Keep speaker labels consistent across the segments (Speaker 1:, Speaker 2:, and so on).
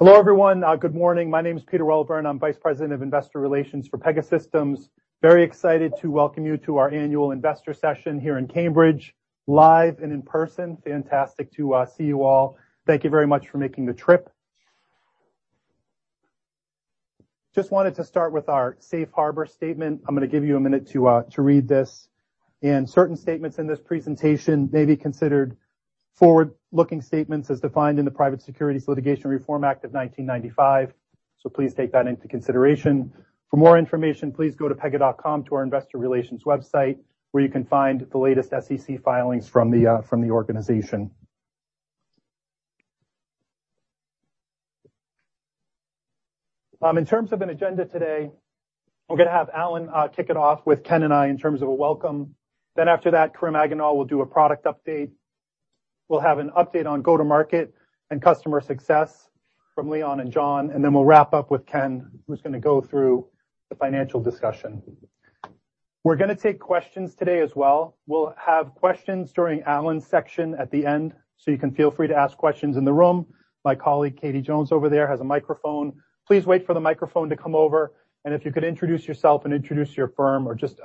Speaker 1: Hello, everyone. Good morning. My name is Peter Welburn. I'm Vice President of Investor Relations for Pegasystems. Very excited to welcome you to our Annual Investor Session here in Cambridge live and in person. Fantastic to see you all. Thank you very much for making the trip. Just wanted to start with our safe harbor statement. I'm gonna give you a minute to read this. Certain statements in this presentation may be considered forward-looking statements as defined in the Private Securities Litigation Reform Act of 1995. Please take that into consideration. For more information, please go to pega.com to our investor relations website, where you can find the latest SEC filings from the organization. In terms of an agenda today, we're gonna have Alan kick it off with Ken and I in terms of a welcome. After that, Kerim Akgonul will do a product update. We'll have an update on go-to-market and customer success from Leon and John, and then we'll wrap up with Ken, who's gonna go through the financial discussion. We're gonna take questions today as well. We'll have questions during Alan's section at the end, so you can feel free to ask questions in the room. My colleague, Katie Jones over there, has a microphone. Please wait for the microphone to come over, and if you could introduce yourself and introduce your firm or just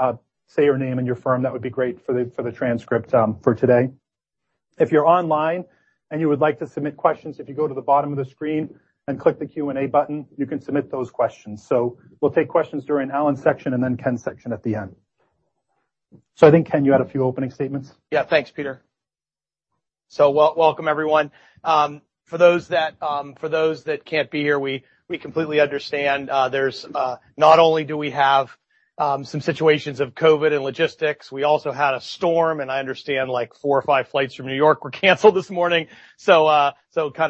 Speaker 1: say your name and your firm, that would be great for the transcript for today. If you're online and you would like to submit questions, if you go to the bottom of the screen and click the Q&A button, you can submit those questions. We'll take questions during Alan's section and then Ken's section at the end. I think, Ken, you had a few opening statements.
Speaker 2: Yeah. Thanks, Peter. Welcome everyone. For those that can't be here, we completely understand. There's not only some situations of COVID and logistics, we also had a storm, and I understand, like, four or five flights from New York were canceled this morning. Kind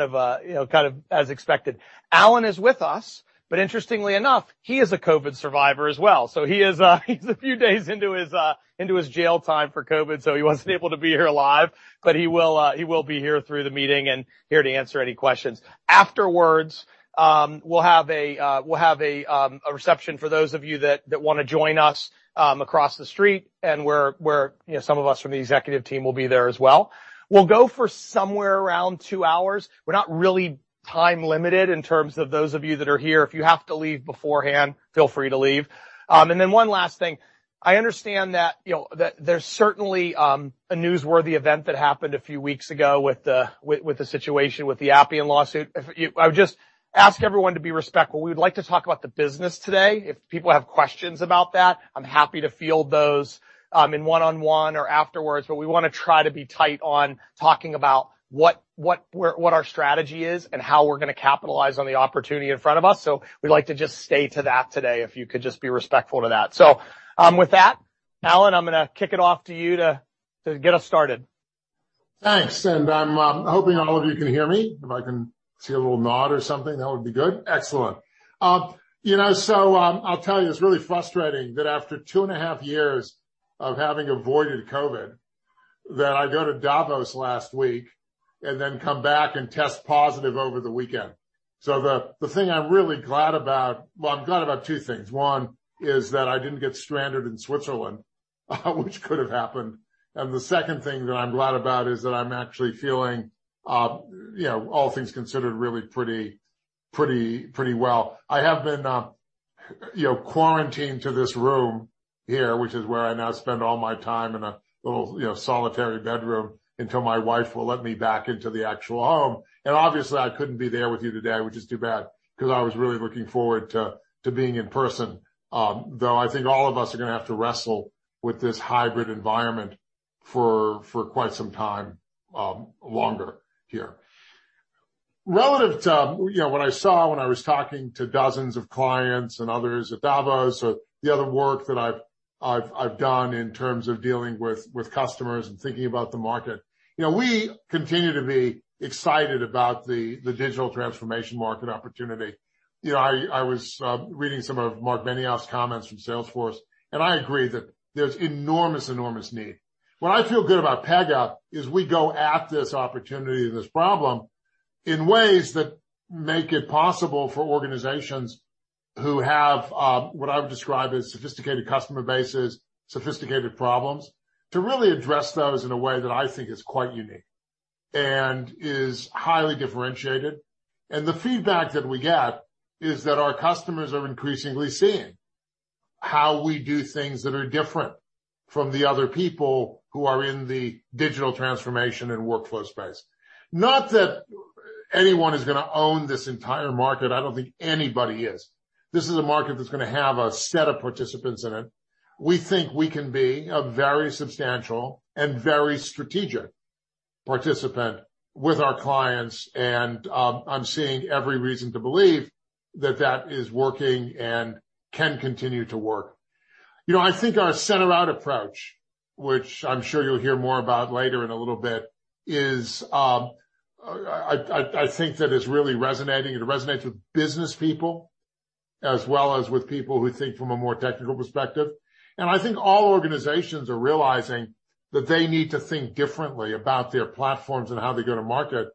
Speaker 2: of, you know, kind of as expected. Alan is with us, but interestingly enough, he is a COVID survivor as well. He is a few days into his jail time for COVID, so he wasn't able to be here live. He will be here through the meeting and here to answer any questions. Afterwards, we'll have a reception for those of you that wanna join us across the street, where, you know, some of us from the executive team will be there as well. We'll go for somewhere around 2 hours. We're not really time-limited in terms of those of you that are here. If you have to leave beforehand, feel free to leave. One last thing. I understand that, you know, that there's certainly a newsworthy event that happened a few weeks ago with the situation with the Appian lawsuit. I would just ask everyone to be respectful. We would like to talk about the business today. If people have questions about that, I'm happy to field those in one-on-one or afterwards, but we wanna try to be tight on talking about what our strategy is and how we're gonna capitalize on the opportunity in front of us. We'd like to just stay to that today, if you could just be respectful to that. With that, Alan, I'm gonna kick it off to you to get us started.
Speaker 3: Thanks. I'm hoping all of you can hear me. If I can see a little nod or something, that would be good. Excellent. You know, I'll tell you, it's really frustrating that after two and a half years of having avoided COVID, that I go to Davos last week and then come back and test positive over the weekend. The thing I'm really glad about. Well, I'm glad about two things. One is that I didn't get stranded in Switzerland, which could have happened. The second thing that I'm glad about is that I'm actually feeling, you know, all things considered really pretty well. I have been, you know, quarantined to this room here, which is where I now spend all my time in a little, you know, solitary bedroom until my wife will let me back into the actual home. Obviously, I couldn't be there with you today, which is too bad, 'cause I was really looking forward to being in person. Though I think all of us are gonna have to wrestle with this hybrid environment for quite some time, longer here. Relative to, you know, what I saw when I was talking to dozens of clients and others at Davos or the other work that I've done in terms of dealing with customers and thinking about the market, you know, we continue to be excited about the digital transformation market opportunity. You know, I was reading some of Marc Benioff's comments from Salesforce, and I agree that there's enormous need. What I feel good about Pega is we go at this opportunity and this problem in ways that make it possible for organizations who have what I would describe as sophisticated customer bases, sophisticated problems, to really address those in a way that I think is quite unique and is highly differentiated. The feedback that we get is that our customers are increasingly seeing how we do things that are different from the other people who are in the digital transformation and workflow space. Not that anyone is gonna own this entire market. I don't think anybody is. This is a market that's gonna have a set of participants in it. We think we can be a very substantial and very strategic participant with our clients. I'm seeing every reason to believe that that is working and can continue to work. You know, I think our center-out approach, which I'm sure you'll hear more about later in a little bit, is. I think that it's really resonating. It resonates with business people as well as with people who think from a more technical perspective. I think all organizations are realizing that they need to think differently about their platforms and how they go to market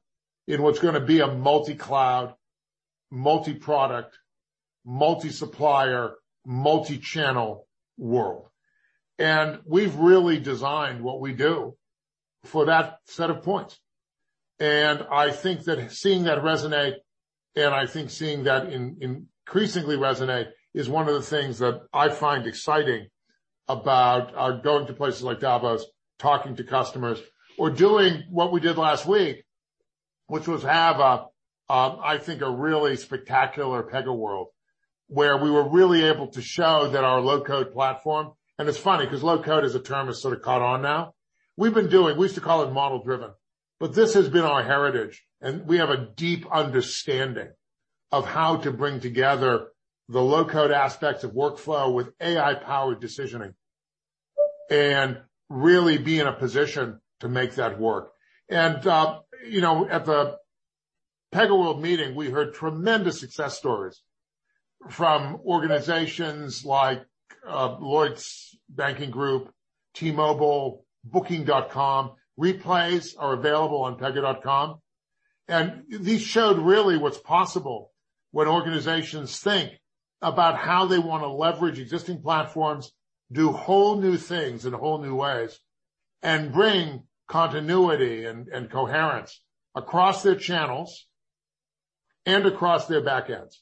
Speaker 3: in what's gonna be a multi-cloud, multi-product, multi-supplier, multi-channel world. We've really designed what we do for that set of points. I think that seeing that resonate, and I think seeing that increasingly resonate is one of the things that I find exciting about going to places like Davos, talking to customers, or doing what we did last week, which was have a, I think, a really spectacular PegaWorld, where we were really able to show that our low-code platform. It's funny 'cause low code as a term has sort of caught on now. We've been doing we used to call it model-driven, but this has been our heritage, and we have a deep understanding of how to bring together the low-code aspects of workflow with AI-powered decisioning and really be in a position to make that work. You know, at the PegaWorld meeting, we heard tremendous success stories from organizations like Lloyds Banking Group, T-Mobile, Booking.com. Replays are available on pega.com. These showed really what's possible when organizations think about how they wanna leverage existing platforms, do whole new things in whole new ways, and bring continuity and coherence across their channels and across their backends.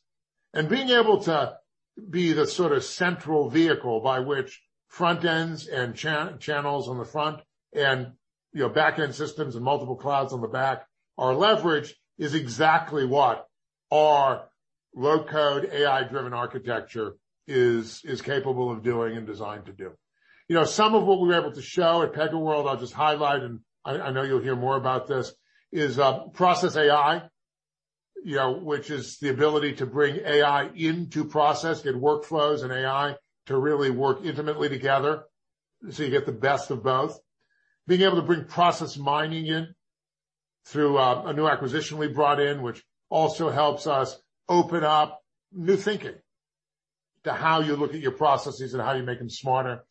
Speaker 3: Being able to be the sort of central vehicle by which frontends and channels on the front and, you know, backend systems and multiple clouds on the back are leveraged is exactly what our low-code AI-driven architecture is capable of doing and designed to do. You know, some of what we were able to show at PegaWorld, I'll just highlight, and I know you'll hear more about this, is process AI, you know, which is the ability to bring AI into process, get workflows and AI to really work intimately together, so you get the best of both. Being able to bring process mining in through a new acquisition we brought in, which also helps us open up new thinking to how you look at your processes and how you make them smarter.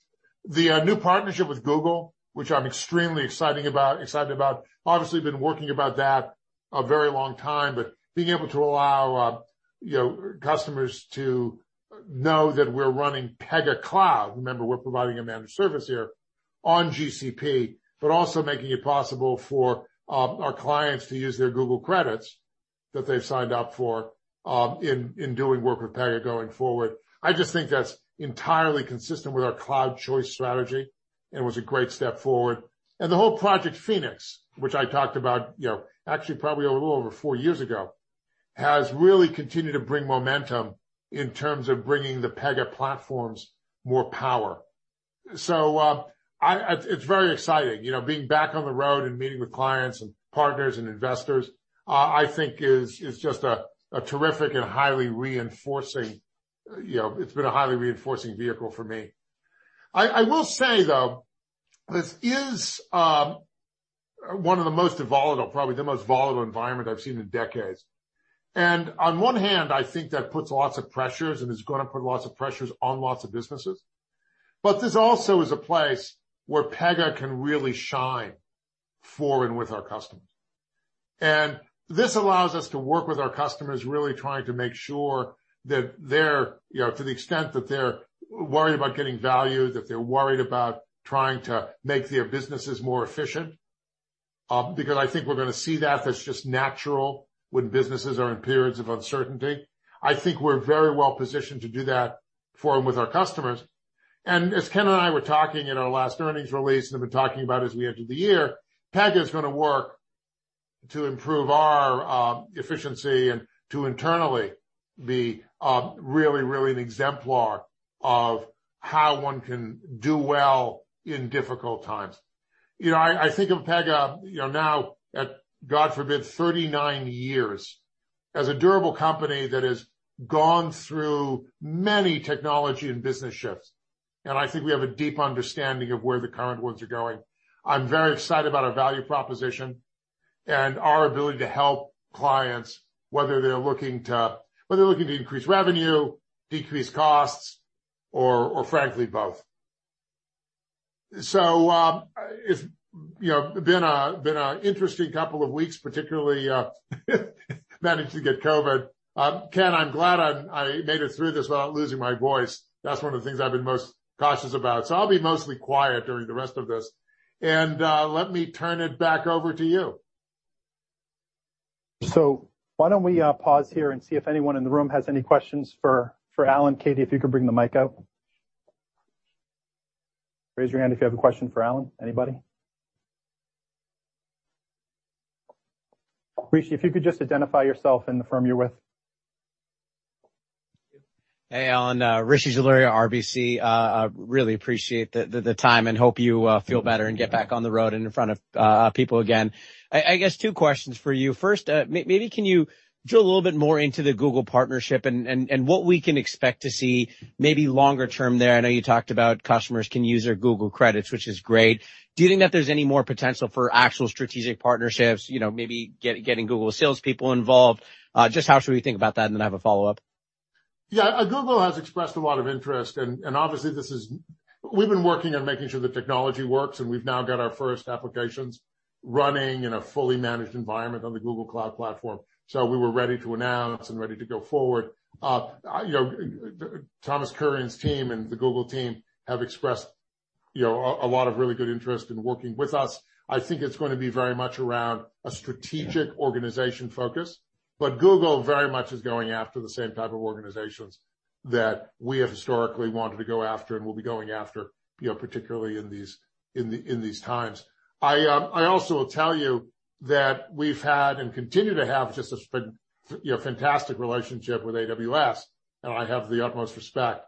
Speaker 3: The new partnership with Google, which I'm extremely excited about, obviously been working on that a very long time, but being able to allow, you know, customers to know that we're running Pega Cloud, remember, we're providing a managed service here, on GCP, but also making it possible for our clients to use their Google credits that they've signed up for, in doing work with Pega going forward. I just think that's entirely consistent with our cloud choice strategy and was a great step forward. The whole Project Phoenix, which I talked about, you know, actually probably a little over 4 years ago, has really continued to bring momentum in terms of bringing the Pega platforms more power. It's very exciting. You know, being back on the road and meeting with clients and partners and investors, I think is just a terrific and highly reinforcing, you know, it's been a highly reinforcing vehicle for me. I will say, though, this is one of the most volatile, probably the most volatile environment I've seen in decades. On one hand, I think that puts lots of pressures and is gonna put lots of pressures on lots of businesses. This also is a place where Pega can really shine for and with our customers. This allows us to work with our customers, really trying to make sure that they're, you know, to the extent that they're worried about getting value, that they're worried about trying to make their businesses more efficient, because I think we're gonna see that that's just natural when businesses are in periods of uncertainty. I think we're very well positioned to do that for and with our customers. As Ken and I were talking in our last earnings release and have been talking about as we enter the year, Pega is gonna work to improve our efficiency and to internally be really, really an exemplar of how one can do well in difficult times. You know, I think of Pega, you know, now at, God forbid, 39 years as a durable company that has gone through many technology and business shifts, and I think we have a deep understanding of where the current ones are going. I'm very excited about our value proposition and our ability to help clients, whether they're looking to increase revenue, decrease costs, or frankly, both. It's, you know, been an interesting couple of weeks, particularly managed to get COVID. Ken, I'm glad I made it through this without losing my voice. That's one of the things I've been most cautious about. I'll be mostly quiet during the rest of this. Let me turn it back over to you.
Speaker 1: Why don't we pause here and see if anyone in the room has any questions for Alan. Katie, if you could bring the mic out. Raise your hand if you have a question for Alan. Anybody? Rishi, if you could just identify yourself and the firm you're with.
Speaker 4: Hey, Alan. Rishi Jaluria, RBC. Really appreciate the time and hope you feel better and get back on the road and in front of people again. I guess two questions for you. First, maybe can you drill a little bit more into the Google partnership and what we can expect to see maybe longer term there? I know you talked about customers can use their Google credits, which is great. Do you think that there's any more potential for actual strategic partnerships, you know, maybe getting Google salespeople involved? Just how should we think about that? And then I have a follow-up.
Speaker 3: Yeah, Google has expressed a lot of interest and obviously this is. We've been working on making sure the technology works, and we've now got our first applications running in a fully managed environment on the Google Cloud Platform. We were ready to announce and ready to go forward. You know, Thomas Kurian's team and the Google team have expressed you know, a lot of really good interest in working with us. I think it's gonna be very much around a strategic organization focus, but Google very much is going after the same type of organizations that we have historically wanted to go after and will be going after, you know, particularly in these times. I also will tell you that we've had and continue to have just a you know, fantastic relationship with AWS, and I have the utmost respect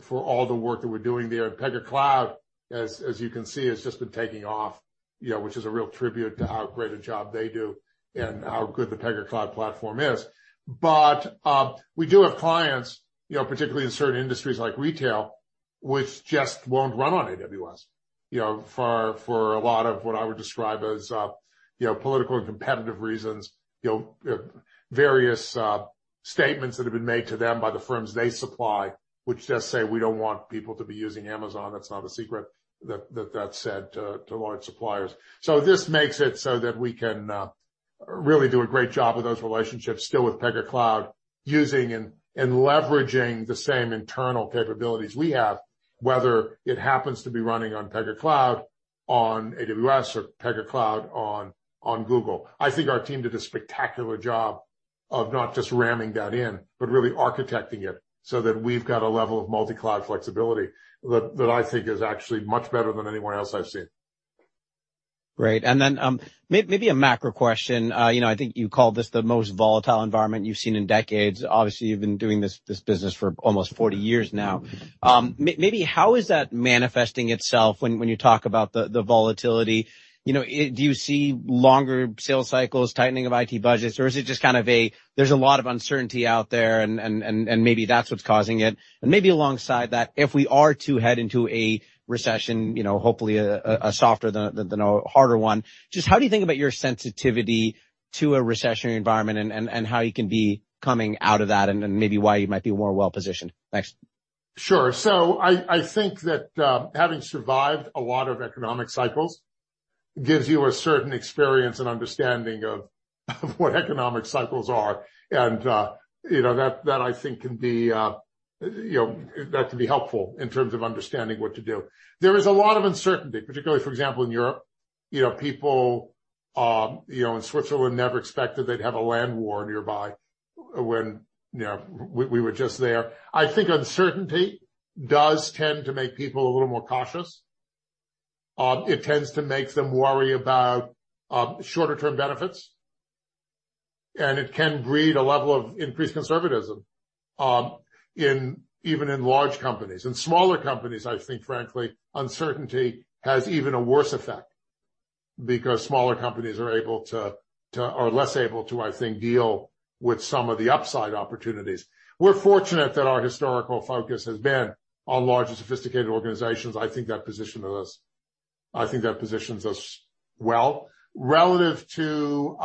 Speaker 3: for all the work that we're doing there. Pega Cloud, as you can see, has just been taking off, you know, which is a real tribute to how great a job they do and how good the Pega Cloud platform is. We do have clients, you know, particularly in certain industries like retail, which just won't run on AWS. You know, for a lot of what I would describe as, you know, political and competitive reasons. You know, various statements that have been made to them by the firms they supply, which just say, "We don't want people to be using Amazon." That's not a secret that that's said to large suppliers. This makes it so that we can really do a great job with those relationships still with Pega Cloud using and leveraging the same internal capabilities we have, whether it happens to be running on Pega Cloud on AWS or Pega Cloud on Google. I think our team did a spectacular job of not just ramming that in, but really architecting it so that we've got a level of multi-cloud flexibility that I think is actually much better than anyone else I've seen.
Speaker 4: Great. Maybe a macro question. You know, I think you called this the most volatile environment you've seen in decades. Obviously, you've been doing this business for almost 40 years now. Maybe how is that manifesting itself when you talk about the volatility? You know, do you see longer sales cycles, tightening of IT budgets, or is it just kind of there's a lot of uncertainty out there and maybe that's what's causing it? Maybe alongside that, if we are to head into a recession, you know, hopefully a softer than a harder one, just how do you think about your sensitivity to a recessionary environment and how you can be coming out of that and then maybe why you might be more well-positioned? Thanks.
Speaker 3: Sure. So I think that having survived a lot of economic cycles gives you a certain experience and understanding of what economic cycles are. You know, that I think can be you know, that can be helpful in terms of understanding what to do. There is a lot of uncertainty, particularly, for example, in Europe. You know, people, you know, in Switzerland never expected they'd have a land war nearby when you know, we were just there. I think uncertainty does tend to make people a little more cautious. It tends to make them worry about shorter-term benefits, and it can breed a level of increased conservatism in even large companies. In smaller companies, I think, frankly, uncertainty has even a worse effect because smaller companies are able to... are less able to, I think, deal with some of the upside opportunities. We're fortunate that our historical focus has been on large and sophisticated organizations. I think that positions us well. Relative to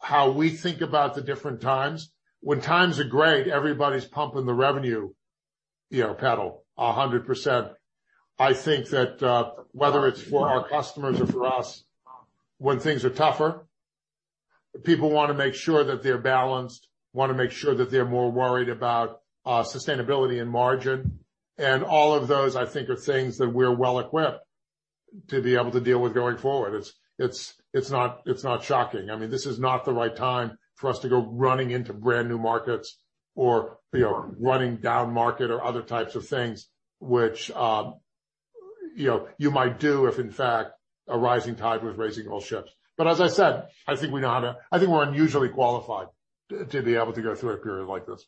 Speaker 3: how we think about the different times, when times are great, everybody's pumping the revenue, you know, pedal 100%. I think that whether it's for our customers or for us, when things are tougher, people wanna make sure that they're balanced, wanna make sure that they're more worried about sustainability and margin. All of those, I think, are things that we're well equipped to be able to deal with going forward. It's not shocking. I mean, this is not the right time for us to go running into brand-new markets or, you know, running down market or other types of things which, you know, you might do if, in fact, a rising tide was raising all ships. As I said, I think we're unusually qualified to be able to go through a period like this.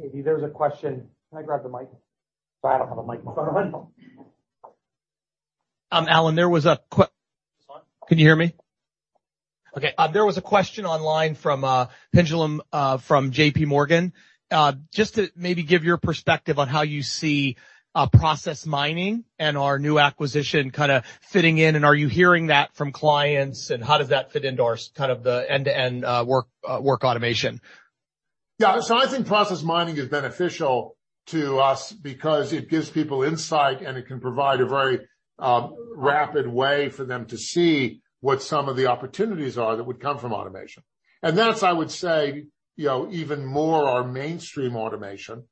Speaker 2: Maybe there's a question. Can I grab the mic? Sorry, I don't have a microphone. Alan, there was a question online from Pinjalim Bora from JPMorgan. Just to maybe give your perspective on how you see process mining and our new acquisition kinda fitting in, and are you hearing that from clients, and how does that fit into our kind of the end-to-end work automation?
Speaker 3: Yeah. I think process mining is beneficial to us because it gives people insight, and it can provide a very rapid way for them to see what some of the opportunities are that would come from automation. That's, I would say, you know, even more our mainstream automation.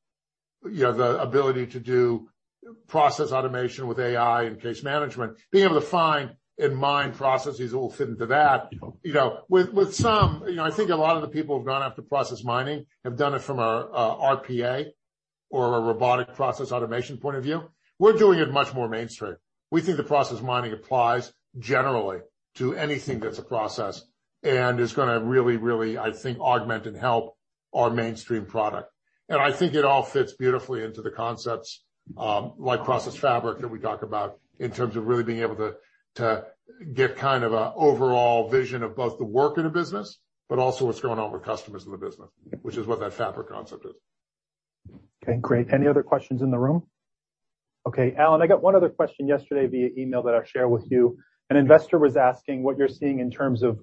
Speaker 3: You know, the ability to do process automation with AI and case management. Being able to find and mine processes all fit into that. You know, with some, you know, I think a lot of the people who've gone after process mining have done it from a RPA or a robotic process automation point of view. We're doing it much more mainstream. We think the process mining applies generally to anything that's a process and is gonna really, I think, augment and help our mainstream product. I think it all fits beautifully into the concepts, like Process Fabric that we talk about in terms of really being able to get kind of an overall vision of both the work in a business but also what's going on with customers in the business, which is what that Fabric concept is.
Speaker 1: Okay, great. Any other questions in the room? Okay, Alan, I got one other question yesterday via email that I'll share with you. An investor was asking what you're seeing in terms of,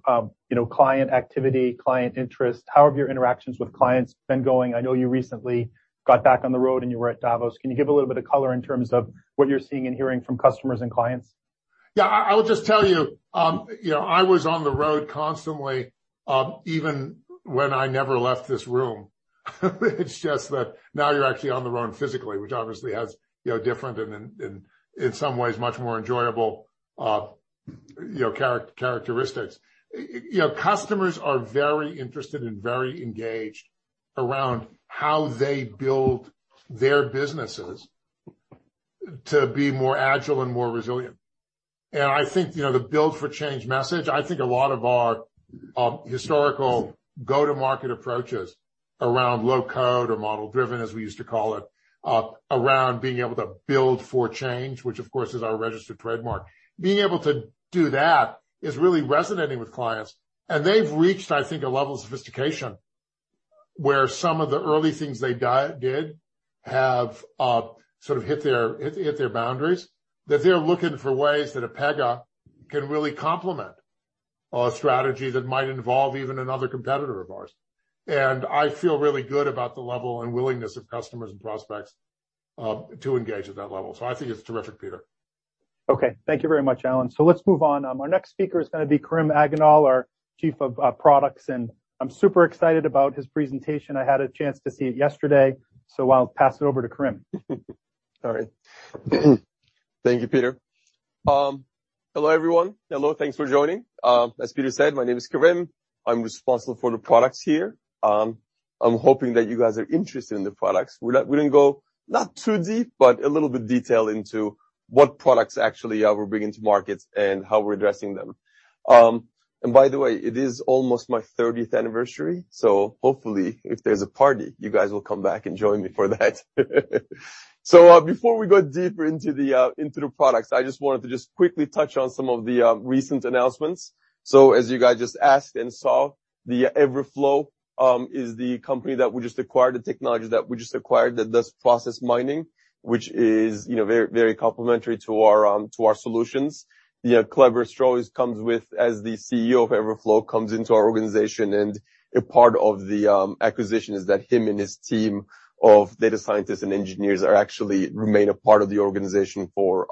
Speaker 1: you know, client activity, client interest. How have your interactions with clients been going? I know you recently got back on the road and you were at Davos. Can you give a little bit of color in terms of what you're seeing and hearing from customers and clients?
Speaker 3: Yeah. I'll just tell you know, I was on the road constantly, even when I never left this room. It's just that now you're actually on the road physically, which obviously has, you know, different and in some ways, much more enjoyable characteristics. You know, customers are very interested and very engaged around how they build their businesses to be more agile and more resilient. I think, you know, the build for change message, I think a lot of our historical go-to-market approaches around low-code or model-driven, as we used to call it, around being able to build for change, which of course is our registered trademark. Being able to do that is really resonating with clients, and they've reached, I think, a level of sophistication where some of the early things they did have sort of hit their boundaries, that they're looking for ways that Pega can really complement a strategy that might involve even another competitor of ours. I feel really good about the level and willingness of customers and prospects to engage at that level. I think it's terrific, Peter.
Speaker 1: Okay. Thank you very much, Alan. Let's move on. Our next speaker is gonna be Kerim Akgonul, our chief of products, and I'm super excited about his presentation. I had a chance to see it yesterday, so I'll pass it over to Kerim.
Speaker 5: Sorry. Thank you, Peter. Hello, everyone. Hello, thanks for joining. As Peter said, my name is Kerim. I'm responsible for the products here. I'm hoping that you guys are interested in the products. We're gonna go not too deep, but a little bit detail into what products actually we're bringing to markets and how we're addressing them. By the way, it is almost my 30th anniversary, so hopefully if there's a party, you guys will come back and join me for that. Before we go deeper into the products, I just wanted to just quickly touch on some of the recent announcements. As you guys just asked and saw, the Everflow is the company that we just acquired, the technology that we just acquired that does process mining, which is, you know, very, very complementary to our solutions. As the CEO of Everflow comes into our organization, a part of the acquisition is that him and his team of data scientists and engineers are actually remain a part of the organization for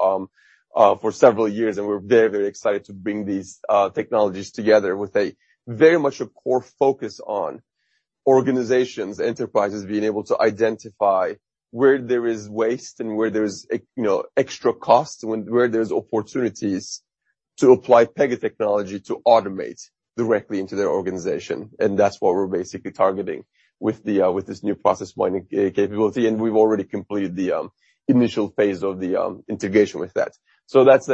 Speaker 5: several years. We're very, very excited to bring these technologies together with a very much a core focus on organizations, enterprises being able to identify where there is waste and where there's you know, extra costs, where there's opportunities to apply Pega technology to automate directly into their organization. That's what we're basically targeting with this new process mining capability. We've already completed the initial phase of the integration with that. That's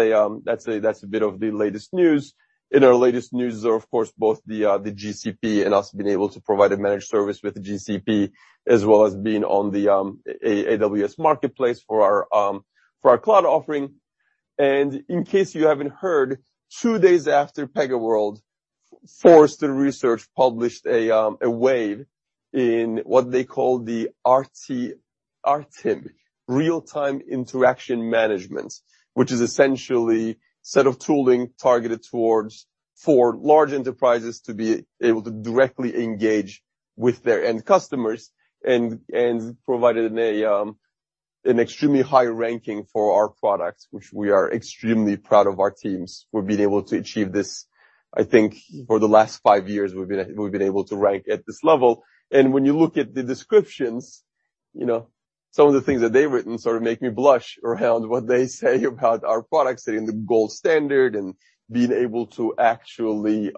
Speaker 5: a bit of the latest news. In our latest news of course, both the GCP and us being able to provide a managed service with the GCP as well as being on the AWS Marketplace for our cloud offering. In case you haven't heard, two days after PegaWorld, Forrester Research published a wave in what they call the RTIM, real-time interaction management, which is essentially set of tooling targeted towards for large enterprises to be able to directly engage with their end customers and provided an extremely high ranking for our products, which we are extremely proud of our teams for being able to achieve this. I think for the last five years, we've been able to rank at this level. When you look at the descriptions, you know, some of the things that they've written sort of make me blush around what they say about our products being the gold standard and being able to actually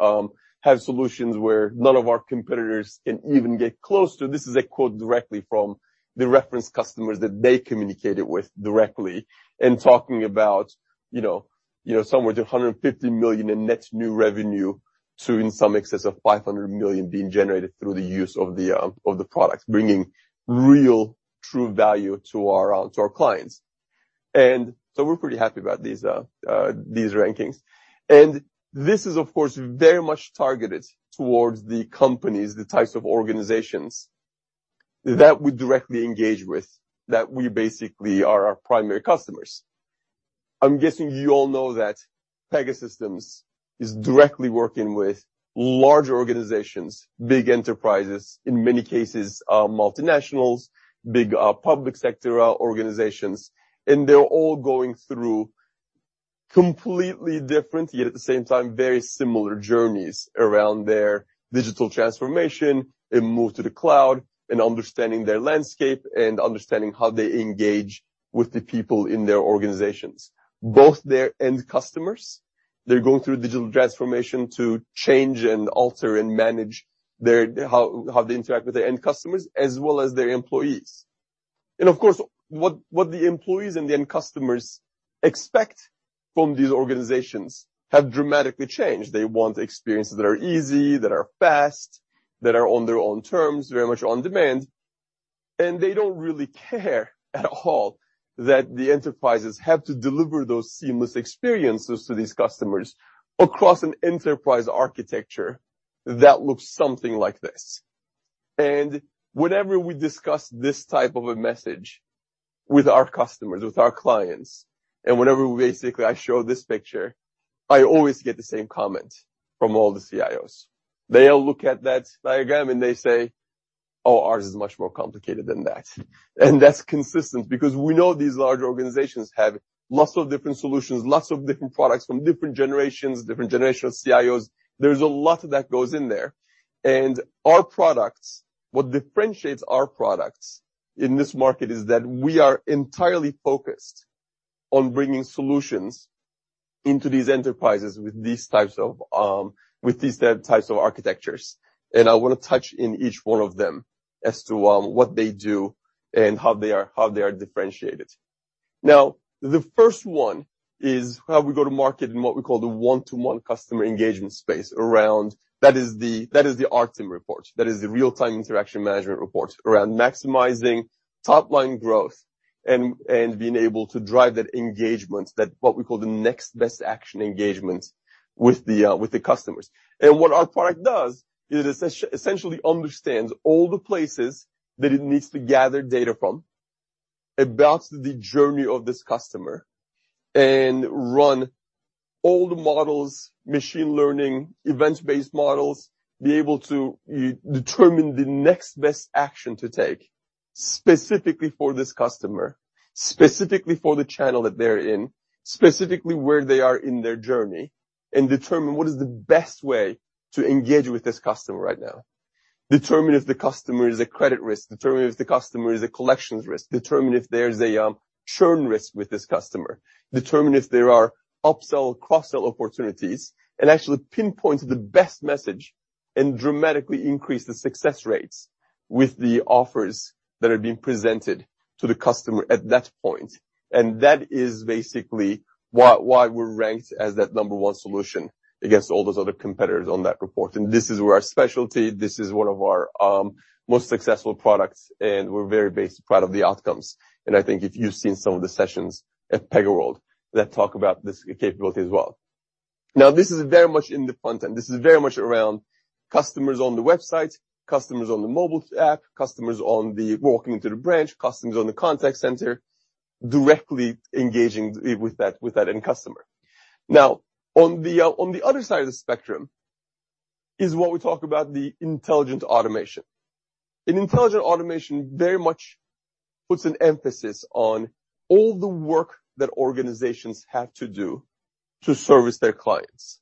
Speaker 5: have solutions where none of our competitors can even get close to. This is a quote directly from the reference customers that they communicated with directly and talking about, you know, somewhere to 150 million in net new revenue to in excess of $500 million being generated through the use of the products, bringing real true value to our clients. We're pretty happy about these rankings. This is of course very much targeted towards the companies, the types of organizations that we directly engage with, that we basically are our primary customers. I'm guessing you all know that Pegasystems is directly working with larger organizations, big enterprises, in many cases, multinationals, big, public sector organizations, and they're all going through completely different, yet at the same time, very similar journeys around their digital transformation and move to the cloud and understanding their landscape and understanding how they engage with the people in their organizations, both their end customers. They're going through digital transformation to change and alter and manage how they interact with their end customers as well as their employees. Of course, what the employees and the end customers expect from these organizations have dramatically changed. They want experiences that are easy, that are fast, that are on their own terms, very much on demand, and they don't really care at all that the enterprises have to deliver those seamless experiences to these customers across an enterprise architecture. That looks something like this. Whenever we discuss this type of a message with our customers, with our clients, and whenever basically I show this picture, I always get the same comment from all the CIOs. They all look at that diagram, and they say, "Oh, ours is much more complicated than that." That's consistent because we know these large organizations have lots of different solutions, lots of different products from different generations, different generations of CIOs. There's a lot that goes in there. Our products, what differentiates our products in this market is that we are entirely focused on bringing solutions into these enterprises with these types of architectures. I want to touch on each one of them as to what they do and how they are differentiated. Now, the first one is how we go to market in what we call the one-to-one customer engagement space around that is the RTIM report. That is the Real-Time Interaction Management report around maximizing top-line growth and being able to drive that engagement, that what we call the Next Best Action engagement with the customers. What our product does is essentially understands all the places that it needs to gather data from about the journey of this customer and run all the models, machine learning, event-based models, be able to determine the Next Best Action to take specifically for this customer, specifically for the channel that they're in, specifically where they are in their journey, and determine what is the best way to engage with this customer right now. Determine if the customer is a credit risk, determine if the customer is a collections risk, determine if there is a churn risk with this customer, determine if there are upsell, cross-sell opportunities, and actually pinpoint the best message and dramatically increase the success rates with the offers that are being presented to the customer at that point. That is basically why we're ranked as that number one solution against all those other competitors on that report. This is where our specialty, this is one of our most successful products, and we're very proud of the outcomes. I think if you've seen some of the sessions at PegaWorld that talk about this capability as well. This is very much in the front end. This is very much around customers on the website, customers on the mobile app, customers walking into the branch, customers on the contact center, directly engaging with that end customer. On the other side of the spectrum is what we talk about the intelligent automation. Intelligent automation very much puts an emphasis on all the work that organizations have to do to service their clients.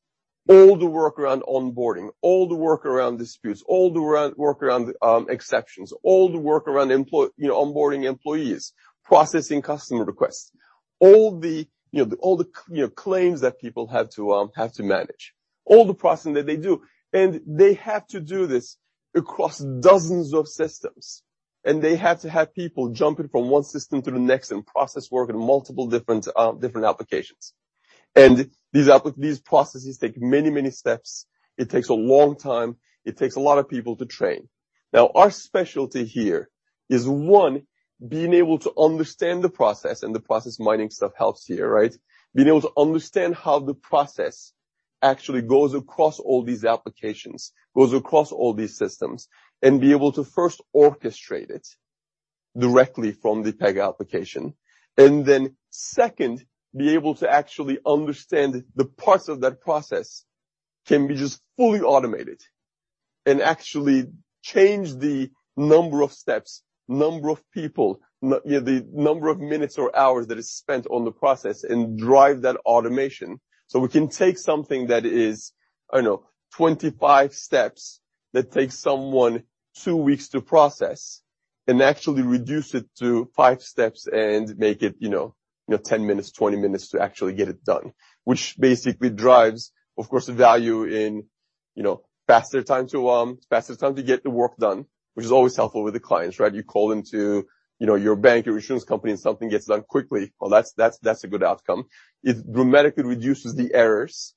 Speaker 5: All the work around onboarding, all the work around disputes, all the work around exceptions, all the work around. You know, onboarding employees, processing customer requests, all the, you know, all the, you know, claims that people have to have to manage, all the processing that they do. They have to do this across dozens of systems, and they have to have people jumping from one system to the next and process work in multiple different applications. These processes take many, many steps. It takes a long time. It takes a lot of people to train. Now, our specialty here is, one, being able to understand the process, and the process mining stuff helps here, right? Being able to understand how the process actually goes across all these applications, goes across all these systems, and be able to first orchestrate it directly from the Pega application. Second, be able to actually understand the parts of that process can be just fully automated and actually change the number of steps, number of people, the number of minutes or hours that is spent on the process and drive that automation. We can take something that is, I don't know, 25 steps that takes someone two weeks to process and actually reduce it to five steps and make it, you know, 10 minutes, 20 minutes to actually get it done, which basically drives, of course, the value in, you know, faster time to faster time to get the work done, which is always helpful with the clients, right? You call into, you know, your bank, your insurance company, and something gets done quickly. Well, that's a good outcome. It dramatically reduces the errors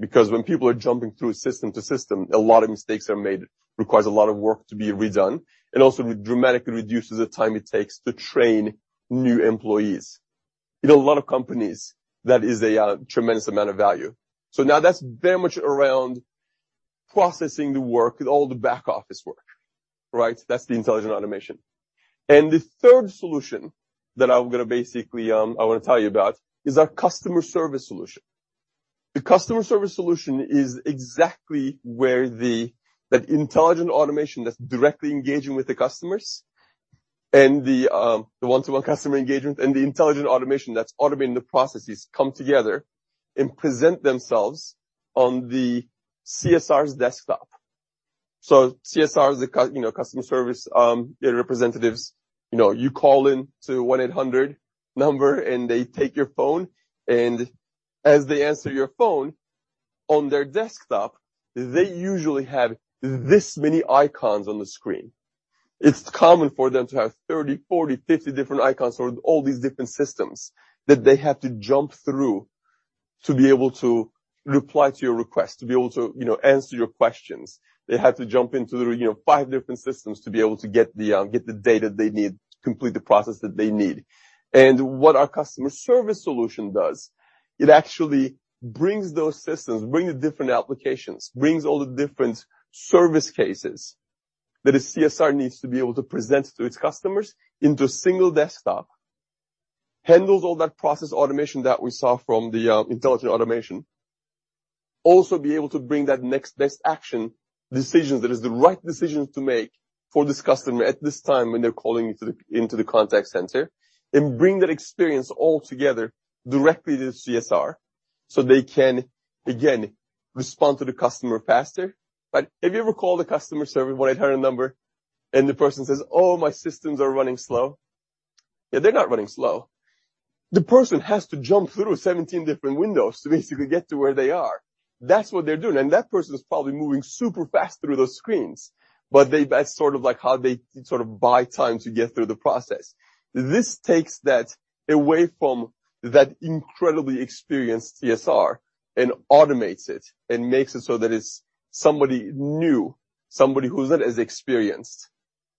Speaker 5: because when people are jumping through system to system, a lot of mistakes are made. It requires a lot of work to be redone. It also dramatically reduces the time it takes to train new employees. In a lot of companies, that is a tremendous amount of value. So now that's very much around processing the work, all the back-office work, right? That's the intelligent automation. The third solution that I'm gonna basically I want to tell you about is our customer service solution. The customer service solution is exactly where the That intelligent automation that's directly engaging with the customers and the one-to-one customer engagement, and the intelligent automation that's automating the processes come together and present themselves on the CSR's desktop. CSR is, you know, customer service representatives. You know, you call in to 1-800 number, and they take your call, and as they answer your call, on their desktop, they usually have this many icons on the screen. It's common for them to have 30, 40, 50 different icons for all these different systems that they have to jump through to be able to reply to your request, to be able to, you know, answer your questions. They have to jump into, you know, 5 different systems to be able to get the data they need to complete the process that they need. What our customer service solution does, it actually brings those systems, brings the different applications, brings all the different service cases that a CSR needs to be able to present to its customers into a single desktop, handles all that process automation that we saw from the intelligent automation. It also is able to bring that Next Best Action decisions that is the right decisions to make for this customer at this time when they're calling into the contact center and bring that experience all together directly to the CSR, so they can again respond to the customer faster. Have you ever called a customer service 1-800 number and the person says, "Oh, my systems are running slow"? Yeah, they're not running slow. The person has to jump through 17 different windows to basically get to where they are. That's what they're doing. That person is probably moving super fast through those screens, but that's sort of like how they sort of buy time to get through the process. This takes that away from that incredibly experienced CSR and automates it and makes it so that it's somebody new, somebody who's not as experienced,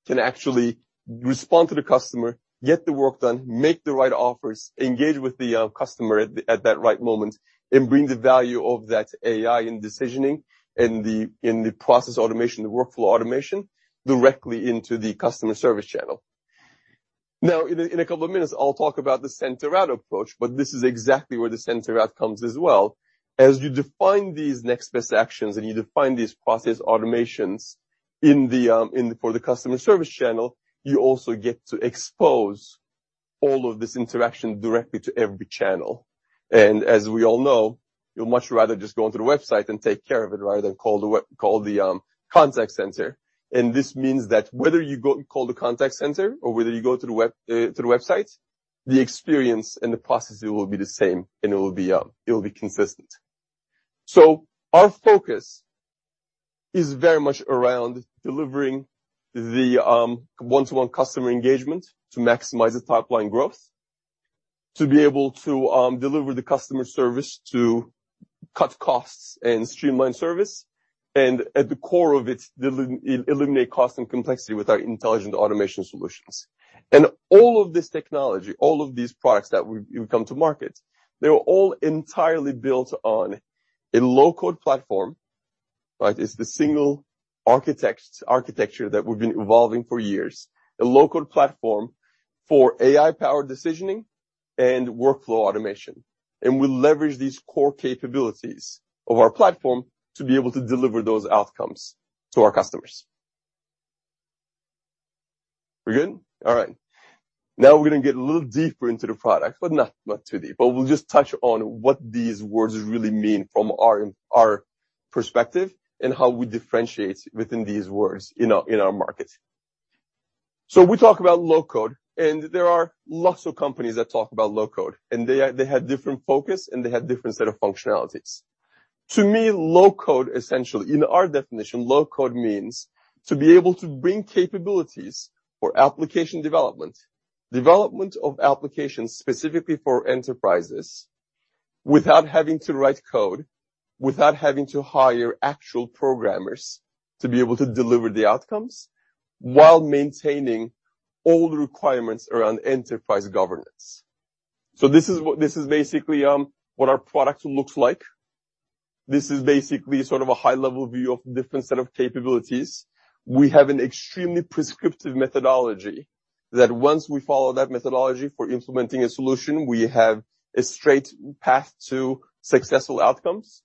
Speaker 5: can actually respond to the customer, get the work done, make the right offers, engage with the customer at that right moment, and bring the value of that AI in decisioning, in the process automation, the workflow automation, directly into the customer service channel. Now, in a couple of minutes, I'll talk about the center-out approach, but this is exactly where the center-out comes as well. As you define these next best actions and you define these process automations for the customer service channel, you also get to expose all of this interaction directly to every channel. As we all know, you'd much rather just go onto the website and take care of it, rather than call the contact center. This means that whether you call the contact center or whether you go through the website, the experience and the processes will be the same and it will be consistent. Our focus is very much around delivering the one-to-one customer engagement to maximize the top line growth, to be able to deliver the customer service to cut costs and streamline service. At the core of it, eliminate cost and complexity with our intelligent automation solutions. All of this technology, all of these products that we've come to market, they were all entirely built on a low-code platform, right? It's the single architecture that we've been evolving for years. A low-code platform for AI powered decisioning and workflow automation. We leverage these core capabilities of our platform to be able to deliver those outcomes to our customers. We're good? All right. Now we're gonna get a little deeper into the product, but not too deep. We'll just touch on what these words really mean from our perspective and how we differentiate within these words in our market. We talk about low-code, and there are lots of companies that talk about low-code, and they have different focus and they have different set of functionalities. To me, low-code, essentially, in our definition, low-code means to be able to bring capabilities for application development of applications specifically for enterprises without having to write code, without having to hire actual programmers to be able to deliver the outcomes while maintaining all the requirements around enterprise governance. This is basically what our product looks like. This is basically sort of a high-level view of different set of capabilities. We have an extremely prescriptive methodology that once we follow that methodology for implementing a solution, we have a straight path to successful outcomes.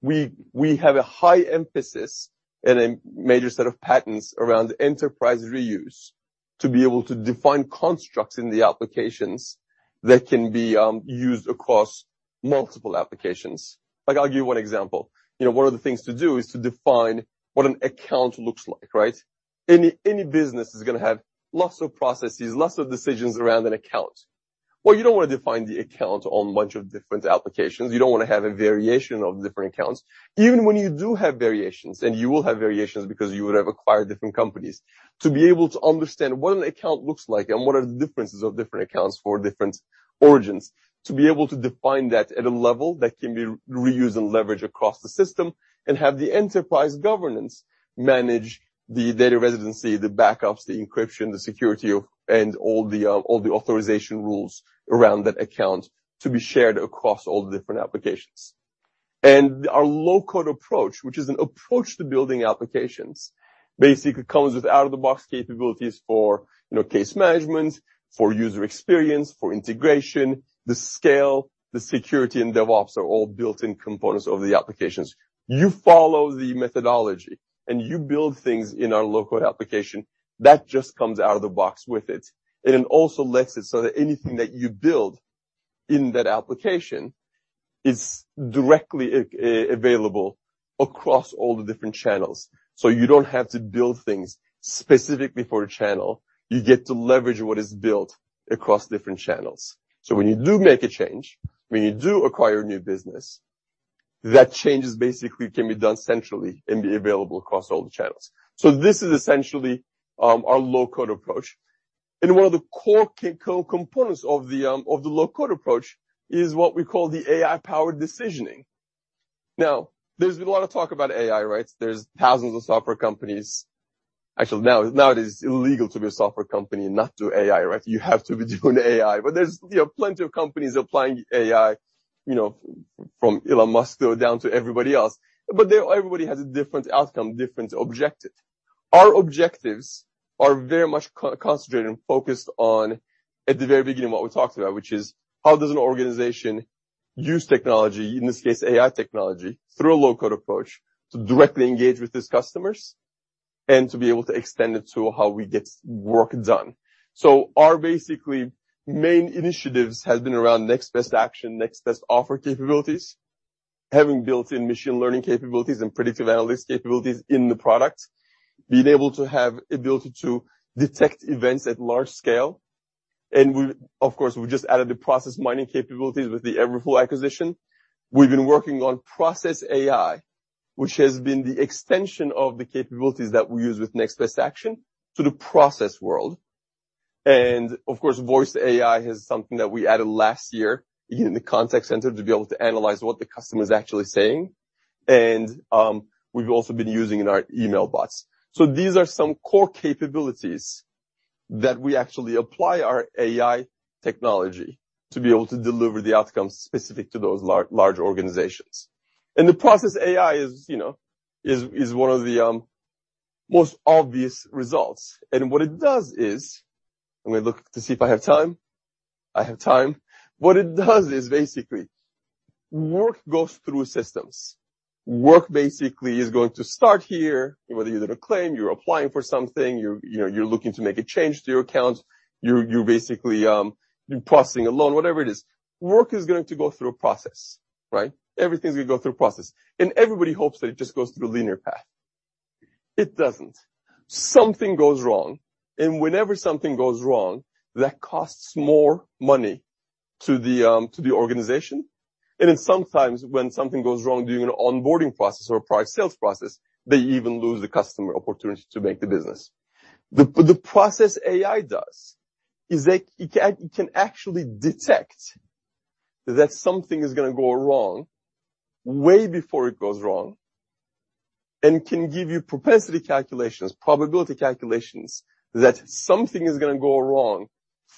Speaker 5: We have a high emphasis and a major set of patents around enterprise reuse to be able to define constructs in the applications that can be used across multiple applications. Like, I'll give you one example. You know, one of the things to do is to define what an account looks like, right? Any business is gonna have lots of processes, lots of decisions around an account. Well, you don't wanna define the account in a bunch of different applications. You don't wanna have a variation of different accounts. Even when you do have variations, and you will have variations because you would have acquired different companies, to be able to understand what an account looks like and what are the differences of different accounts for different origins, to be able to define that at a level that can be reused and leveraged across the system and have the enterprise governance manage the data residency, the backups, the encryption, the security of, and all the authorization rules around that account to be shared across all the different applications. Our low-code approach, which is an approach to building applications, basically comes with out-of-the-box capabilities for, you know, case management, for user experience, for integration, the scale, the security and DevOps are all built-in components of the applications. You follow the methodology and you build things in our low-code application that just comes out of the box with it. It also lets it so that anything that you build in that application is directly available across all the different channels, so you don't have to build things specifically for a channel. You get to leverage what is built across different channels. When you do make a change, when you do acquire new business, that change is basically can be done centrally and be available across all the channels. This is essentially our low-code approach. One of the core components of the low-code approach is what we call the AI powered decisioning. Now, there's been a lot of talk about AI, right? There's thousands of software companies. Actually, now it is illegal to be a software company and not do AI, right? You have to be doing AI. But there's, you know, plenty of companies applying AI. You know, from Elon Musk go down to everybody else. But everybody has a different outcome, different objective. Our objectives are very much concentrated and focused on, at the very beginning, what we talked about, which is how does an organization use technology, in this case, AI technology, through a low-code approach, to directly engage with its customers and to be able to extend it to how we get work done. Our basically main initiatives has been around Next Best Action, next best offer capabilities, having built-in machine learning capabilities and predictive analytics capabilities in the product, being able to have ability to detect events at large scale. We, of course, we just added the process mining capabilities with the Everflow acquisition. We've been working on Process AI, which has been the extension of the capabilities that we use with Next Best Action to the process world. Of course, Voice AI is something that we added last year in the contact center to be able to analyze what the customer is actually saying. We've also been using in our email bots. These are some core capabilities that we actually apply our AI technology to be able to deliver the outcomes specific to those large organizations. The Process AI is, you know, one of the most obvious results. What it does is. Let me look to see if I have time. I have time. What it does is basically work goes through systems. Work basically is going to start here, whether you're doing a claim, you're applying for something, you know, you're looking to make a change to your account, you're basically processing a loan, whatever it is. Work is going to go through a process, right? Everything's going to go through a process. Everybody hopes that it just goes through a linear path. It doesn't. Something goes wrong, and whenever something goes wrong, that costs more money to the organization. Then sometimes when something goes wrong during an onboarding process or a product sales process, they even lose the customer opportunity to make the business. The process AI does is it can actually detect that something is gonna go wrong way before it goes wrong, and can give you propensity calculations, probability calculations, that something is gonna go wrong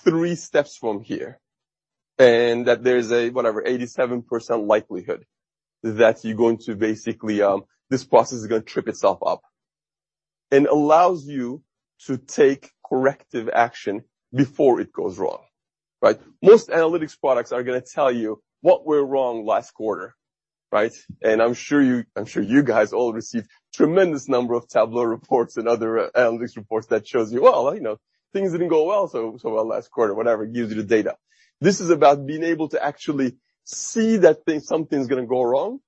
Speaker 5: three steps from here. That there's a, whatever, 87% likelihood that you're going to basically this process is gonna trip itself up. It allows you to take corrective action before it goes wrong, right? Most analytics products are gonna tell you what went wrong last quarter, right? I'm sure you guys all received tremendous number of Tableau reports and other analytics reports that shows you, "Oh, you know, things didn't go well so well last quarter," whatever, it gives you the data. This is about being able to actually see that thing, something's gonna go wrong,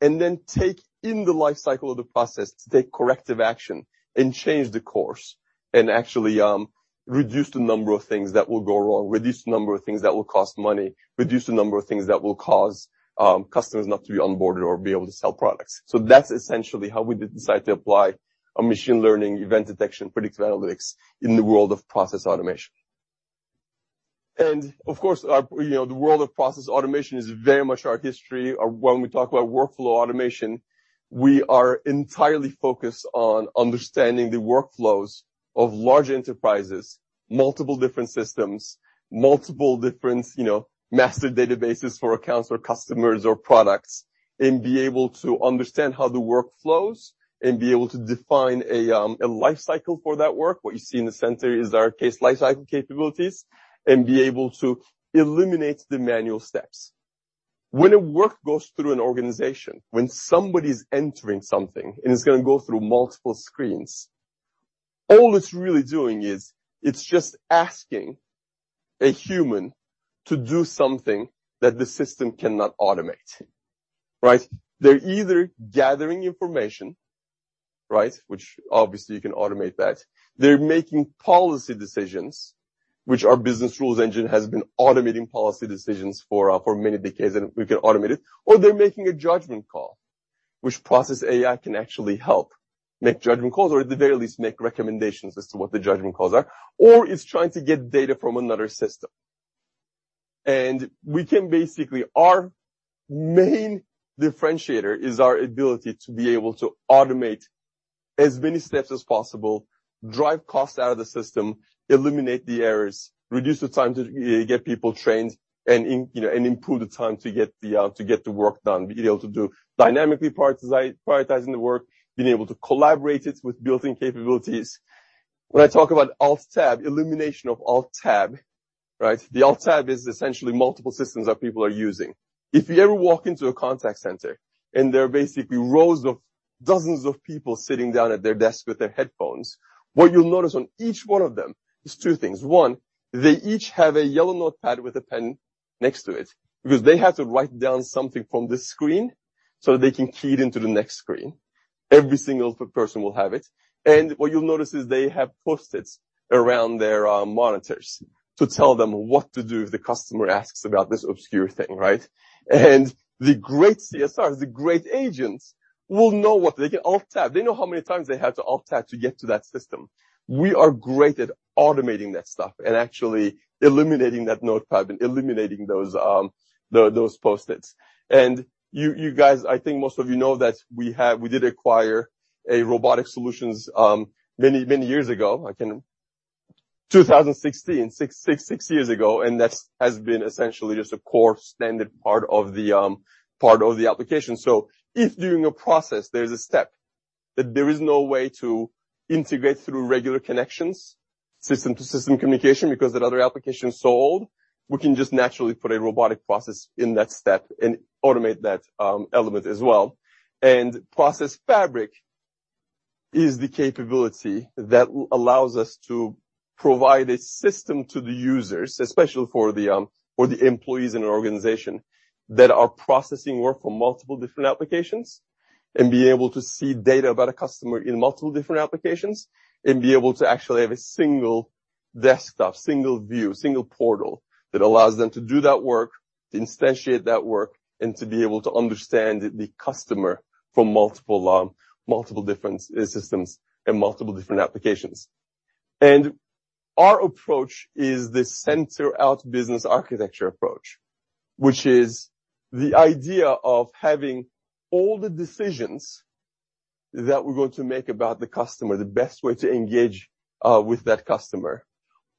Speaker 5: and then take in the life cycle of the process to take corrective action and change the course and actually reduce the number of things that will go wrong, reduce the number of things that will cost money, reduce the number of things that will cause customers not to be onboarded or be able to sell products. That's essentially how we decided to apply a machine learning event detection, predictive analytics in the world of process automation. Of course, you know, the world of process automation is very much our history. When we talk about workflow automation, we are entirely focused on understanding the workflows of large enterprises, multiple different systems, you know, massive databases for accounts or customers or products, and be able to understand how the work flows and be able to define a life cycle for that work. What you see in the center is our case life cycle capabilities, and be able to eliminate the manual steps. When a work goes through an organization, when somebody's entering something, and it's gonna go through multiple screens, all it's really doing is it's just asking a human to do something that the system cannot automate, right? They're either gathering information, right? Which obviously you can automate that. They're making policy decisions, which our business rules engine has been automating policy decisions for many decades, and we can automate it. They're making a judgment call, which process AI can actually help make judgment calls or at the very least make recommendations as to what the judgment calls are. It's trying to get data from another system. We can basically our main differentiator is our ability to be able to automate as many steps as possible, drive costs out of the system, eliminate the errors, reduce the time to get people trained, and you know, and improve the time to get the work done. Being able to do dynamically prioritizing the work, being able to collaborate it with built-in capabilities. When I talk about Alt+Tab, elimination of Alt+Tab, right? The Alt+Tab is essentially multiple systems that people are using. If you ever walk into a contact center, and there are basically rows of dozens of people sitting down at their desk with their headphones, what you'll notice on each one of them is two things. One, they each have a yellow notepad with a pen next to it, because they have to write down something from this screen so that they can key it into the next screen. Every single person will have it. What you'll notice is they have Post-its around their monitors to tell them what to do if the customer asks about this obscure thing, right? The great CSRs, the great agents, will know they can Alt+Tab. They know how many times they have to Alt+Tab to get to that system. We are great at automating that stuff and actually eliminating that notepad and eliminating those Post-its. You guys, I think most of you know that we did acquire a robotic solutions many years ago. 2016. Six years ago, that has been essentially just a core standard part of the part of the application. If during a process there's a step that there is no way to integrate through regular connections, system to system communication because that other application is so old, we can just naturally put a robotic process in that step and automate that element as well. Process Fabric is the capability that allows us to provide a system to the users, especially for the employees in an organization that are processing work from multiple different applications and be able to see data about a customer in multiple different applications and be able to actually have a single desktop, single view, single portal that allows them to do that work, instantiate that work, and to be able to understand the customer from multiple different systems and multiple different applications. Our approach is this center-out business architecture approach. Which is the idea of having all the decisions that we're going to make about the customer, the best way to engage with that customer,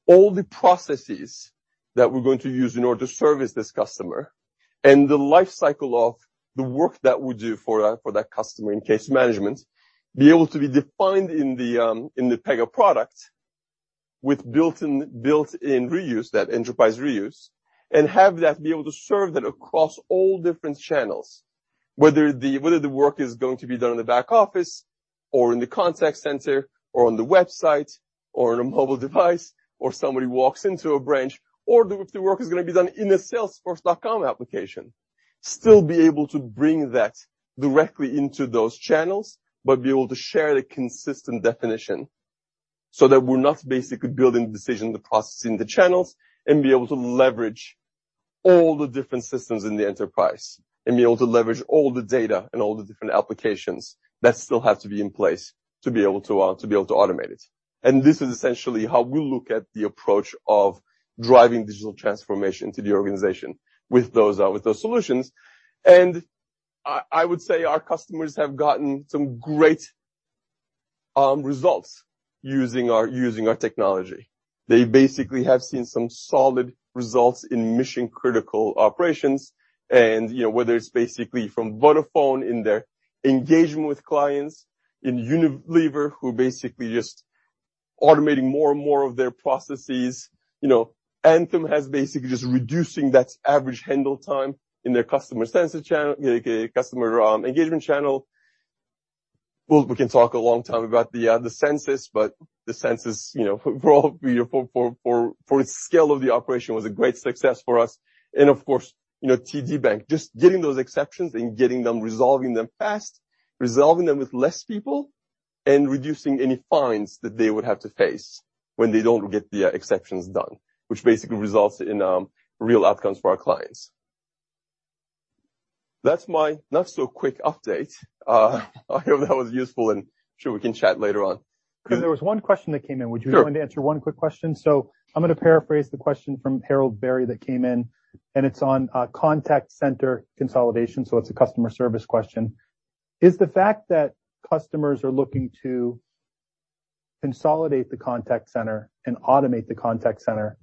Speaker 5: all the processes that we're going to use in order to service this customer and the life cycle of the work that we do for that customer in case management, be able to be defined in the Pega product with built-in reuse, that enterprise reuse, and have that be able to serve that across all different channels. Whether the work is going to be done in the back office or in the contact center or on the website or on a mobile device or somebody walks into a branch or the work is gonna be done in a Salesforce application, still be able to bring that directly into those channels, but be able to share the consistent definition so that we're not basically building the decision, the processing, the channels, and be able to leverage all the different systems in the enterprise. Be able to leverage all the data and all the different applications that still have to be in place to be able to automate it. This is essentially how we look at the approach of driving digital transformation to the organization with those solutions. I would say our customers have gotten some great results using our technology. They basically have seen some solid results in mission-critical operations. You know, whether it's basically for Vodafone in their engagement with clients, in Unilever who basically just automating more and more of their processes. You know, Anthem has basically just reducing that average handle time in their customer engagement channel. Well, we can talk a long time about the Census, but the Census, you know, for all the scale of the operation was a great success for us. Of course, you know, TD Bank, just getting those exceptions and getting them resolving them fast, resolving them with less people and reducing any fines that they would have to face when they don't get the exceptions done, which basically results in real outcomes for our clients. That's my not so quick update. I hope that was useful, and I'm sure we can chat later on.
Speaker 1: There was one question that came in.
Speaker 5: Sure.
Speaker 1: Would you be willing to answer one quick question? I'm gonna paraphrase the question from Harold Berry that came in, and it's on contact center consolidation, so it's a customer service question. Is the fact that customers are looking to consolidate the contact center and automate the contact center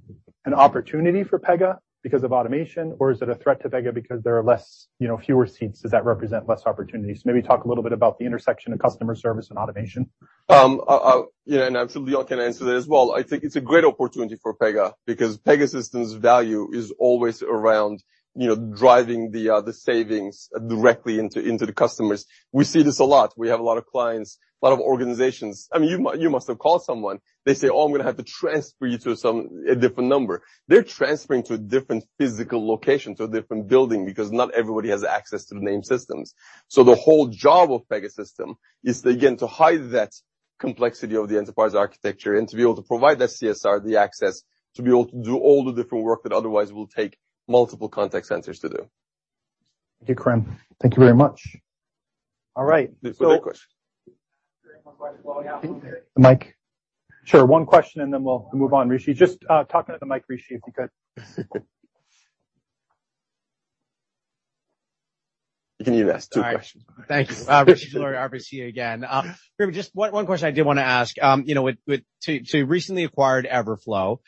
Speaker 1: an opportunity for Pega because of automation? Or is it a threat to Pega because there are less, you know, fewer seats, does that represent less opportunities? Maybe talk a little bit about the intersection of customer service and automation.
Speaker 5: Absolutely I can answer that as well. I think it's a great opportunity for Pega because Pegasystems value is always around, you know, driving the savings directly into the customers. We see this a lot. We have a lot of clients, a lot of organizations. I mean, you must have called someone. They say, "Oh, I'm gonna have to transfer you to some a different number." They're transferring to a different physical location, to a different building because not everybody has access to the same systems. The whole job of Pegasystems is, again, to hide that complexity of the enterprise architecture and to be able to provide that CSR the access to be able to do all the different work that otherwise will take multiple contact centers to do.
Speaker 1: Thank you, Kerim. Thank you very much. All right.
Speaker 5: Is there one more question?
Speaker 4: There is one question while we have him here.
Speaker 1: The mic. Sure. One question and then we'll move on. Rishi. Just, talk into the mic, Rishi, if you could.
Speaker 5: He can ask 2 questions.
Speaker 4: All right. Thank you. Rishi Jaluria, RBC again. Just one question I did wanna ask. You know, you recently acquired Everflow.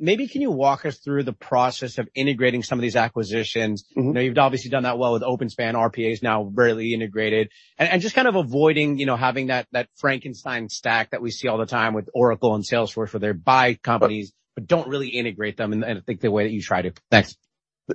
Speaker 4: Maybe can you walk us through the process of integrating some of these acquisitions?
Speaker 5: Mm-hmm.
Speaker 4: You know, you've obviously done that well with OpenSpan. RPA is now rarely integrated. Just kind of avoiding, you know, having that Frankenstack that we see all the time with Oracle and Salesforce where they buy companies but don't really integrate them in, and I think the way that you try to. Thanks.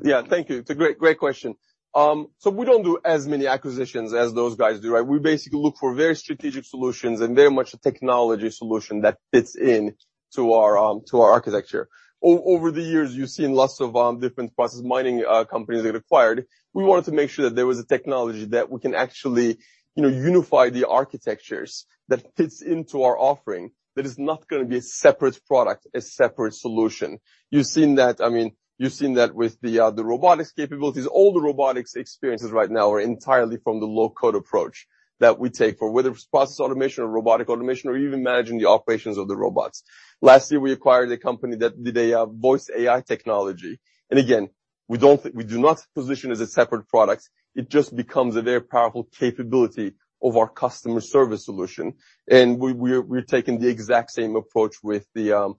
Speaker 5: Yeah. Thank you. It's a great question. So we don't do as many acquisitions as those guys do, right? We basically look for very strategic solutions and very much a technology solution that fits into our architecture. Over the years, you've seen lots of different process mining companies get acquired. We wanted to make sure that there was a technology that we can actually unify the architectures that fits into our offering, that is not gonna be a separate product, a separate solution. You've seen that, I mean, you've seen that with the robotics capabilities. All the robotics experiences right now are entirely from the low-code approach that we take for whether it's process automation or robotic automation or even managing the operations of the robots. Lastly, we acquired a company that did voice AI technology. And again- We do not position as a separate product. It just becomes a very powerful capability of our customer service solution. We're taking the exact same approach with the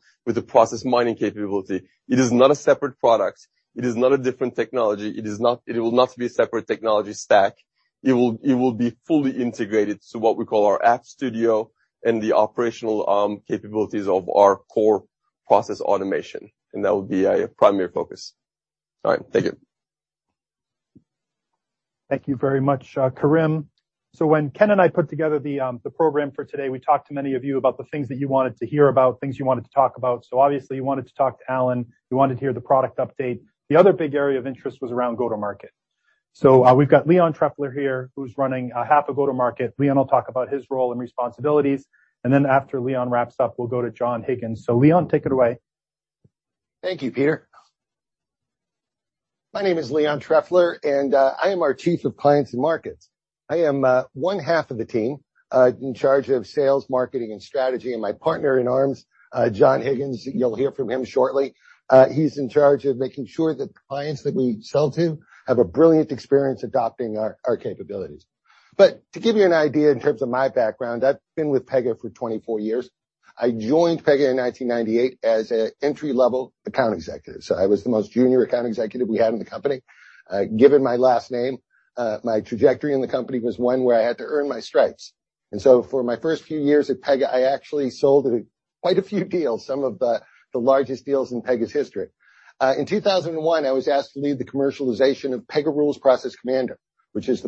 Speaker 5: process mining capability. It is not a separate product. It is not a different technology. It will not be a separate technology stack. It will be fully integrated to what we call our App Studio and the operational capabilities of our core process automation, and that will be a primary focus. All right. Thank you.
Speaker 1: Thank you very much, Kerim. When Ken and I put together the program for today, we talked to many of you about the things that you wanted to hear about, things you wanted to talk about. Obviously you wanted to talk to Alan, you wanted to hear the product update. The other big area of interest was around go-to-market. We've got Leon Trefler here, who's running half of go-to-market. Leon will talk about his role and responsibilities. Then after Leon wraps up, we'll go to John Higgins. Leon, take it away.
Speaker 6: Thank you, Peter. My name is Leon Trefler, and I am our Chief of Clients and Markets. I am one half of the team in charge of sales, marketing, and strategy. My partner in arms, John Higgins, you'll hear from him shortly. He's in charge of making sure that the clients that we sell to have a brilliant experience adopting our capabilities. To give you an idea in terms of my background, I've been with Pega for 24 years. I joined Pega in 1998 as an entry-level account executive, so I was the most junior account executive we had in the company. Given my last name, my trajectory in the company was one where I had to earn my stripes. For my first few years at Pega, I actually sold quite a few deals, some of the largest deals in Pega's history. In 2001, I was asked to lead the commercialization of PegaRULES Process Commander, which was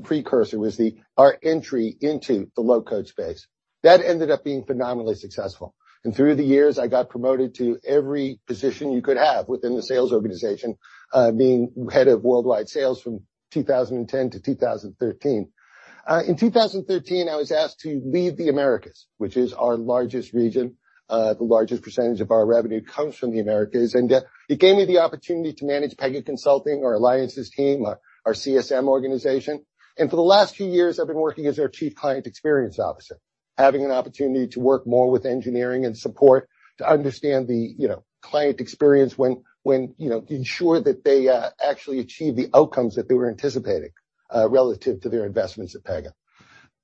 Speaker 6: our entry into the low-code space. That ended up being phenomenally successful. Through the years, I got promoted to every position you could have within the sales organization, being head of worldwide sales from 2010 to 2013. In 2013, I was asked to lead the Americas, which is our largest region. The largest percentage of our revenue comes from the Americas. It gave me the opportunity to manage Pega Consulting, our alliances team, our CSM organization. For the last few years, I've been working as their Chief Client Experience Officer, having an opportunity to work more with engineering and support to understand the client experience, you know, ensure that they actually achieve the outcomes that they were anticipating relative to their investments at Pega.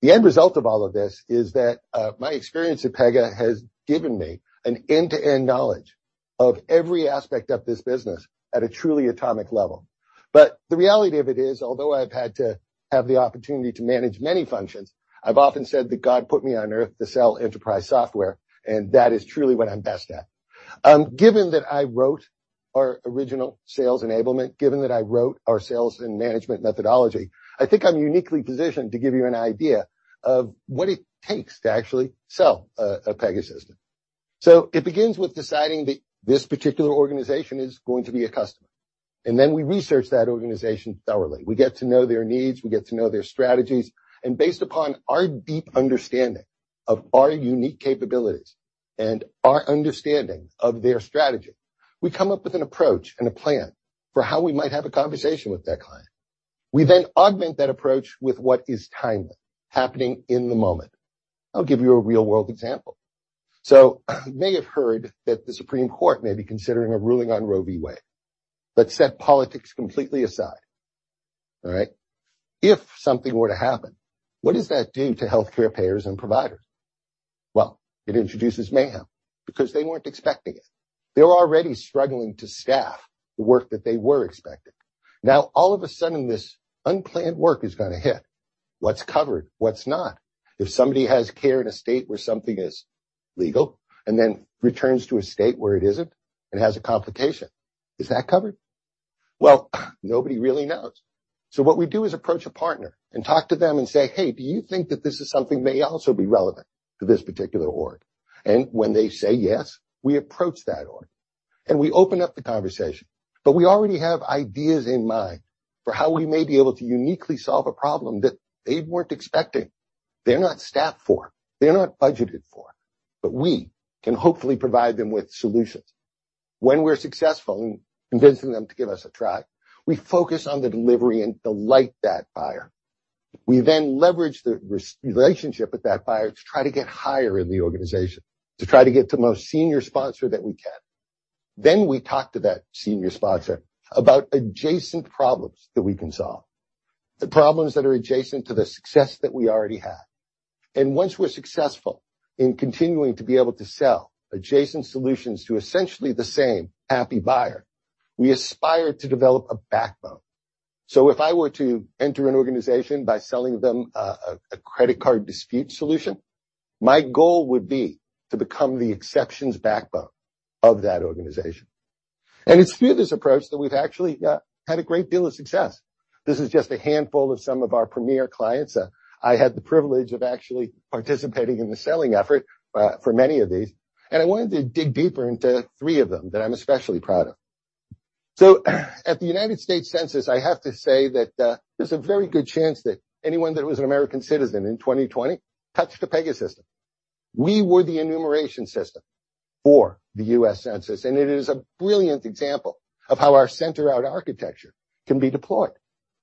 Speaker 6: The end result of all of this is that my experience at Pega has given me an end-to-end knowledge of every aspect of this business at a truly atomic level. The reality of it is, although I've had to have the opportunity to manage many functions, I've often said that God put me on Earth to sell enterprise software, and that is truly what I'm best at. Given that I wrote our original sales enablement, given that I wrote our sales and management methodology, I think I'm uniquely positioned to give you an idea of what it takes to actually sell a Pega system. It begins with deciding that this particular organization is going to be a customer. Then we research that organization thoroughly. We get to know their needs, we get to know their strategies, and based upon our deep understanding of our unique capabilities and our understanding of their strategy, we come up with an approach and a plan for how we might have a conversation with that client. We then augment that approach with what is timely, happening in the moment. I'll give you a real-world example. You may have heard that the Supreme Court may be considering a ruling on Roe v. Wade. Let's set politics completely aside. All right? If something were to happen, what does that do to healthcare payers and providers? Well, it introduces mayhem because they weren't expecting it. They're already struggling to staff the work that they were expecting. Now, all of a sudden, this unplanned work is gonna hit. What's covered? What's not? If somebody has care in a state where something is legal and then returns to a state where it isn't and has a complication, is that covered? Well, nobody really knows. What we do is approach a partner and talk to them and say, "Hey, do you think that this is something may also be relevant to this particular org?" When they say yes, we approach that org, and we open up the conversation. We already have ideas in mind for how we may be able to uniquely solve a problem that they weren't expecting. They're not staffed for, they're not budgeted for, but we can hopefully provide them with solutions. When we're successful in convincing them to give us a try, we focus on the delivery and delight that buyer. We then leverage the relationship with that buyer to try to get higher in the organization, to try to get the most senior sponsor that we can. We talk to that senior sponsor about adjacent problems that we can solve, the problems that are adjacent to the success that we already had. Once we're successful in continuing to be able to sell adjacent solutions to essentially the same happy buyer, we aspire to develop a backbone. If I were to enter an organization by selling them a credit card dispute solution, my goal would be to become the exceptions backbone of that organization. It's through this approach that we've actually had a great deal of success. This is just a handful of some of our premier clients. I had the privilege of actually participating in the selling effort for many of these. I wanted to dig deeper into three of them that I'm especially proud of. At the U.S. Census Bureau, I have to say that there's a very good chance that anyone that was an American citizen in 2020 touched a Pega system. We were the enumeration system for the U.S. Census Bureau, and it is a brilliant example of how our center-out architecture can be deployed.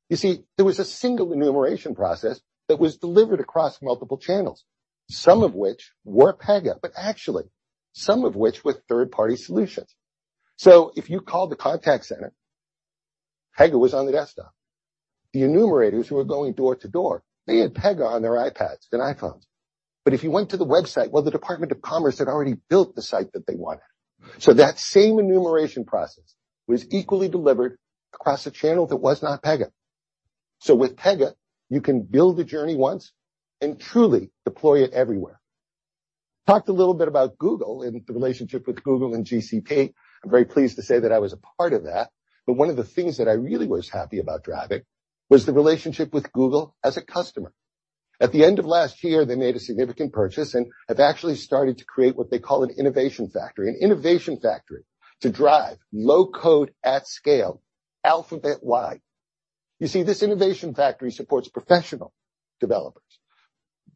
Speaker 6: You see, there was a single enumeration process that was delivered across multiple channels, some of which were Pega, but actually some of which were third-party solutions. If you called the contact center, Pega was on the desktop. The enumerators who were going door to door, they had Pega on their iPads and iPhones. If you went to the website, well, the Department of Commerce had already built the site that they wanted. That same enumeration process was equally delivered across a channel that was not Pega. With Pega, you can build the journey once and truly deploy it everywhere. Talked a little bit about Google and the relationship with Google and GCP. I'm very pleased to say that I was a part of that. One of the things that I really was happy about driving was the relationship with Google as a customer. At the end of last year, they made a significant purchase, and have actually started to create what they call an innovation factory. An innovation factory to drive low-code at scale Alphabet-wide. You see, this innovation factory supports professional developers.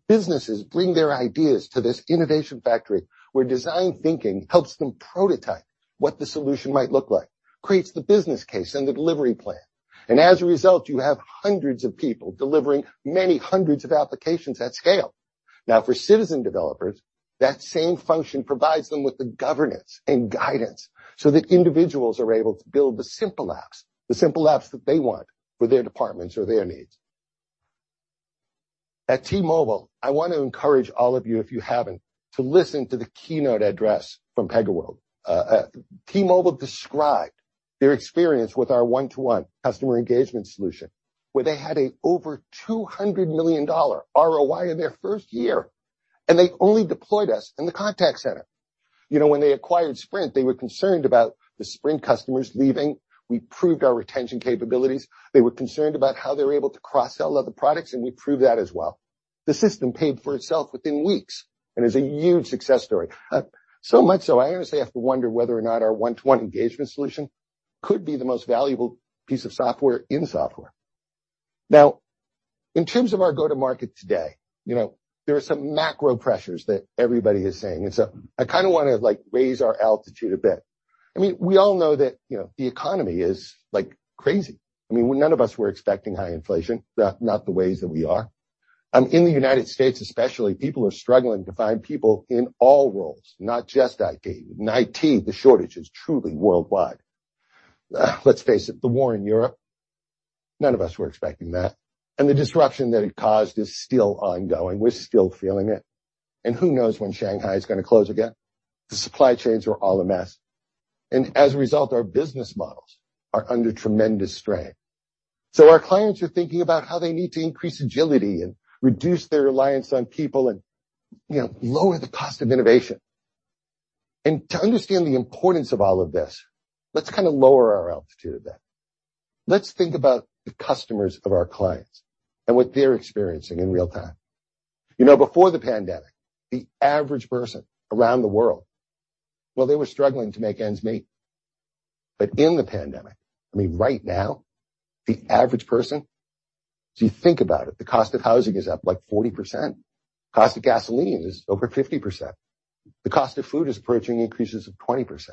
Speaker 6: Businesses bring their ideas to this innovation factory, where design thinking helps them prototype what the solution might look like, creates the business case and the delivery plan. As a result, you have hundreds of people delivering many hundreds of applications at scale. Now, for citizen developers, that same function provides them with the governance and guidance so that individuals are able to build the simple apps that they want for their departments or their needs. At T-Mobile, I want to encourage all of you, if you haven't, to listen to the keynote address from PegaWorld. T-Mobile described their experience with our one-to-one customer engagement solution, where they had an over $200 million ROI in their first year, and they only deployed us in the contact center. You know, when they acquired Sprint, they were concerned about the Sprint customers leaving. We proved our retention capabilities. They were concerned about how they were able to cross-sell other products, and we proved that as well. The system paid for itself within weeks and is a huge success story. So much so I honestly have to wonder whether or not our one-to-one engagement solution could be the most valuable piece of software in software. Now, in terms of our go-to-market today, you know, there are some macro pressures that everybody is saying. I kind of want to, like, raise our altitude a bit. I mean, we all know that, you know, the economy is, like, crazy. I mean, none of us were expecting high inflation. Not the ways that we are. In the United States especially, people are struggling to find people in all roles, not just IT. In IT, the shortage is truly worldwide. Let's face it, the war in Europe, none of us were expecting that. The disruption that it caused is still ongoing. We're still feeling it. Who knows when Shanghai is going to close again. The supply chains are all a mess. As a result, our business models are under tremendous strain. Our clients are thinking about how they need to increase agility and reduce their reliance on people and, you know, lower the cost of innovation. To understand the importance of all of this, let's kind of lower our altitude a bit. Let's think about the customers of our clients and what they're experiencing in real time. You know, before the pandemic, the average person around the world, well, they were struggling to make ends meet. In the pandemic, I mean, right now, the average person, if you think about it, the cost of housing is up, like, 40%. Cost of gasoline is over 50%. The cost of food is approaching increases of 20%.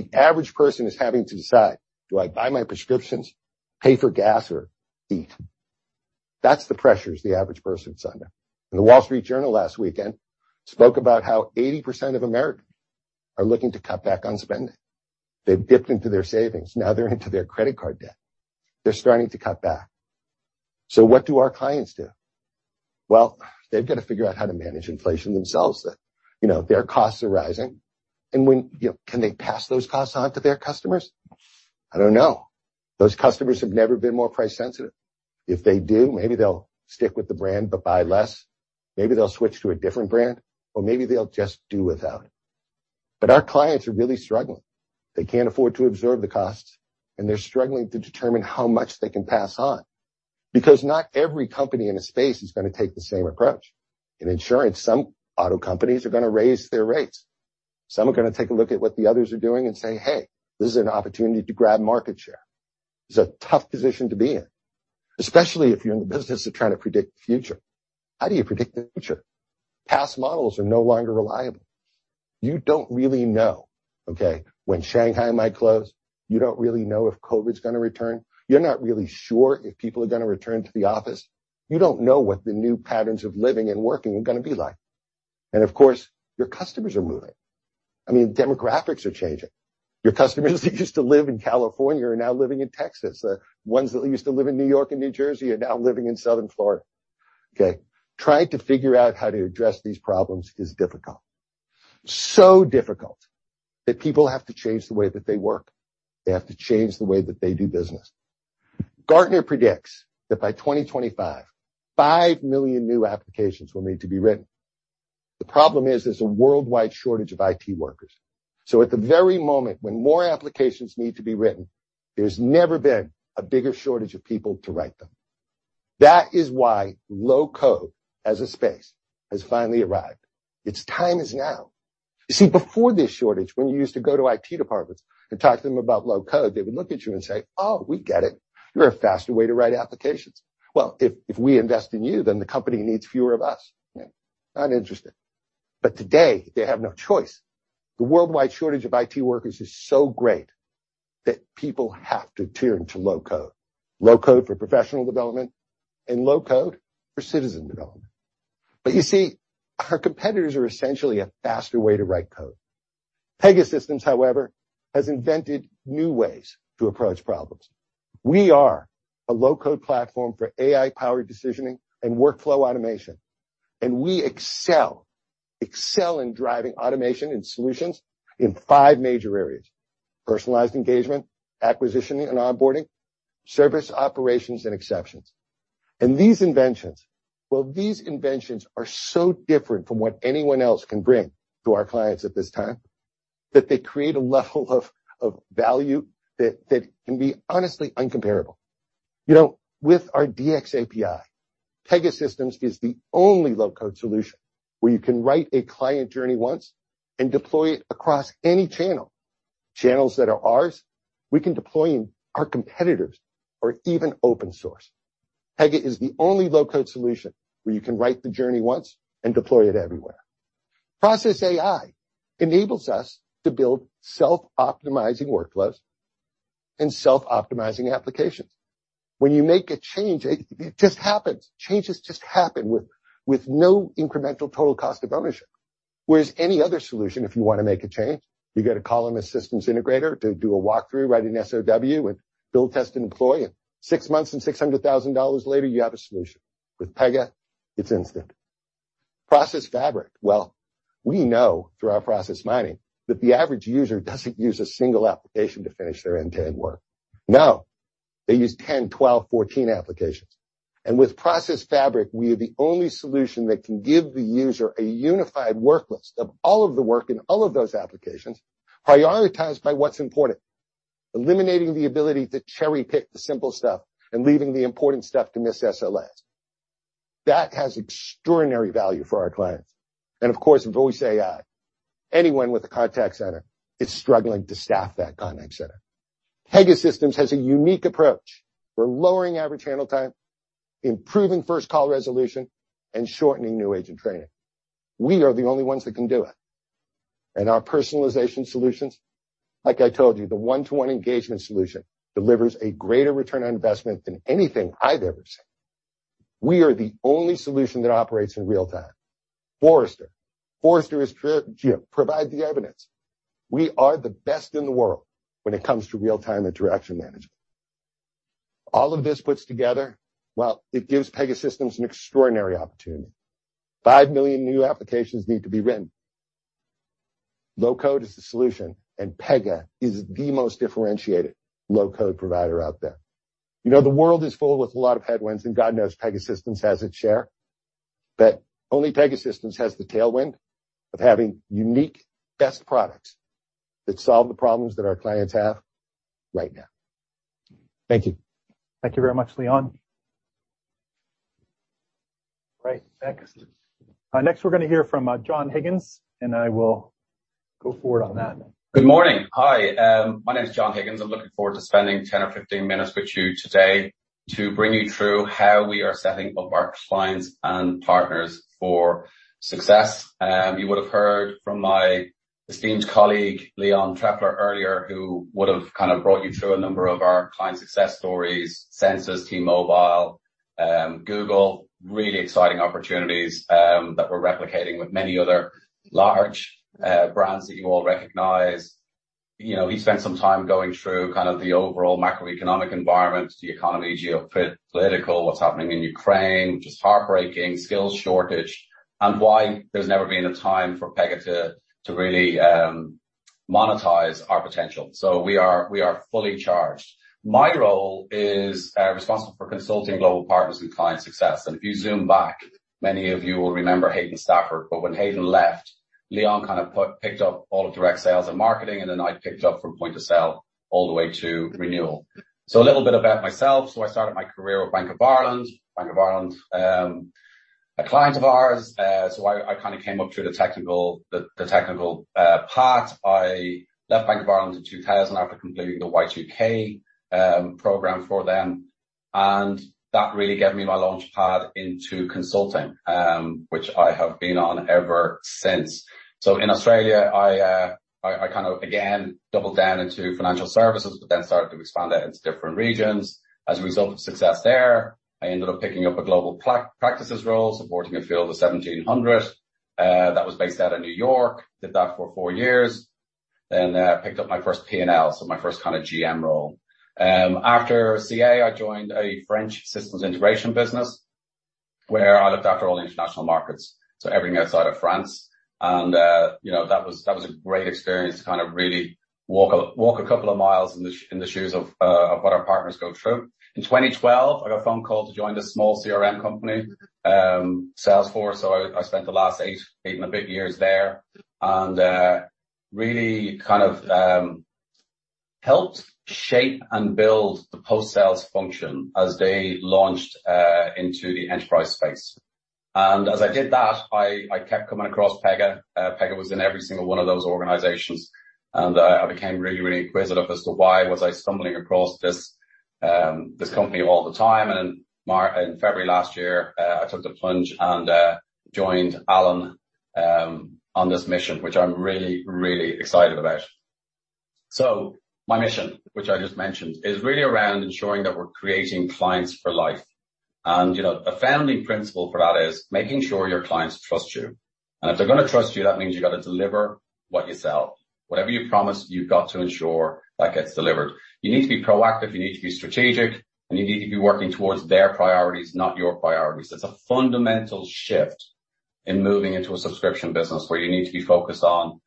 Speaker 6: The average person is having to decide, do I buy my prescriptions, pay for gas, or eat? That's the pressures the average person is under. The Wall Street Journal last weekend spoke about how 80% of Americans are looking to cut back on spending. They've dipped into their savings. Now they're into their credit card debt. They're starting to cut back. What do our clients do? Well, they've got to figure out how to manage inflation themselves. That, you know, their costs are rising. Can they pass those costs on to their customers? I don't know. Those customers have never been more price sensitive. If they do, maybe they'll stick with the brand but buy less. Maybe they'll switch to a different brand, or maybe they'll just do without. But our clients are really struggling. They can't afford to absorb the costs, and they're struggling to determine how much they can pass on, because not every company in a space is going to take the same approach. In insurance, some auto companies are going to raise their rates. Some are going to take a look at what the others are doing and say, "Hey, this is an opportunity to grab market share." It's a tough position to be in, especially if you're in the business of trying to predict the future. How do you predict the future? Past models are no longer reliable. You don't really know, okay, when Shanghai might close. You don't really know if COVID is going to return. You're not really sure if people are going to return to the office. You don't know what the new patterns of living and working are going to be like. Of course, your customers are moving. I mean, demographics are changing. Your customers who used to live in California are now living in Texas. The ones that used to live in New York and New Jersey are now living in southern Florida. Okay. Trying to figure out how to address these problems is difficult. So difficult that people have to change the way that they work. They have to change the way that they do business. Gartner predicts that by 2025, 5 million new applications will need to be written. The problem is there's a worldwide shortage of IT workers. At the very moment when more applications need to be written, there's never been a bigger shortage of people to write them. That is why low-code as a space has finally arrived. It's time is now. You see, before this shortage, when you used to go to IT departments and talk to them about low-code, they would look at you and say, "Oh, we get it. You're a faster way to write applications. Well, if we invest in you, then the company needs fewer of us. Not interested." Today, they have no choice. The worldwide shortage of IT workers is so great that people have to turn to low-code. Low-code for professional development and low-code for citizen development. You see, our competitors are essentially a faster way to write code. Pegasystems, however, has invented new ways to approach problems. We are a low-code platform for AI-powered decisioning and workflow automation. We excel in driving automation and solutions in five major areas. Personalized engagement, acquisition and onboarding, service operations and exceptions. These inventions, well, are so different from what anyone else can bring to our clients at this time, that they create a level of value that can be honestly incomparable. You know, with our DX API, Pegasystems is the only low-code solution where you can write a client journey once and deploy it across any channel. Channels that are ours, we can deploy in our competitors or even open source. Pega is the only low-code solution where you can write the journey once and deploy it everywhere. Process AI enables us to build self-optimizing workflows and self-optimizing applications. When you make a change, it just happens. Changes just happen with no incremental total cost of ownership. Whereas any other solution, if you want to make a change, you call in a systems integrator to do a walk-through, write an SOW, and build, test, and deploy. Six months and $600,000 later, you have a solution. With Pega, it's instant. Process Fabric. Well, we know through our process mining that the average user doesn't use a single application to finish their end-to-end work. No, they use 10, 12, 14 applications. With Process Fabric, we are the only solution that can give the user a unified work list of all of the work in all of those applications, prioritized by what's important. Eliminating the ability to cherry-pick the simple stuff and leaving the important stuff to miss SLAs. That has extraordinary value for our clients. Of course, Voice AI. Anyone with a contact center is struggling to staff that contact center. Pegasystems has a unique approach. We're lowering average handle time, improving first call resolution, and shortening new agent training. We are the only ones that can do it. Our personalization solutions, like I told you, the one-to-one engagement solution delivers a greater return on investment than anything I've ever seen. We are the only solution that operates in real time. Forrester. Forrester is, you know, provide the evidence. We are the best in the world when it comes to real-time interaction management. All of this puts together, well, it gives Pegasystems an extraordinary opportunity. 5 million new applications need to be written. Low-code is the solution, and Pega is the most differentiated low-code provider out there. You know, the world is full with a lot of headwinds, and God knows Pegasystems has its share. Only Pegasystems has the tailwind of having unique best products that solve the problems that our clients have right now. Thank you.
Speaker 1: Thank you very much, Leon. Right. Thanks. Next, we're gonna hear from John Higgins, and I will go forward on that.
Speaker 7: Good morning. Hi. My name is John Higgins. I'm looking forward to spending 10 or 15 minutes with you today to bring you through how we are setting up our clients and partners for success. You would have heard from my esteemed colleague, Leon Trefler, earlier, who would have kind of brought you through a number of our client success stories, Census, T-Mobile, Google, really exciting opportunities that we're replicating with many other large brands that you all recognize. You know, he spent some time going through kind of the overall macroeconomic environment, the economy, geopolitical, what's happening in Ukraine, which is heartbreaking, skills shortage, and why there's never been a time for Pega to really monetize our potential. We are fully charged. My role is responsible for consulting global partners and client success. If you zoom back, many of you will remember Hayden Stafford, but when Hayden left, Leon kind of picked up all of direct sales and marketing, and then I picked up from point of sale all the way to renewal. A little bit about myself. I started my career with Bank of Ireland. Bank of Ireland, a client of ours. I kinda came up through the technical part. I left Bank of Ireland in 2000 after completing the Y2K program for them. That really gave me my launchpad into consulting, which I have been on ever since. In Australia, I kind of again doubled down into financial services, but then started to expand out into different regions. As a result of success there, I ended up picking up a global practices role, supporting a field of 1,700. That was based out of New York. Did that for 4 years, then picked up my first PNL, so my first kinda GM role. After CA, I joined a French systems integration business where I looked after all the international markets, so everything outside of France. You know, that was a great experience to kind of really walk a couple of miles in the shoes of what our partners go through. In 2012, I got a phone call to join this small CRM company, Salesforce. I spent the last 8 and a bit years there. really kind of helped shape and build the post-sales function as they launched into the enterprise space. As I did that, I kept coming across Pega. Pega was in every single one of those organizations. I became really, really inquisitive as to why was I stumbling across this company all the time. In February last year, I took the plunge and joined Alan on this mission, which I'm really, really excited about. My mission, which I just mentioned, is really around ensuring that we're creating clients for life. You know, a founding principle for that is making sure your clients trust you. If they're gonna trust you, that means you've got to deliver what you sell. Whatever you promise, you've got to ensure that gets delivered. You need to be proactive, you need to be strategic, and you need to be working towards their priorities, not your priorities. It's a fundamental shift in moving into a subscription business where you need to be focused on,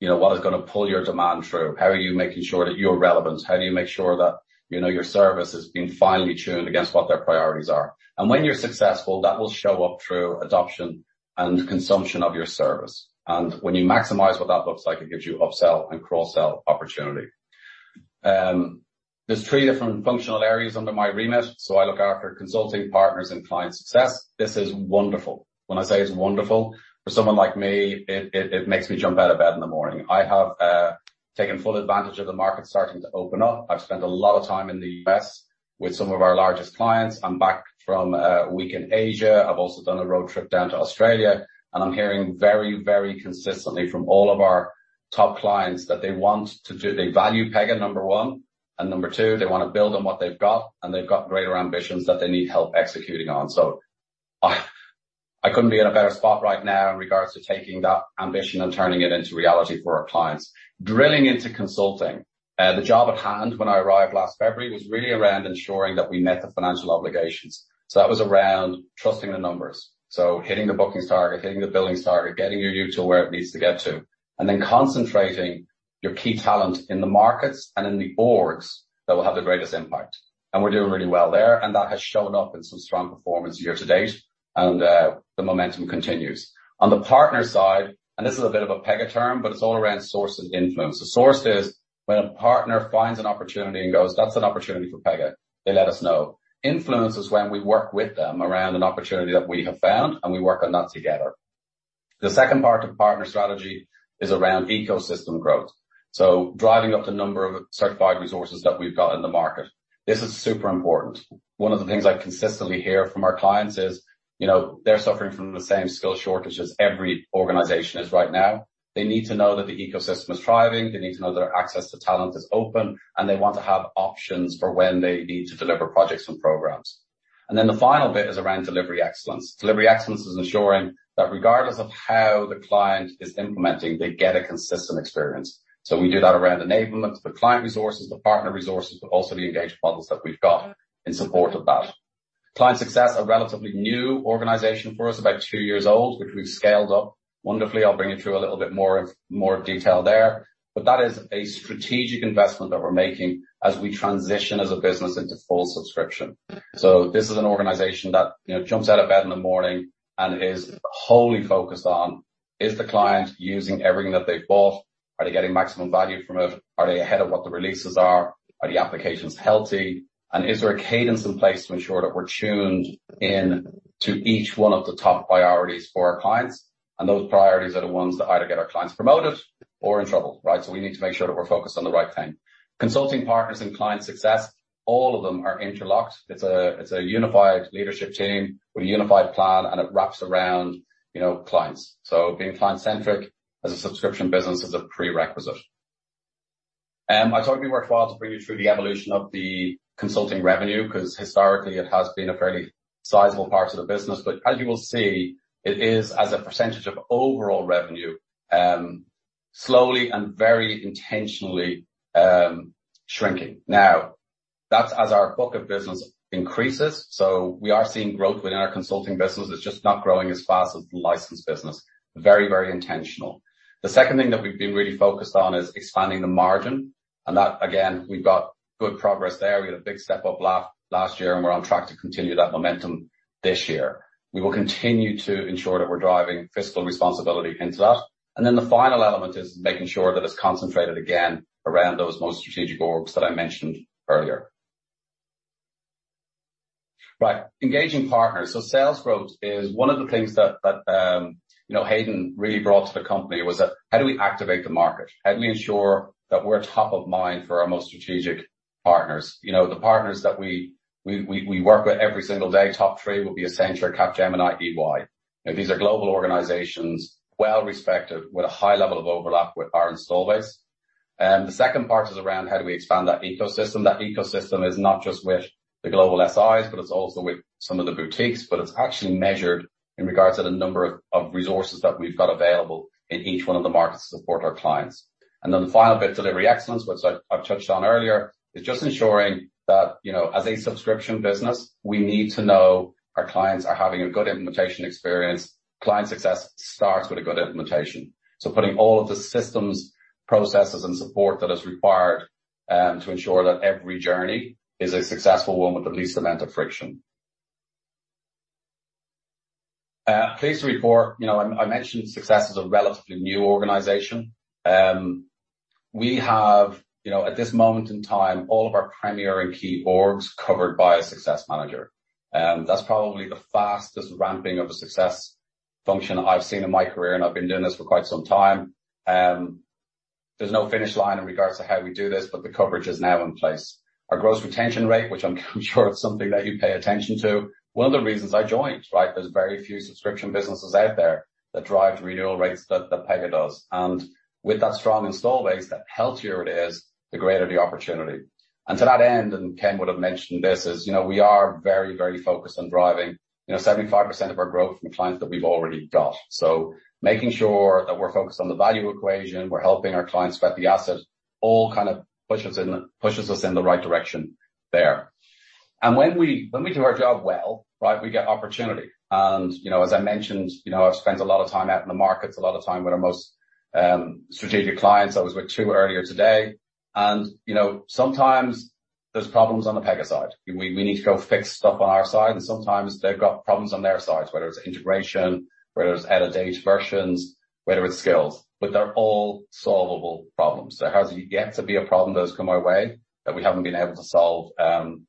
Speaker 7: you know, what is gonna pull your demand through. How are you making sure that you're relevant? How do you make sure that, you know, your service is being finely tuned against what their priorities are? And when you're successful, that will show up through adoption and consumption of your service. And when you maximize what that looks like, it gives you upsell and cross-sell opportunity. There's three different functional areas under my remit. So I look after consulting partners and client success. This is wonderful. When I say it's wonderful, for someone like me, it makes me jump out of bed in the morning. I have taken full advantage of the market starting to open up. I've spent a lot of time in the U.S. with some of our largest clients. I'm back from a week in Asia. I've also done a road trip down to Australia, and I'm hearing very, very consistently from all of our top clients that they want to do. They value Pega, 1, and 2, they wanna build on what they've got, and they've got greater ambitions that they need help executing on. I couldn't be in a better spot right now in regards to taking that ambition and turning it into reality for our clients. Drilling into consulting, the job at hand when I arrived last February was really around ensuring that we met the financial obligations. That was around trusting the numbers. Hitting the bookings target, hitting the billing target, getting your util where it needs to get to, and then concentrating your key talent in the markets and in the orgs that will have the greatest impact. We're doing really well there, and that has shown up in some strong performance year to date, and the momentum continues. On the partner side, and this is a bit of a Pega term, but it's all around source and influence. The source is when a partner finds an opportunity and goes, "That's an opportunity for Pega," they let us know. Influence is when we work with them around an opportunity that we have found, and we work on that together. The second part of partner strategy is around ecosystem growth. Driving up the number of certified resources that we've got in the market. This is super important. One of the things I consistently hear from our clients is, you know, they're suffering from the same skill shortages every organization is right now. They need to know that the ecosystem is thriving, they need to know their access to talent is open, and they want to have options for when they need to deliver projects and programs. The final bit is around delivery excellence. Delivery excellence is ensuring that regardless of how the client is implementing, they get a consistent experience. We do that around enablement of the client resources, the partner resources, but also the engagement models that we've got in support of that. Client success, a relatively new organization for us, about two years old, which we've scaled up wonderfully. I'll bring you through a little bit more detail there. That is a strategic investment that we're making as we transition as a business into full subscription. This is an organization that, you know, jumps out of bed in the morning and is wholly focused on, is the client using everything that they've bought? Are they getting maximum value from it? Are they ahead of what the releases are? Are the applications healthy? Is there a cadence in place to ensure that we're tuned in to each one of the top priorities for our clients? Those priorities are the ones that either get our clients promoted or in trouble, right? We need to make sure that we're focused on the right thing. Consulting partners and client success, all of them are interlocked. It's a unified leadership team with a unified plan, and it wraps around, you know, clients. Being client-centric as a subscription business is a prerequisite. I told you we worked well to bring you through the evolution of the consulting revenue because historically it has been a fairly sizable part of the business. As you will see, it is as a percentage of overall revenue, slowly and very intentionally, shrinking. Now, that's as our book of business increases. We are seeing growth within our consulting business. It's just not growing as fast as the license business. Very, very intentional. The second thing that we've been really focused on is expanding the margin, and that, again, we've got good progress there. We had a big step up last year, and we're on track to continue that momentum this year. We will continue to ensure that we're driving fiscal responsibility into that. The final element is making sure that it's concentrated again around those most strategic orgs that I mentioned earlier. Right. Engaging partners. Sales growth is one of the things that you know, Hayden really brought to the company was that how do we activate the market? How do we ensure that we're top of mind for our most strategic partners? You know, the partners that we work with every single day, top three would be Accenture, Capgemini, EY. Now, these are global organizations, well-respected, with a high level of overlap with our install base. The second part is around how do we expand that ecosystem. That ecosystem is not just with the global SIs, but it's also with some of the boutiques, but it's actually measured in regards to the number of resources that we've got available in each one of the markets to support our clients. Then the final bit, delivery excellence, which I've touched on earlier, is just ensuring that, you know, as a subscription business, we need to know our clients are having a good implementation experience. Client success starts with a good implementation. Putting all of the systems, processes, and support that is required to ensure that every journey is a successful one with the least amount of friction. You know, I mentioned success is a relatively new organization. We have, you know, at this moment in time, all of our primary and key orgs covered by a success manager. That's probably the fastest ramping of a success function I've seen in my career, and I've been doing this for quite some time. There's no finish line in regards to how we do this, but the coverage is now in place. Our gross retention rate, which I'm sure is something that you pay attention to, one of the reasons I joined, right? There's very few subscription businesses out there that drive renewal rates that Pega does. With that strong install base, the healthier it is, the greater the opportunity. To that end, Ken would have mentioned this, you know, we are very, very focused on driving, you know, 75% of our growth from clients that we've already got. Making sure that we're focused on the value equation, we're helping our clients sweat the assets, all kind of pushes in, pushes us in the right direction there. When we do our job well, right? We get opportunity. You know, as I mentioned, you know, I've spent a lot of time out in the markets, a lot of time with our most strategic clients. I was with two earlier today. You know, sometimes there's problems on the Pega side. We need to go fix stuff on our side, and sometimes they've got problems on their sides, whether it's integration, whether it's out-of-date versions, whether it's skills, but they're all solvable problems. There hasn't yet to be a problem that has come our way that we haven't been able to solve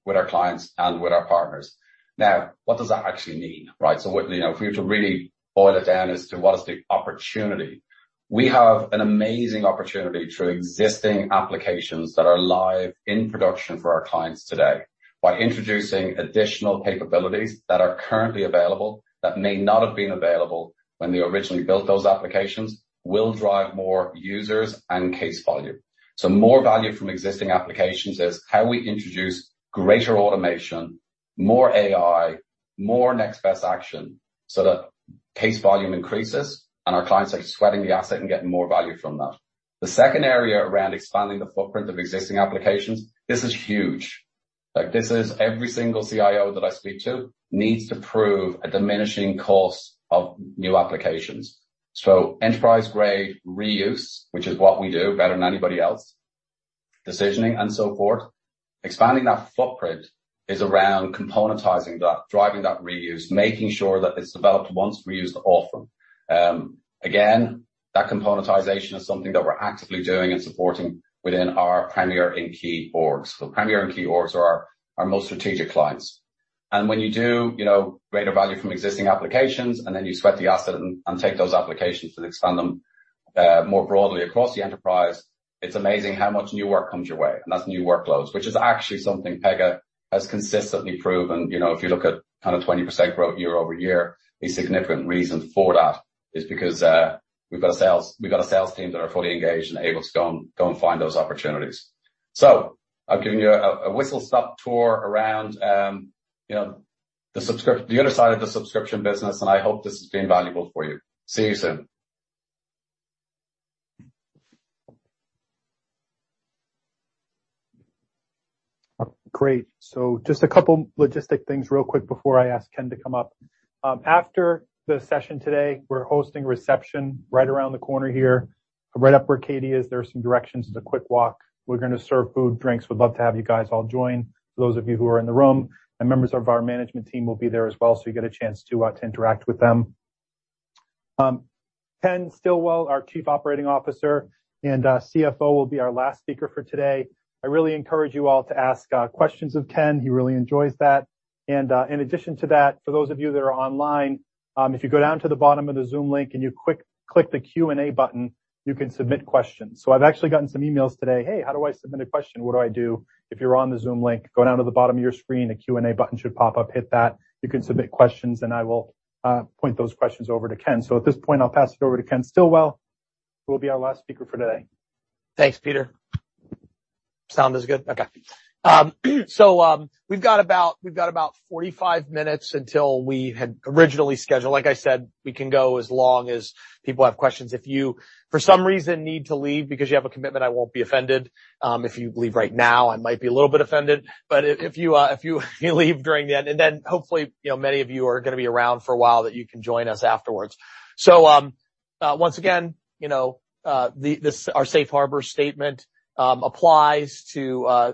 Speaker 7: with our clients and with our partners. Now, what does that actually mean? Right. You know, if we were to really boil it down as to what is the opportunity, we have an amazing opportunity through existing applications that are live in production for our clients today. By introducing additional capabilities that are currently available, that may not have been available when they originally built those applications, will drive more users and case volume. More value from existing applications is how we introduce greater automation, more AI, more Next Best Action so that case volume increases and our clients are sweating the asset and getting more value from that. The second area around expanding the footprint of existing applications, this is huge. Like, this is every single CIO that I speak to needs to prove a diminishing cost of new applications. Enterprise-grade reuse, which is what we do better than anybody else, decisioning and so forth. Expanding that footprint is around componentizing that, driving that reuse, making sure that it's developed once, reused often. Again, that componentization is something that we're actively doing and supporting within our premier and key orgs. Premier and key orgs are our most strategic clients. When you do, you know, greater value from existing applications, and then you sweat the asset and take those applications and expand them, more broadly across the enterprise, it's amazing how much new work comes your way. That's new workloads, which is actually something Pega has consistently proven. You know, if you look at kind of 20% growth year-over-year, a significant reason for that is because we've got a sales team that are fully engaged and able to go and find those opportunities. I've given you a whistle-stop tour around, you know, the other side of the subscription business, and I hope this has been valuable for you. See you soon.
Speaker 1: Great. Just a couple logistic things real quick before I ask Ken to come up. After the session today, we're hosting a reception right around the corner here, right up where Katie is. There are some directions. It's a quick walk. We're gonna serve food, drinks. We'd love to have you guys all join, those of you who are in the room. Members of our management team will be there as well, so you get a chance to interact with them. Ken Stillwell, our Chief Operating Officer and CFO, will be our last speaker for today. I really encourage you all to ask questions of Ken. He really enjoys that. In addition to that, for those of you that are online, if you go down to the bottom of the Zoom link and you quick-click the Q&A button, you can submit questions. I've actually gotten some emails today. "Hey, how do I submit a question? What do I do?" If you're on the Zoom link, go down to the bottom of your screen, a Q&A button should pop up. Hit that. You can submit questions, and I will point those questions over to Ken. At this point, I'll pass it over to Ken Stillwell, who will be our last speaker for today.
Speaker 2: Thanks, Peter. Sound is good? Okay. We've got about 45 minutes until we had originally scheduled. Like I said, we can go as long as people have questions. If you for some reason need to leave because you have a commitment, I won't be offended. If you leave right now, I might be a little bit offended. If you leave during the end, and then hopefully, you know, many of you are gonna be around for a while, that you can join us afterwards. Once again, you know, our safe harbor statement applies to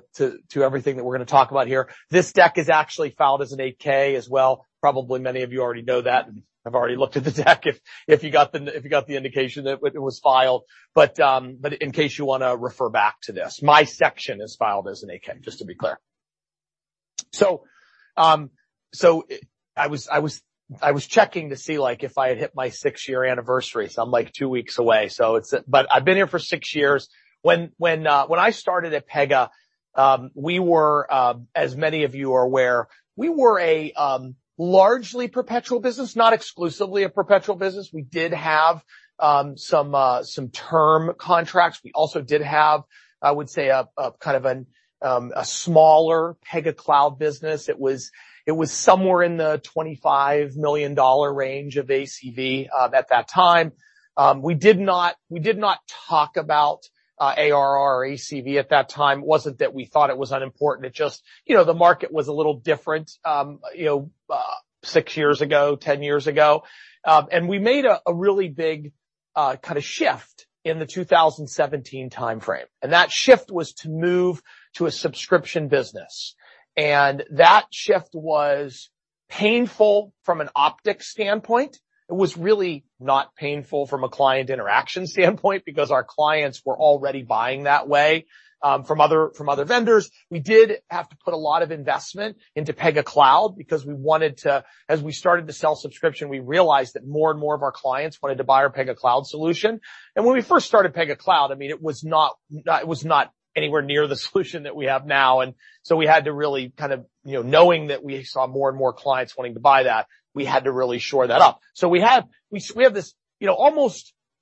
Speaker 2: everything that we're gonna talk about here. This deck is actually filed as an 8-K as well. Probably many of you already know that and have already looked at the deck if you got the indication that it was filed. In case you wanna refer back to this. My section is filed as an 8-K, just to be clear. I was checking to see, like, if I had hit my six-year anniversary, so I'm, like, two weeks away. I've been here for six years. When I started at Pega, as many of you are aware, we were a largely perpetual business, not exclusively a perpetual business. We did have some term contracts. We also did have, I would say, a kind of a smaller Pega Cloud business. It was somewhere in the $25 million range of ACV at that time. We did not talk about ARR or ACV at that time. It wasn't that we thought it was unimportant. It just, you know, the market was a little different, you know, six years ago, ten years ago. We made a really big kinda shift in the 2017 timeframe, and that shift was to move to a subscription business. Painful from an optics standpoint. It was really not painful from a client interaction standpoint because our clients were already buying that way from other vendors. We did have to put a lot of investment into Pega Cloud because we wanted to as we started to sell subscription, we realized that more and more of our clients wanted to buy our Pega Cloud solution. When we first started Pega Cloud, I mean, it was not anywhere near the solution that we have now, and so we had to really kind of you know, knowing that we saw more and more clients wanting to buy that, we had to really shore that up. We have this you know,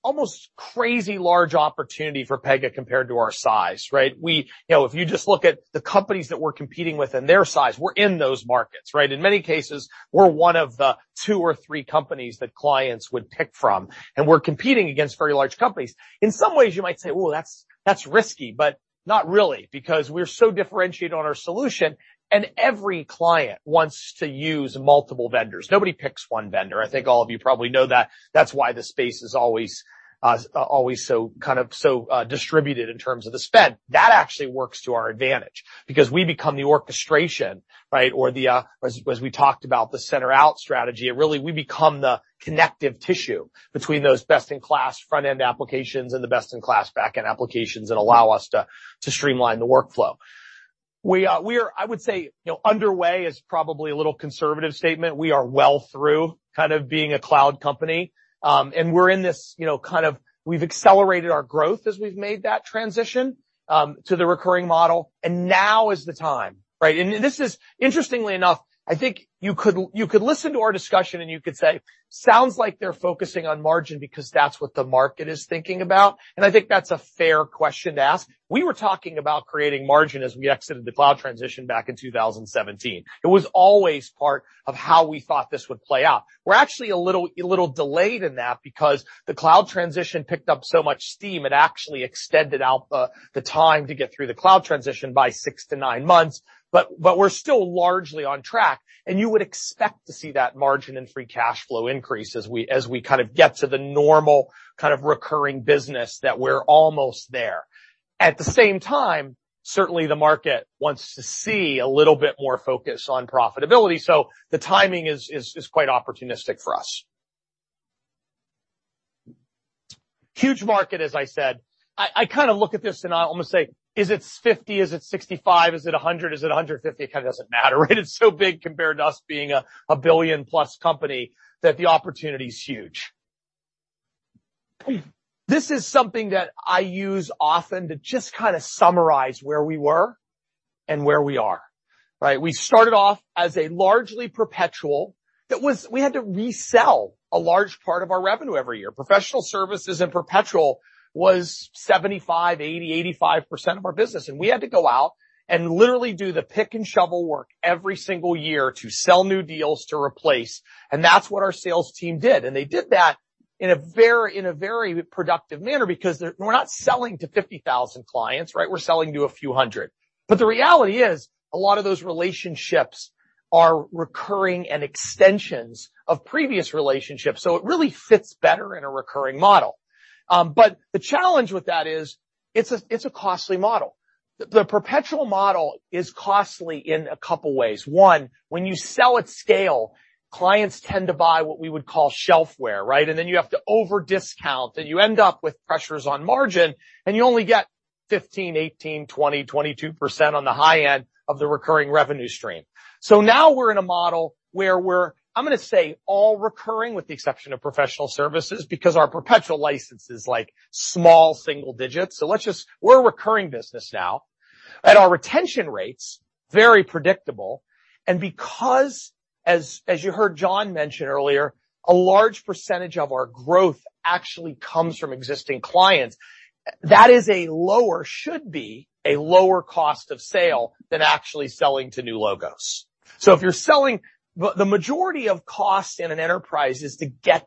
Speaker 2: almost crazy large opportunity for Pega compared to our size, right? We, you know, if you just look at the companies that we're competing with and their size, we're in those markets, right? In many cases, we're one of the two or three companies that clients would pick from, and we're competing against very large companies. In some ways, you might say, "Ooh, that's risky," but not really, because we're so differentiated on our solution, and every client wants to use multiple vendors. Nobody picks one vendor. I think all of you probably know that. That's why the space is always so kind of so distributed in terms of the spend. That actually works to our advantage because we become the orchestration, right? Or the, as we talked about, the center-out strategy. Really, we become the connective tissue between those best-in-class front-end applications and the best-in-class back-end applications that allow us to streamline the workflow. We are, I would say, you know, underway is probably a little conservative statement. We are well through kind of being a cloud company, and we're in this, you know, kind of we've accelerated our growth as we've made that transition to the recurring model, and now is the time, right? This is interestingly enough, I think you could listen to our discussion and you could say, "Sounds like they're focusing on margin because that's what the market is thinking about." I think that's a fair question to ask. We were talking about creating margin as we exited the cloud transition back in 2017. It was always part of how we thought this would play out. We're actually a little delayed in that because the cloud transition picked up so much steam, it actually extended out the time to get through the cloud transition by 6-9 months. We're still largely on track, and you would expect to see that margin and free cash flow increase as we kind of get to the normal kind of recurring business that we're almost there. At the same time, certainly, the market wants to see a little bit more focus on profitability, so the timing is quite opportunistic for us. Huge market, as I said. I kinda look at this and I almost say, "Is it 50? Is it 65? Is it 100? Is it 150?" It kinda doesn't matter, right? It's so big compared to us being a billion-plus company that the opportunity is huge. This is something that I use often to just kinda summarize where we were and where we are, right? We started off as a largely perpetual we had to resell a large part of our revenue every year. Professional services and perpetual was 75, 80, 85% of our business, and we had to go out and literally do the pick and shovel work every single year to sell new deals to replace. That's what our sales team did. They did that in a very productive manner because we're not selling to 50,000 clients, right? We're selling to a few hundred. The reality is, a lot of those relationships are recurring and extensions of previous relationships, so it really fits better in a recurring model. The challenge with that is, it's a costly model. The perpetual model is costly in a couple ways. One, when you sell at scale, clients tend to buy what we would call shelfware, right? Then you have to over-discount, and you end up with pressures on margin, and you only get 15, 18, 20, 22% on the high end of the recurring revenue stream. Now we're in a model where we're, I'm gonna say, all recurring with the exception of professional services because our perpetual license is like small single digits. Let's just, we're a recurring business now, and our retention rates, very predictable. Because, as you heard John mention earlier, a large percentage of our growth actually comes from existing clients, that is a lower, should be a lower cost of sale than actually selling to new logos. If you're selling. The majority of cost in an enterprise is to get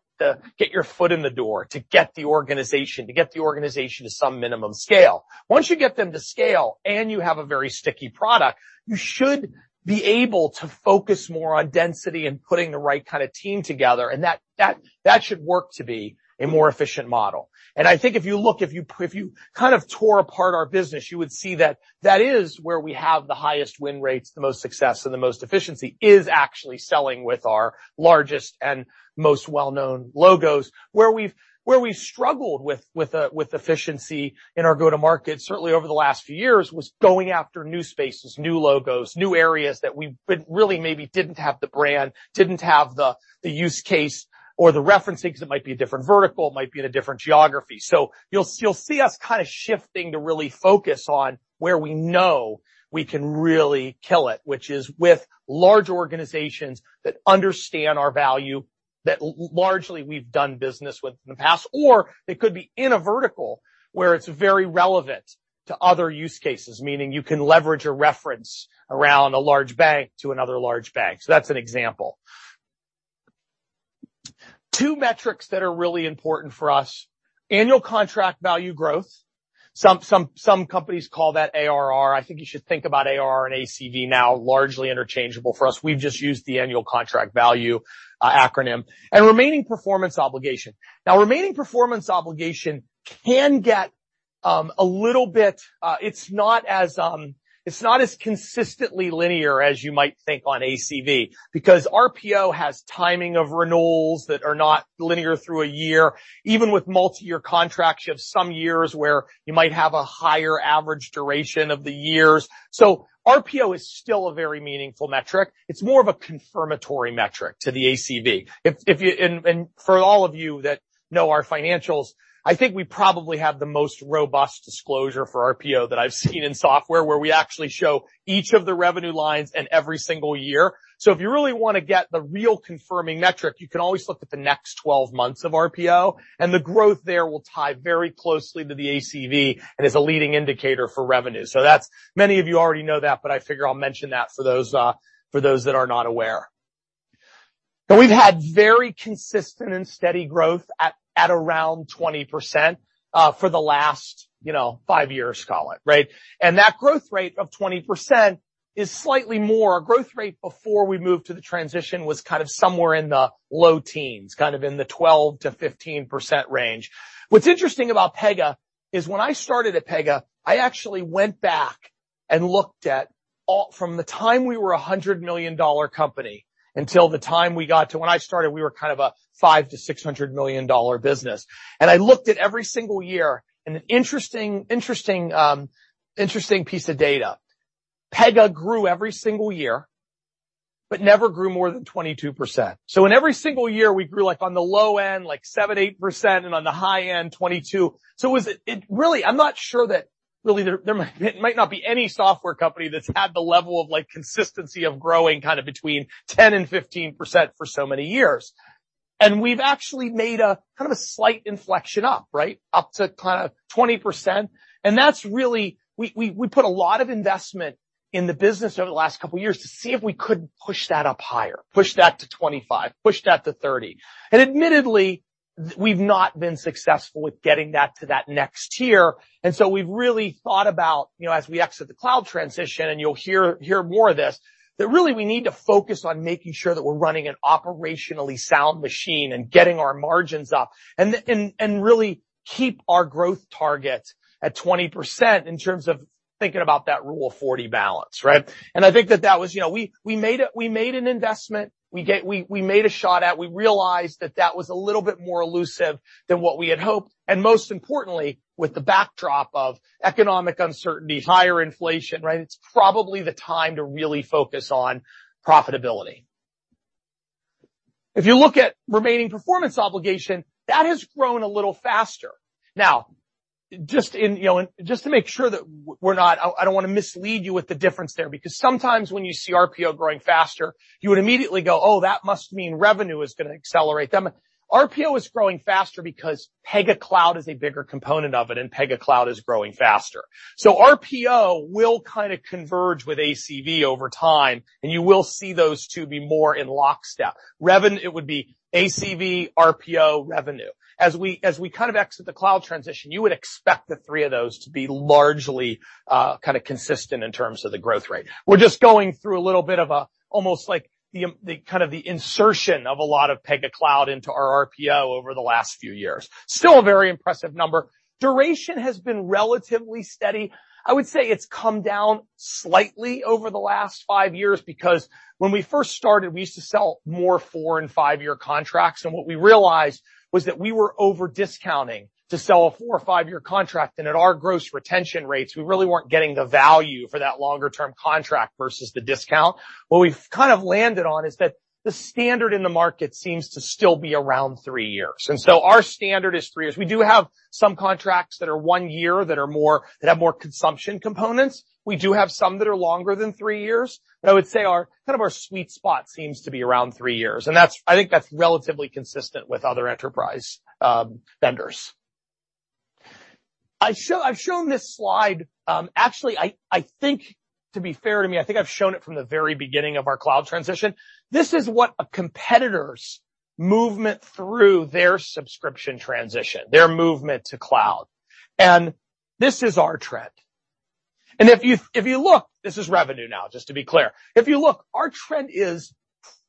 Speaker 2: your foot in the door, to get the organization to some minimum scale. Once you get them to scale and you have a very sticky product, you should be able to focus more on density and putting the right kinda team together, and that should work to be a more efficient model. I think if you look, if you kind of tore apart our business, you would see that is where we have the highest win rates, the most success, and the most efficiency is actually selling with our largest and most well-known logos. Where we've struggled with efficiency in our go-to-market, certainly over the last few years, was going after new spaces, new logos, new areas that we've been really maybe didn't have the brand, didn't have the use case or the referencing, 'cause it might be a different vertical, it might be in a different geography. You'll see us kinda shifting to really focus on where we know we can really kill it, which is with large organizations that understand our value, that largely we've done business with in the past. It could be in a vertical where it's very relevant to other use cases, meaning you can leverage a reference around a large bank to another large bank. That's an example. Two metrics that are really important for us, annual contract value growth. Some companies call that ARR. I think you should think about ARR and ACV now largely interchangeable for us. We've just used the annual contract value acronym. Remaining performance obligation. Now, remaining performance obligation can get a little bit, it's not as consistently linear as you might think on ACV, because RPO has timing of renewals that are not linear through a year. Even with multiyear contracts, you have some years where you might have a higher average duration of the years. RPO is still a very meaningful metric. It's more of a confirmatory metric to the ACV. If you for all of you that know our financials, I think we probably have the most robust disclosure for RPO that I've seen in software, where we actually show each of the revenue lines in every single year. If you really wanna get the real confirming metric, you can always look at the next 12 months of RPO, and the growth there will tie very closely to the ACV and is a leading indicator for revenue. Many of you already know that, but I figure I'll mention that for those that are not aware. We've had very consistent and steady growth at around 20% for the last 5 years, call it. Right? That growth rate of 20% is slightly more. Growth rate before we moved to the transition was kind of somewhere in the low teens, kind of in the 12%-15% range. What's interesting about Pega is when I started at Pega, I actually went back and looked at all from the time we were a $100 million company until the time we got to when I started, we were kind of a $500-600 million business. I looked at every single year, and an interesting piece of data. Pega grew every single year, but never grew more than 22%. In every single year, we grew, like, on the low end, like 7%-8%, and on the high end, 22%. I'm not sure that there might not be any software company that's had the level of, like, consistency of growing kind of between 10%-15% for so many years. We've actually made a kind of a slight inflection up, right, up to kind of 20%. That's really. We put a lot of investment in the business over the last couple years to see if we could push that up higher, push that to 25, push that to 30. Admittedly, we've not been successful with getting that to that next tier, and so we've really thought about, you know, as we exit the cloud transition, and you'll hear more of this, that really we need to focus on making sure that we're running an operationally sound machine and getting our margins up and really keep our growth target at 20% in terms of thinking about that Rule of 40 balance, right? I think that was, you know. We made an investment. We made a shot at. We realized that that was a little bit more elusive than what we had hoped, and most importantly, with the backdrop of economic uncertainties, higher inflation, right, it's probably the time to really focus on profitability. If you look at remaining performance obligation, that has grown a little faster. Now, just to make sure, I don't wanna mislead you with the difference there because sometimes when you see RPO growing faster, you would immediately go, "Oh, that must mean revenue is gonna accelerate then." RPO is growing faster because Pega Cloud is a bigger component of it, and Pega Cloud is growing faster. RPO will kind of converge with ACV over time, and you will see those two be more in lockstep. It would be ACV, RPO, revenue. As we kind of exit the cloud transition, you would expect the three of those to be largely kind of consistent in terms of the growth rate. We're just going through a little bit of a almost like the in The kind of insertion of a lot of Pega Cloud into our RPO over the last few years. Still a very impressive number. Duration has been relatively steady. I would say it's come down slightly over the last five years because when we first started, we used to sell more four- and five-year contracts, and what we realized was that we were over-discounting to sell a four- or five-year contract, and at our gross retention rates, we really weren't getting the value for that longer-term contract versus the discount. What we've kind of landed on is that the standard in the market seems to still be around three years. Our standard is three years. We do have some contracts that are one year that are more that have more consumption components. We do have some that are longer than three years, but I would say our kind of our sweet spot seems to be around three years, and that's, I think, relatively consistent with other enterprise vendors. I've shown this slide actually. I think to be fair to me, I think I've shown it from the very beginning of our cloud transition. This is what a competitor's movement through their subscription transition, their movement to cloud, and this is our trend. If you look, this is revenue now, just to be clear. If you look, our trend is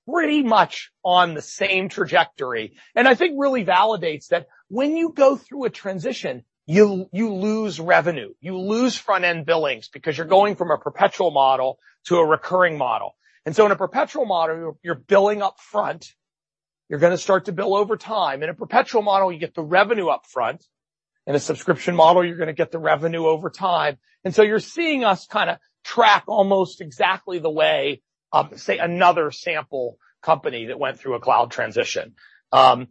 Speaker 2: pretty much on the same trajectory, and I think really validates that when you go through a transition, you lose revenue, you lose front-end billings because you're going from a perpetual model to a recurring model. In a perpetual model, you're billing up front, you're gonna start to bill over time. In a perpetual model, you get the revenue up front. In a subscription model, you're gonna get the revenue over time. You're seeing us kinda track almost exactly the way of, say, another sample company that went through a cloud transition. Some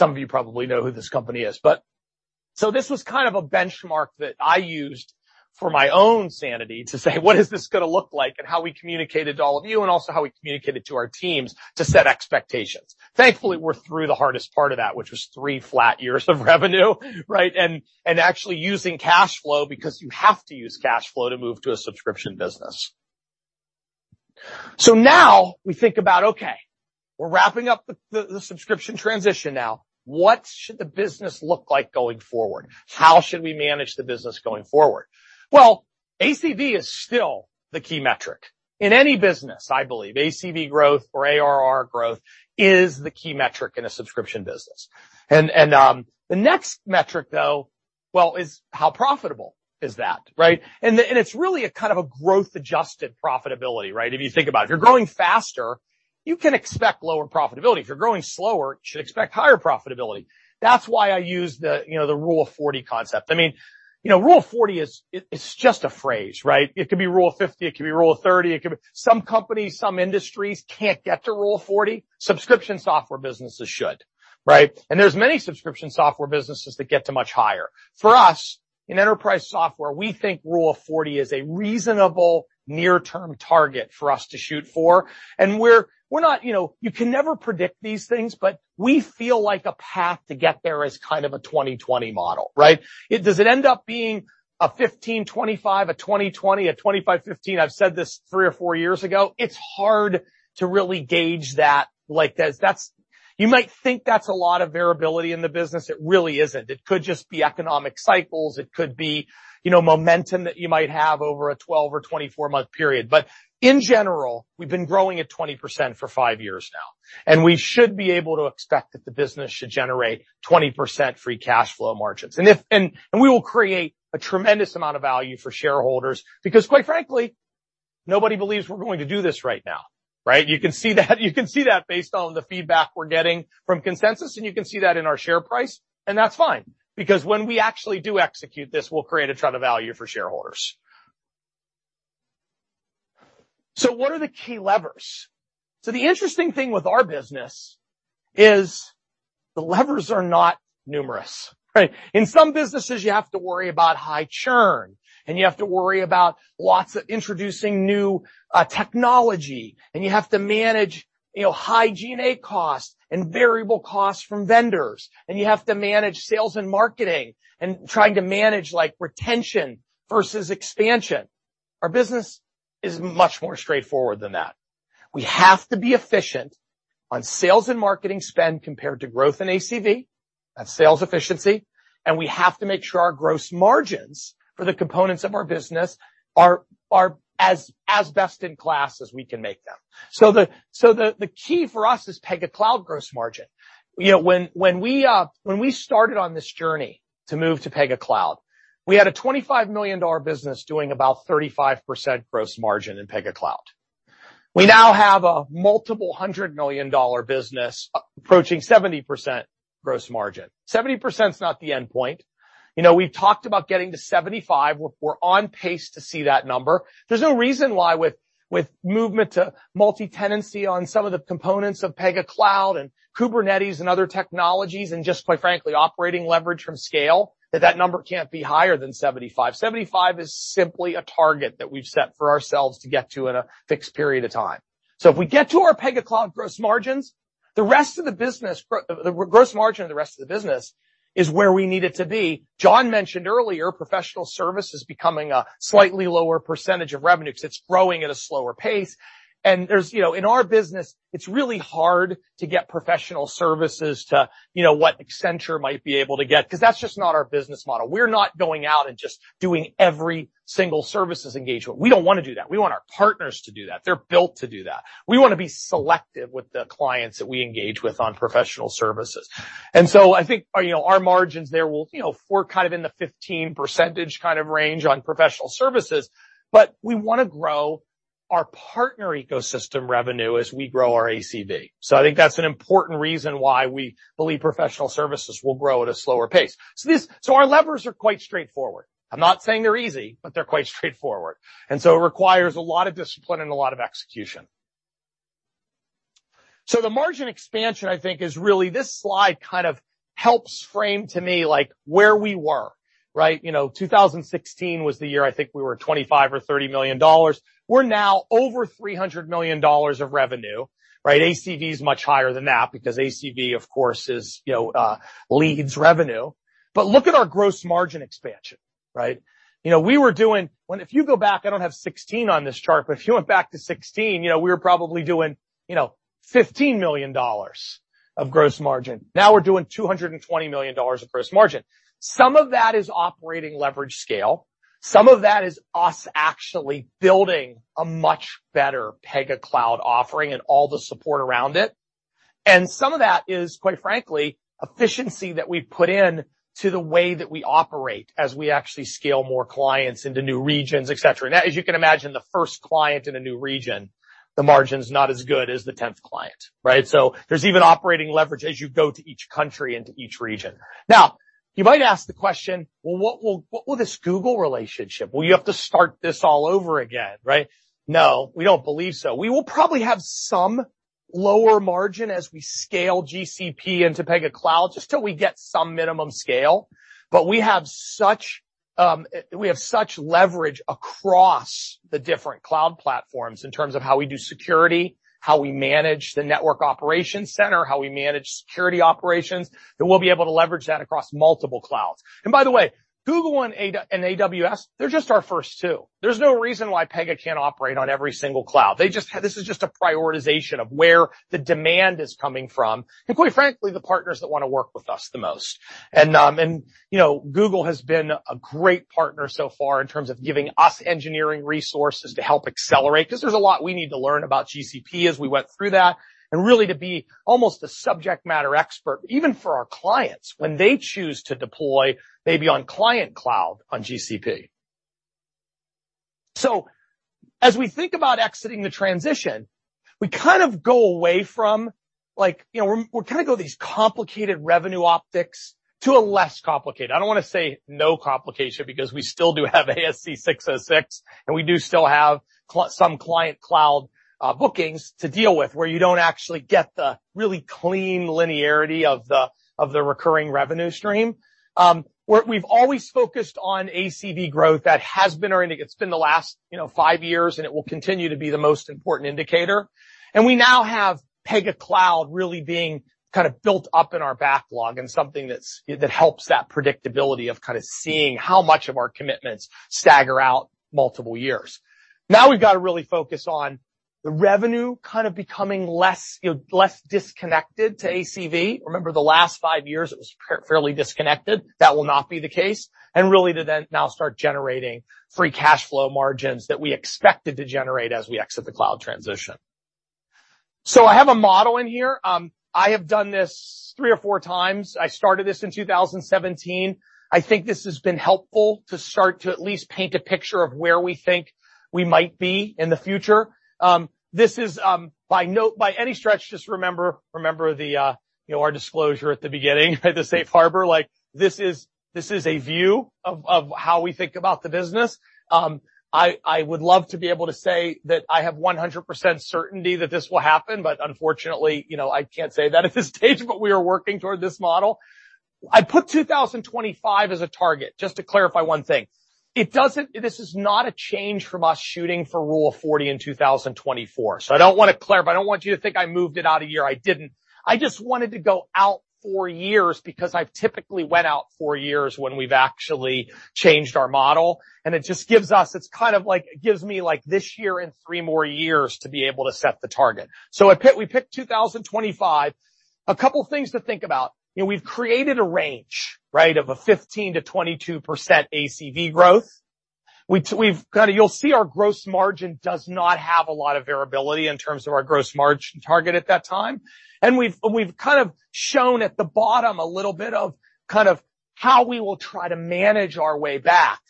Speaker 2: of you probably know who this company is. This was kind of a benchmark that I used for my own sanity to say, "What is this gonna look like?" How we communicated to all of you and also how we communicated to our teams to set expectations. Thankfully, we're through the hardest part of that, which was three flat years of revenue, right? Actually using cash flow because you have to use cash flow to move to a subscription business. Now we think about, okay, we're wrapping up the subscription transition now. What should the business look like going forward? How should we manage the business going forward? Well, ACV is still the key metric. In any business, I believe ACV growth or ARR growth is the key metric in a subscription business. The next metric, though, well, is how profitable is that, right? It's really a kind of a growth-adjusted profitability, right? If you think about it. If you're growing faster, you can expect lower profitability. If you're growing slower, you should expect higher profitability. That's why I use the, you know, the Rule of 40 concept. I mean, you know, Rule of 40 is, it's just a phrase, right? It could be Rule of 50, it could be Rule of 30, it could be. Some companies, some industries can't get to Rule of 40. Subscription software businesses should, right? There's many subscription software businesses that get to much higher. For us, in enterprise software, we think Rule of 40 is a reasonable near-term target for us to shoot for. We're not, you know, you can never predict these things, but we feel like a path to get there is kind of a 20/20 model, right? Does it end up being a 15/25, a 20/20, a 25/15? I've said this three or four years ago. It's hard to really gauge that like that. That's. You might think that's a lot of variability in the business. It really isn't. It could just be economic cycles. It could be, you know, momentum that you might have over a 12- or 24-month period. In general, we've been growing at 20% for five years now, and we should be able to expect that the business should generate 20% free cash flow margins. We will create a tremendous amount of value for shareholders because, quite frankly, nobody believes we're going to do this right now, right? You can see that based on the feedback we're getting from consensus, and you can see that in our share price, and that's fine because when we actually do execute this, we'll create a ton of value for shareholders. What are the key levers? The interesting thing with our business is the levers are not numerous, right? In some businesses, you have to worry about high churn, and you have to worry about lots of introducing new technology, and you have to manage, you know, G&A costs and variable costs from vendors, and you have to manage sales and marketing and trying to manage, like, retention versus expansion. Our business is much more straightforward than that. We have to be efficient on sales and marketing spend compared to growth in ACV. That's sales efficiency. We have to make sure our gross margins for the components of our business are as best-in-class as we can make them. The key for us is Pega Cloud gross margin. You know, when we started on this journey to move to Pega Cloud, we had a $25 million business doing about 35% gross margin in Pega Cloud. We now have a multiple hundred million dollar business approaching 70% gross margin. 70% is not the endpoint. You know, we've talked about getting to 75. We're on pace to see that number. There's no reason why with movement to multi-tenancy on some of the components of Pega Cloud and Kubernetes and other technologies and just, quite frankly, operating leverage from scale, that number can't be higher than 75. 75 is simply a target that we've set for ourselves to get to in a fixed period of time. If we get to our Pega Cloud gross margins, the rest of the business, the gross margin of the rest of the business is where we need it to be. John mentioned earlier, professional service is becoming a slightly lower percentage of revenue because it's growing at a slower pace. There's, you know, in our business, it's really hard to get professional services to, you know, what Accenture might be able to get because that's just not our business model. We're not going out and just doing every single services engagement. We don't want to do that. We want our partners to do that. They're built to do that. We want to be selective with the clients that we engage with on professional services. I think, you know, our margins there will, you know, we're kind of in the 15% kind of range on professional services, but we want to grow our partner ecosystem revenue as we grow our ACV. I think that's an important reason why we believe professional services will grow at a slower pace. Our levers are quite straightforward. I'm not saying they're easy, but they're quite straightforward. It requires a lot of discipline and a lot of execution. The margin expansion, I think, is really this slide kind of helps frame to me, like, where we were, right? You know, 2016 was the year I think we were at $25 million or $30 million. We're now over $300 million of revenue, right? ACV is much higher than that because ACV, of course, is, you know, leads revenue. But look at our gross margin expansion, right? You know, we were doing. If you go back, I don't have 2016 on this chart, but if you went back to 2016, you know, we were probably doing, you know, $15 million of gross margin. Now we're doing $220 million of gross margin. Some of that is operating leverage scale. Some of that is us actually building a much better Pega Cloud offering and all the support around it. Some of that is, quite frankly, efficiency that we put into the way that we operate as we actually scale more clients into new regions, et cetera. Now, as you can imagine, the first client in a new region, the margin's not as good as the tenth client, right? There's even operating leverage as you go to each country and to each region. Now, you might ask the question, well, what will this Google relationship? Will you have to start this all over again, right? No, we don't believe so. We will probably have some lower margin as we scale GCP into Pega Cloud just till we get some minimum scale. But we have such, we have such leverage across the different cloud platforms in terms of how we do security, how we manage the network operations center, how we manage security operations, that we'll be able to leverage that across multiple clouds. By the way, Google and AWS, they're just our first two. There's no reason why Pega can't operate on every single cloud. They just this is just a prioritization of where the demand is coming from, and quite frankly, the partners that want to work with us the most. you know, Google has been a great partner so far in terms of giving us engineering resources to help accelerate, because there's a lot we need to learn about GCP as we went through that, and really to be almost a subject matter expert, even for our clients when they choose to deploy maybe on Client Cloud on GCP. we think about exiting the transition, we kind of go away from like, you know, we're kinda go these complicated revenue optics to a less complicated. I don't wanna say no complication because we still do have ASC 606, and we do still have some Client Cloud bookings to deal with, where you don't actually get the really clean linearity of the recurring revenue stream. We've always focused on ACV growth that has been our indicator. It's been the last, you know, five years, and it will continue to be the most important indicator. We now have Pega Cloud really being kind of built up in our backlog and something that helps that predictability of kinda seeing how much of our commitments stagger out multiple years. Now we've gotta really focus on the revenue kind of becoming less, you know, less disconnected to ACV. Remember the last five years it was fairly disconnected. That will not be the case. Really to then now start generating free cash flow margins that we expected to generate as we exit the cloud transition. I have a model in here. I have done this three or four times. I started this in 2017. I think this has been helpful to start to at least paint a picture of where we think we might be in the future. This is, by any stretch, just remember the, you know, our disclosure at the beginning, the safe harbor, like this is a view of how we think about the business. I would love to be able to say that I have 100% certainty that this will happen, but unfortunately, you know, I can't say that at this stage, but we are working toward this model. I put 2025 as a target. Just to clarify one thing. This is not a change from us shooting for Rule of 40 in 2024. I don't wanna clarify. I don't want you to think I moved it out a year. I didn't. I just wanted to go out four years because I've typically went out four years when we've actually changed our model, and it just gives us, it's kind of like, it gives me like this year and three more years to be able to set the target. We picked 2025. A couple things to think about. You know, we've created a range, right, of a 15%-22% ACV growth. We've got a... You'll see our gross margin does not have a lot of variability in terms of our gross margin target at that time. We've kind of shown at the bottom a little bit of kind of how we will try to manage our way back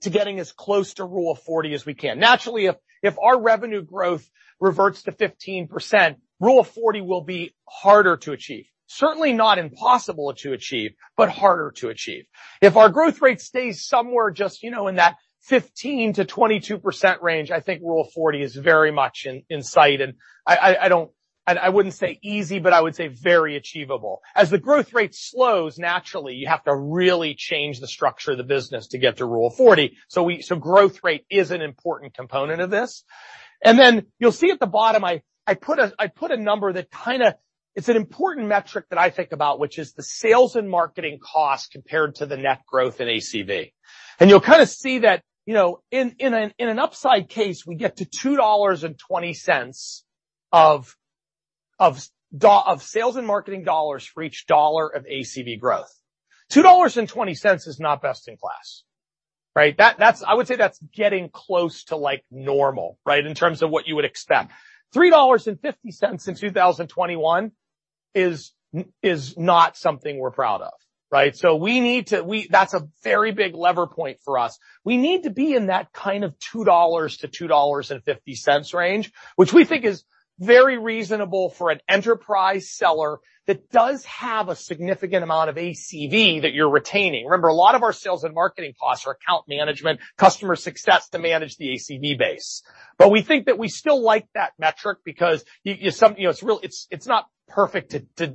Speaker 2: to getting as close to Rule of 40 as we can. Naturally, if our revenue growth reverts to 15%, Rule of 40 will be harder to achieve. Certainly not impossible to achieve, but harder to achieve. If our growth rate stays somewhere just, you know, in that 15%-22% range, I think Rule of 40 is very much in sight. I wouldn't say easy, but I would say very achievable. As the growth rate slows, naturally, you have to really change the structure of the business to get to Rule of 40. Growth rate is an important component of this. Then you'll see at the bottom, I put a number that kinda. It's an important metric that I think about, which is the sales and marketing cost compared to the net growth in ACV. You'll kinda see that, you know, in an upside case, we get to $2.20 of sales and marketing dollars for each $1 of ACV growth. $2.20 is not best in class, right? That, I would say that's getting close to like normal, right, in terms of what you would expect. $3.50 in 2021 is not something we're proud of, right? We need to. That's a very big lever point for us. We need to be in that kind of $2-2.50 range, which we think is very reasonable for an enterprise seller that does have a significant amount of ACV that you're retaining. Remember, a lot of our sales and marketing costs are account management, customer success to manage the ACV base. We think that we still like that metric because you know, it's not perfect to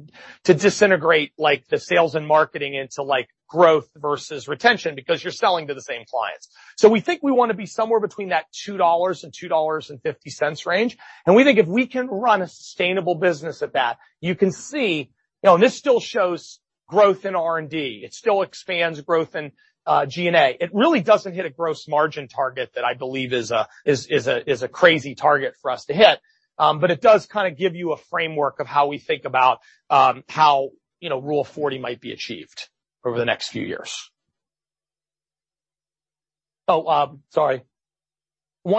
Speaker 2: disaggregate like the sales and marketing into like growth versus retention because you're selling to the same clients. We think we wanna be somewhere between that $2-2.50 range, and we think if we can run a sustainable business at that, you can see. You know, this still shows growth in R&D. It still expands growth in G&A. It really doesn't hit a gross margin target that I believe is a crazy target for us to hit. It does kinda give you a framework of how we think about, how, you know, Rule of 40 might be achieved over the next few years. One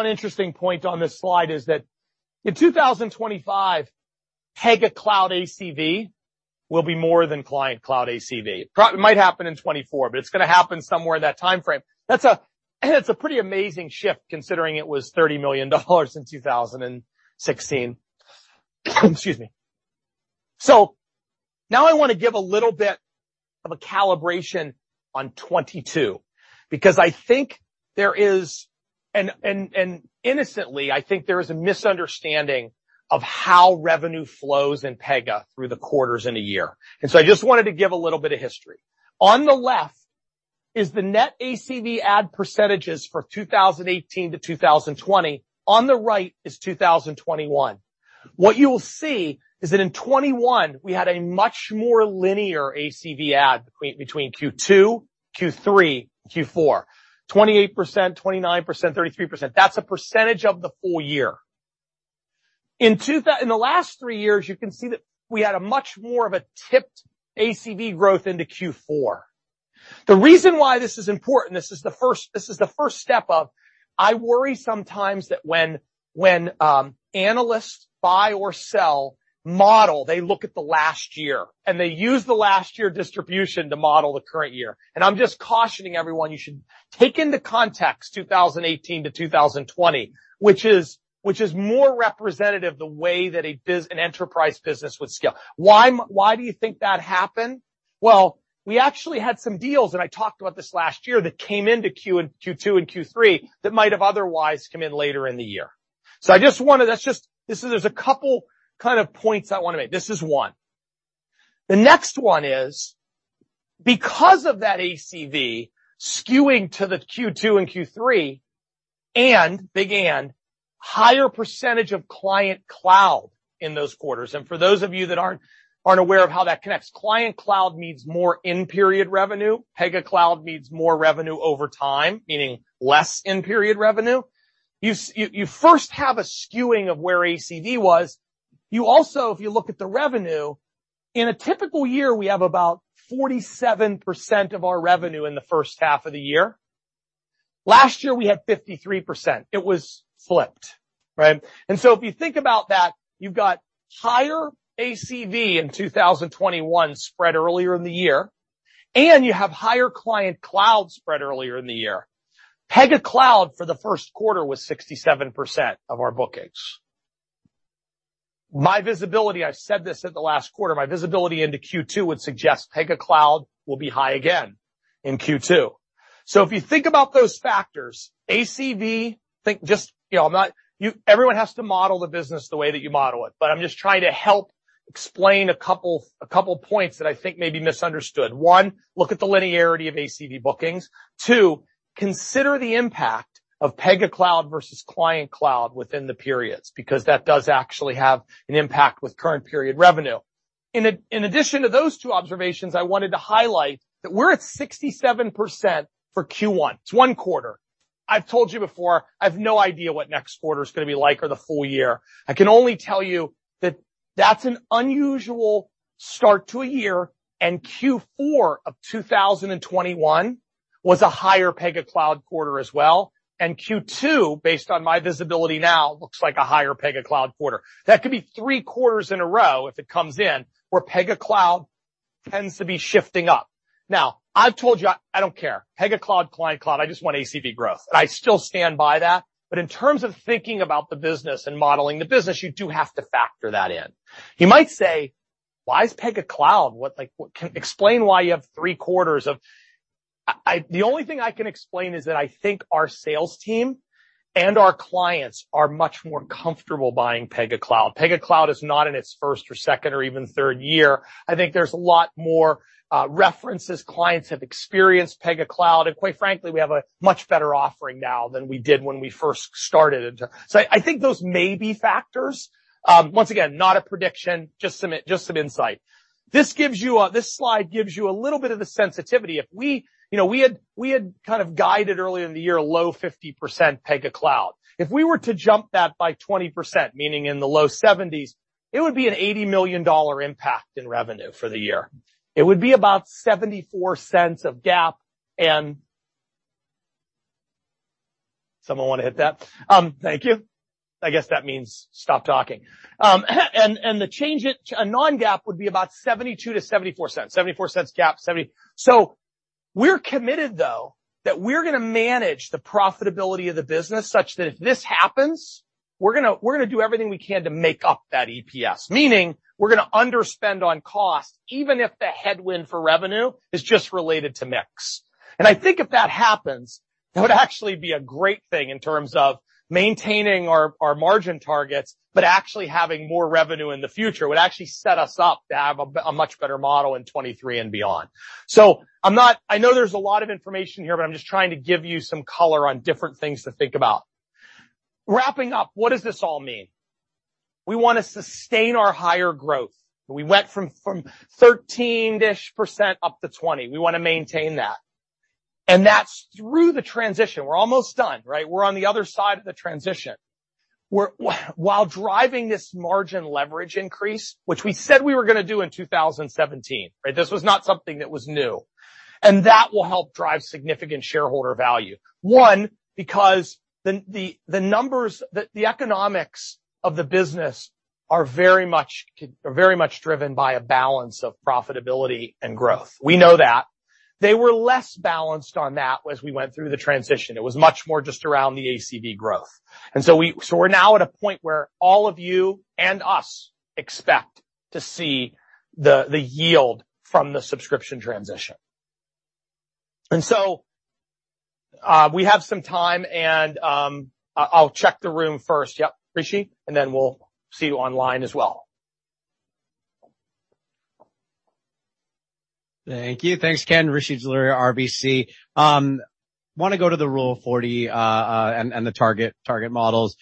Speaker 2: interesting point on this slide is that in 2025, Pega Cloud ACV will be more than Client Cloud ACV. It might happen in 2024, but it's gonna happen somewhere in that timeframe. That's a pretty amazing shift considering it was $30 million in 2016. Now I wanna give a little bit of a calibration on 2022 because I think there is... Innocently, I think there is a misunderstanding of how revenue flows in Pega through the quarters in a year. I just wanted to give a little bit of history. On the left is the net ACV add percentages for 2018 to 2020. On the right is 2021. What you'll see is that in 2021 we had a much more linear ACV add between Q2, Q3, and Q4. 28%, 29%, 33%. That's a percentage of the full year. In the last three years, you can see that we had a much more of a tipped ACV growth into Q4. The reason why this is important, this is the first step. I worry sometimes that when analysts buy or sell model, they look at the last year, and they use the last year distribution to model the current year. I'm just cautioning everyone you should take into context 2018 to 2020, which is more representative the way that an enterprise business would scale. Why do you think that happened? Well, we actually had some deals, and I talked about this last year, that came into Q2 and Q3 that might have otherwise come in later in the year. I just wanna. This is a couple kind of points I wanna make. This is one. The next one is because of that ACV skewing to the Q2 and Q3 and big and higher percentage of Client Cloud in those quarters. For those of you that aren't aware of how that connects, Client Cloud means more in-period revenue. Pega Cloud means more revenue over time, meaning less in-period revenue. You first have a skewing of where ACV was. You also, if you look at the revenue, in a typical year, we have about 47% of our revenue in the first half of the year. Last year, we had 53%. It was flipped, right? If you think about that, you've got higher ACV in 2021 spread earlier in the year, and you have higher Client Cloud spread earlier in the year. Pega Cloud for the Q1 was 67% of our bookings. My visibility, I said this at the last quarter, my visibility into Q2 would suggest Pega Cloud will be high again in Q2. If you think about those factors, ACV, think just, you know, everyone has to model the business the way that you model it, but I'm just trying to help explain a couple points that I think may be misunderstood. One, look at the linearity of ACV bookings. Two, consider the impact of Pega Cloud versus Client Cloud within the periods because that does actually have an impact with current period revenue. In addition to those two observations, I wanted to highlight that we're at 67% for Q1. It's one quarter. I've told you before, I've no idea what next quarter's gonna be like or the full year. I can only tell you that that's an unusual start to a year, and Q4 of 2021 was a higher Pega Cloud quarter as well, and Q2, based on my visibility now, looks like a higher Pega Cloud quarter. That could be three quarters in a row if it comes in where Pega Cloud tends to be shifting up. Now, I've told you I don't care, Pega Cloud, Client Cloud, I just want ACV growth, and I still stand by that. But in terms of thinking about the business and modeling the business, you do have to factor that in. You might say, "Why is Pega Cloud? What, like, explain why you have three quarters of..." The only thing I can explain is that I think our sales team and our clients are much more comfortable buying Pega Cloud. Pega Cloud is not in its first or second or even third year. I think there's a lot more references. Clients have experienced Pega Cloud, and quite frankly, we have a much better offering now than we did when we first started. I think those may be factors. Once again, not a prediction, just some insight. This slide gives you a little bit of the sensitivity. We kind of guided earlier in the year a low 50% Pega Cloud. If we were to jump that by 20%, meaning in the low 70s, it would be an $80 million impact in revenue for the year. It would be about $0.74 GAAP and the change to non-GAAP would be about $0.72-0.74. $0.74 GAAP, $0.70. We're committed, though, that we're gonna manage the profitability of the business such that if this happens, we're gonna do everything we can to make up that EPS, meaning we're gonna underspend on cost even if the headwind for revenue is just related to mix. I think if that happens, it would actually be a great thing in terms of maintaining our margin targets. Actually having more revenue in the future would actually set us up to have a much better model in 2023 and beyond. I'm not. I know there's a lot of information here, but I'm just trying to give you some color on different things to think about. Wrapping up, what does this all mean? We wanna sustain our higher growth. We went from thirteen-ish percent up to 20%. We wanna maintain that. That's through the transition. We're almost done, right? We're while driving this margin leverage increase, which we said we were gonna do in 2017, right? This was not something that was new. That will help drive significant shareholder value. One, because the numbers, the economics of the business are very much driven by a balance of profitability and growth. We know that. They were less balanced on that as we went through the transition. It was much more just around the ACV growth. We're now at a point where all of you and us expect to see the yield from the subscription transition. We have some time, and I'll check the room first. Yep, Rishi, and then we'll see you online as well.
Speaker 4: Thank you. Thanks, Ken. Rishi Jaluria, RBC. Wanna go to the Rule of 40 and the target models.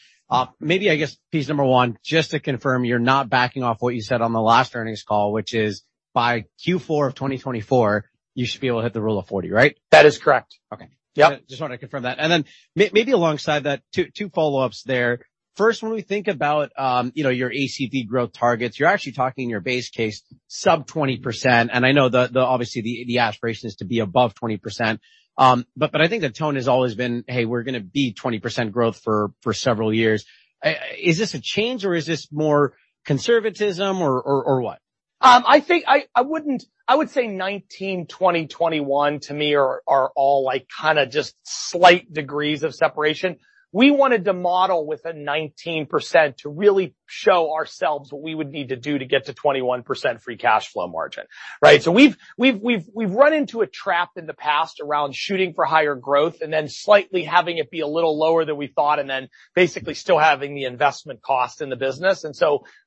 Speaker 4: Maybe, I guess, piece number one, just to confirm you're not backing off what you said on the last earnings call, which is by Q4 of 2024, you should be able to hit the Rule of 40, right?
Speaker 2: That is correct.
Speaker 4: Okay.
Speaker 2: Yep.
Speaker 4: Just wanted to confirm that. Maybe alongside that, two follow-ups there. First, when we think about your ACV growth targets, you're actually talking your base case sub 20%, and I know the obviously the aspiration is to be above 20%. But I think the tone has always been, "Hey, we're gonna be 20% growth for several years." Is this a change, or is this more conservatism or what?
Speaker 2: I would say 2019, 2020, 2021 to me are all like kinda just slight degrees of separation. We wanted to model with a 19% to really show ourselves what we would need to do to get to 21% free cash flow margin, right? We've run into a trap in the past around shooting for higher growth and then slightly having it be a little lower than we thought, and then basically still having the investment cost in the business.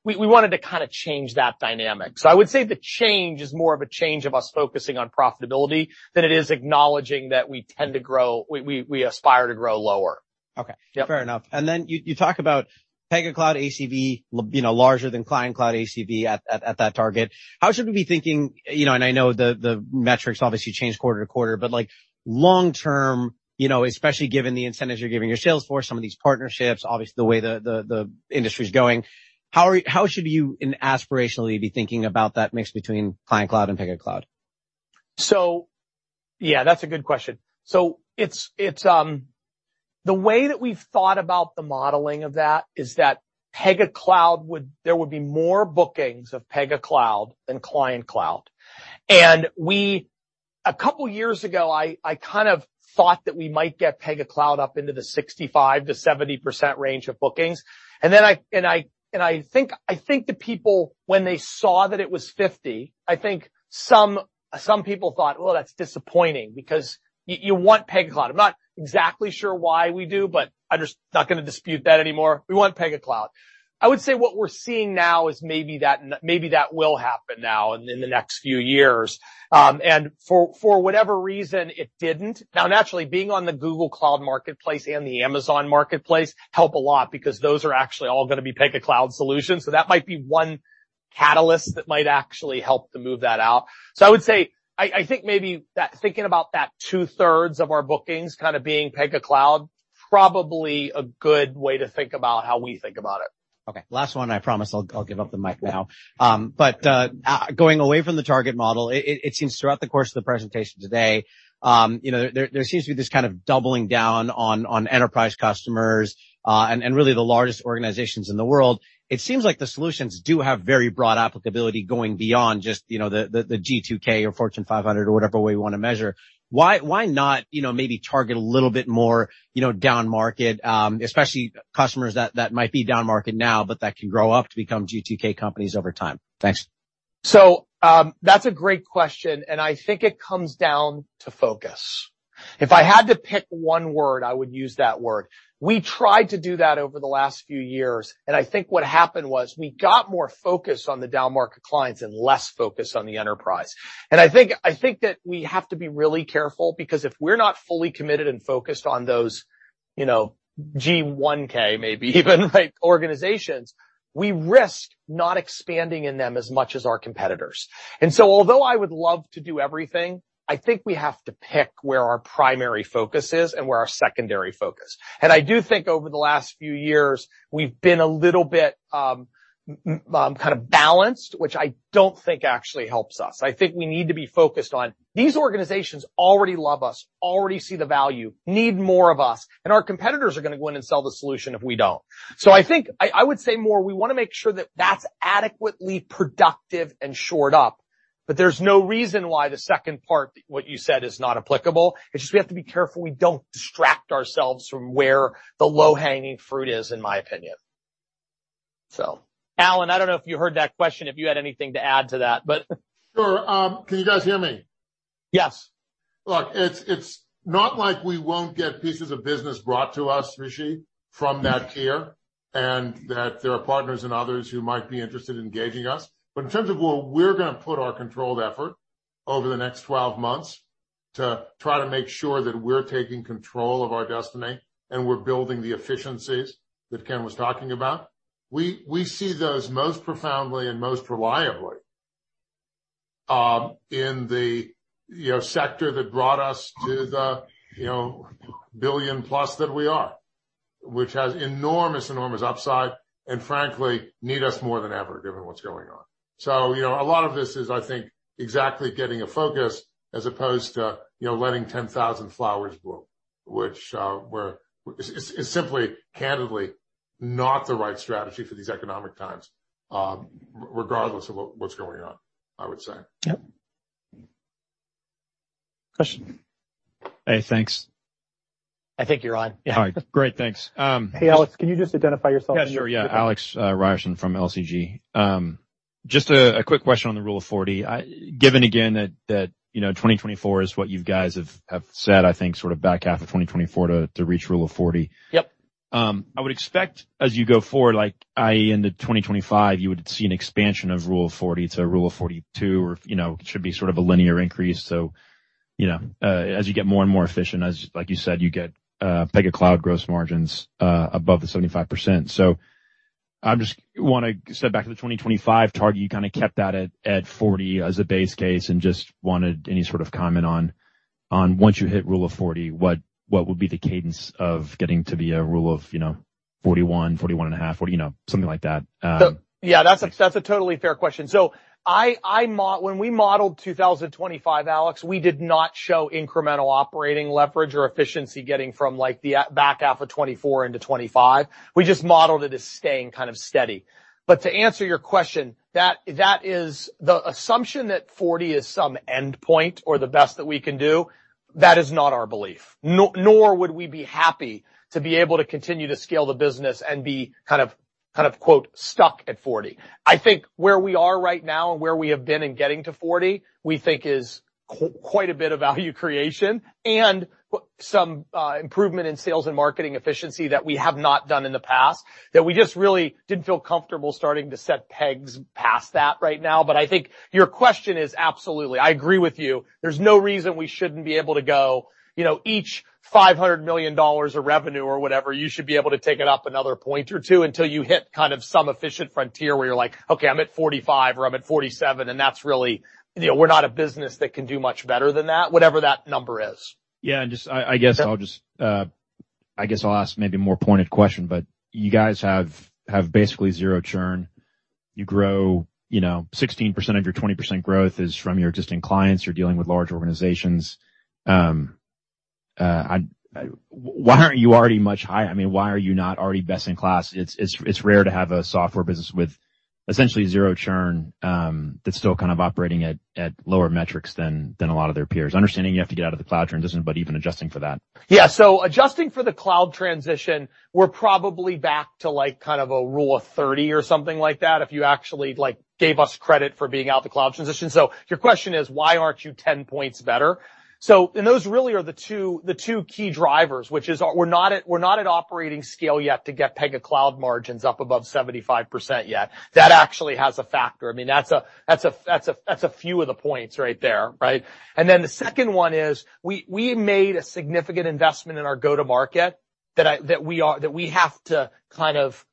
Speaker 2: We wanted to kinda change that dynamic. I would say the change is more of a change of us focusing on profitability than it is acknowledging that we tend to grow. We aspire to grow lower.
Speaker 4: Okay.
Speaker 2: Yep.
Speaker 4: Fair enough. You talk about Pega Cloud ACV, you know, larger than Client Cloud ACV at that target. How should we be thinking, you know, and I know the metrics obviously change quarter to quarter, but like long term, you know, especially given the incentives you're giving your sales force, some of these partnerships, obviously the way the industry's going, how are you, how should you and aspirationally be thinking about that mix between Client Cloud and Pega Cloud?
Speaker 2: Yeah, that's a good question. It's the way that we've thought about the modeling of that is that Pega Cloud would there would be more bookings of Pega Cloud than Client Cloud. We a couple years ago, I kind of thought that we might get Pega Cloud up into the 65%-70% range of bookings. And then I think the people, when they saw that it was 50%, I think some people thought, "Well, that's disappointing," because you want Pega Cloud. I'm not exactly sure why we do, but I'm just not gonna dispute that anymore. We want Pega Cloud. I would say what we're seeing now is maybe that maybe that will happen now in the next few years. For whatever reason, it didn't. Now, naturally, being on the Google Cloud Marketplace and the AWS Marketplace help a lot because those are actually all gonna be Pega Cloud solutions, so that might be one catalyst that might actually help to move that out. I would say I think maybe that thinking about that two-thirds of our bookings kind of being Pega Cloud, probably a good way to think about how we think about it.
Speaker 4: Okay. Last one, I promise I'll give up the mic now. But going away from the target model, it seems throughout the course of the presentation today, you know, there seems to be this kind of doubling down on enterprise customers, and really the largest organizations in the world. It seems like the solutions do have very broad applicability going beyond just, you know, the G2K or Fortune 500 or whatever way you wanna measure. Why not, you know, maybe target a little bit more down-market, especially customers that might be down-market now, but that can grow up to become G2K companies over time? Thanks.
Speaker 2: That's a great question, and I think it comes down to focus. If I had to pick one word, I would use that word. We tried to do that over the last few years, and I think what happened was we got more focused on the down-market clients and less focused on the enterprise. I think that we have to be really careful because if we're not fully committed and focused on those, you know, G1K maybe even, like, organizations, we risk not expanding in them as much as our competitors. Although I would love to do everything, I think we have to pick where our primary focus is and where our secondary focus. I do think over the last few years, we've been a little bit kind of balanced, which I don't think actually helps us. I think we need to be focused on these organizations already love us, already see the value, need more of us, and our competitors are gonna go in and sell the solution if we don't. I think I would say more we wanna make sure that that's adequately productive and shored up, but there's no reason why the second part, what you said, is not applicable. It's just we have to be careful we don't distract ourselves from where the low-hanging fruit is, in my opinion. Alan, I don't know if you heard that question, if you had anything to add to that, but-
Speaker 3: Sure. Can you guys hear me?
Speaker 2: Yes.
Speaker 3: Look, it's not like we won't get pieces of business brought to us, Rishi, from that tier, and that there are partners and others who might be interested in engaging us. In terms of where we're gonna put our controlled effort over the next 12 months to try to make sure that we're taking control of our destiny and we're building the efficiencies that Ken was talking about, we see those most profoundly and most reliably in the sector that brought us to the billion-plus that we are, which has enormous upside, and frankly needs us more than ever, given what's going on. You know, a lot of this is, I think, exactly getting a focus as opposed to letting 10,000 flowers bloom, which we're is simply, candidly, not the right strategy for these economic times, regardless of what's going on, I would say.
Speaker 2: Yep. Question.
Speaker 8: Hey, thanks.
Speaker 2: I think you're on.
Speaker 8: Yeah. All right. Great. Thanks.
Speaker 2: Hey, Alex, can you just identify yourself?
Speaker 8: Yeah, sure. Yeah. Alex Markham from LCG. Just a quick question on the Rule of 40. Given again that, you know, 2024 is what you guys have said, I think, sort of back half of 2024 to reach Rule of 40.
Speaker 2: Yep.
Speaker 8: I would expect as you go forward, like, i.e. into 2025, you would see an expansion of Rule of 40 to Rule of 42 or, you know, it should be sort of a linear increase. You know, as you get more and more efficient, as like you said, you get Pega Cloud gross margins above the 75%. I just wanna step back to the 2025 target. You kinda kept that at 40 as a base case and just wanted any sort of comment on once you hit Rule of 40, what would be the cadence of getting to be a Rule of, you know- 41.5, 40, you know, something like that.
Speaker 2: Yeah, that's a totally fair question. I modeled 2025, Alex, we did not show incremental operating leverage or efficiency getting from, like, the back half of 2024 into 2025. We just modeled it as staying kind of steady. To answer your question, that is the assumption that 40 is some endpoint or the best that we can do, that is not our belief, nor would we be happy to be able to continue to scale the business and be kind of, quote, "stuck at 40." I think where we are right now and where we have been in getting to 40, we think is quite a bit of value creation and some improvement in sales and marketing efficiency that we have not done in the past, that we just really didn't feel comfortable starting to set pegs past that right now. I think your question is absolutely. I agree with you. There's no reason we shouldn't be able to go, you know, each $500 million of revenue or whatever, you should be able to take it up another point or two until you hit kind of some efficient frontier where you're like, "Okay, I'm at 45%, or I'm at 47%." You know, we're not a business that can do much better than that, whatever that number is.
Speaker 8: Yeah. I guess I'll ask maybe a more pointed question, but you guys have basically zero churn. You grow, you know, 16% of your 20% growth is from your existing clients. You're dealing with large organizations. Why aren't you already much higher? I mean, why are you not already best in class? It's rare to have a software business with essentially zero churn, that's still kind of operating at lower metrics than a lot of their peers. Understanding you have to get out of the cloud churn doesn't, but even adjusting for that.
Speaker 2: Yeah. Adjusting for the cloud transition, we're probably back to like kind of a rule of 30 or something like that if you actually, like, gave us credit for being out of the cloud transition. Your question is, why aren't you 10 points better? Those really are the two key drivers, which is we're not at operating scale yet to get Pega Cloud margins up above 75% yet. That actually has a factor. I mean, that's a few of the points right there, right? Then the second one is we made a significant investment in our go-to-market that we have to kind of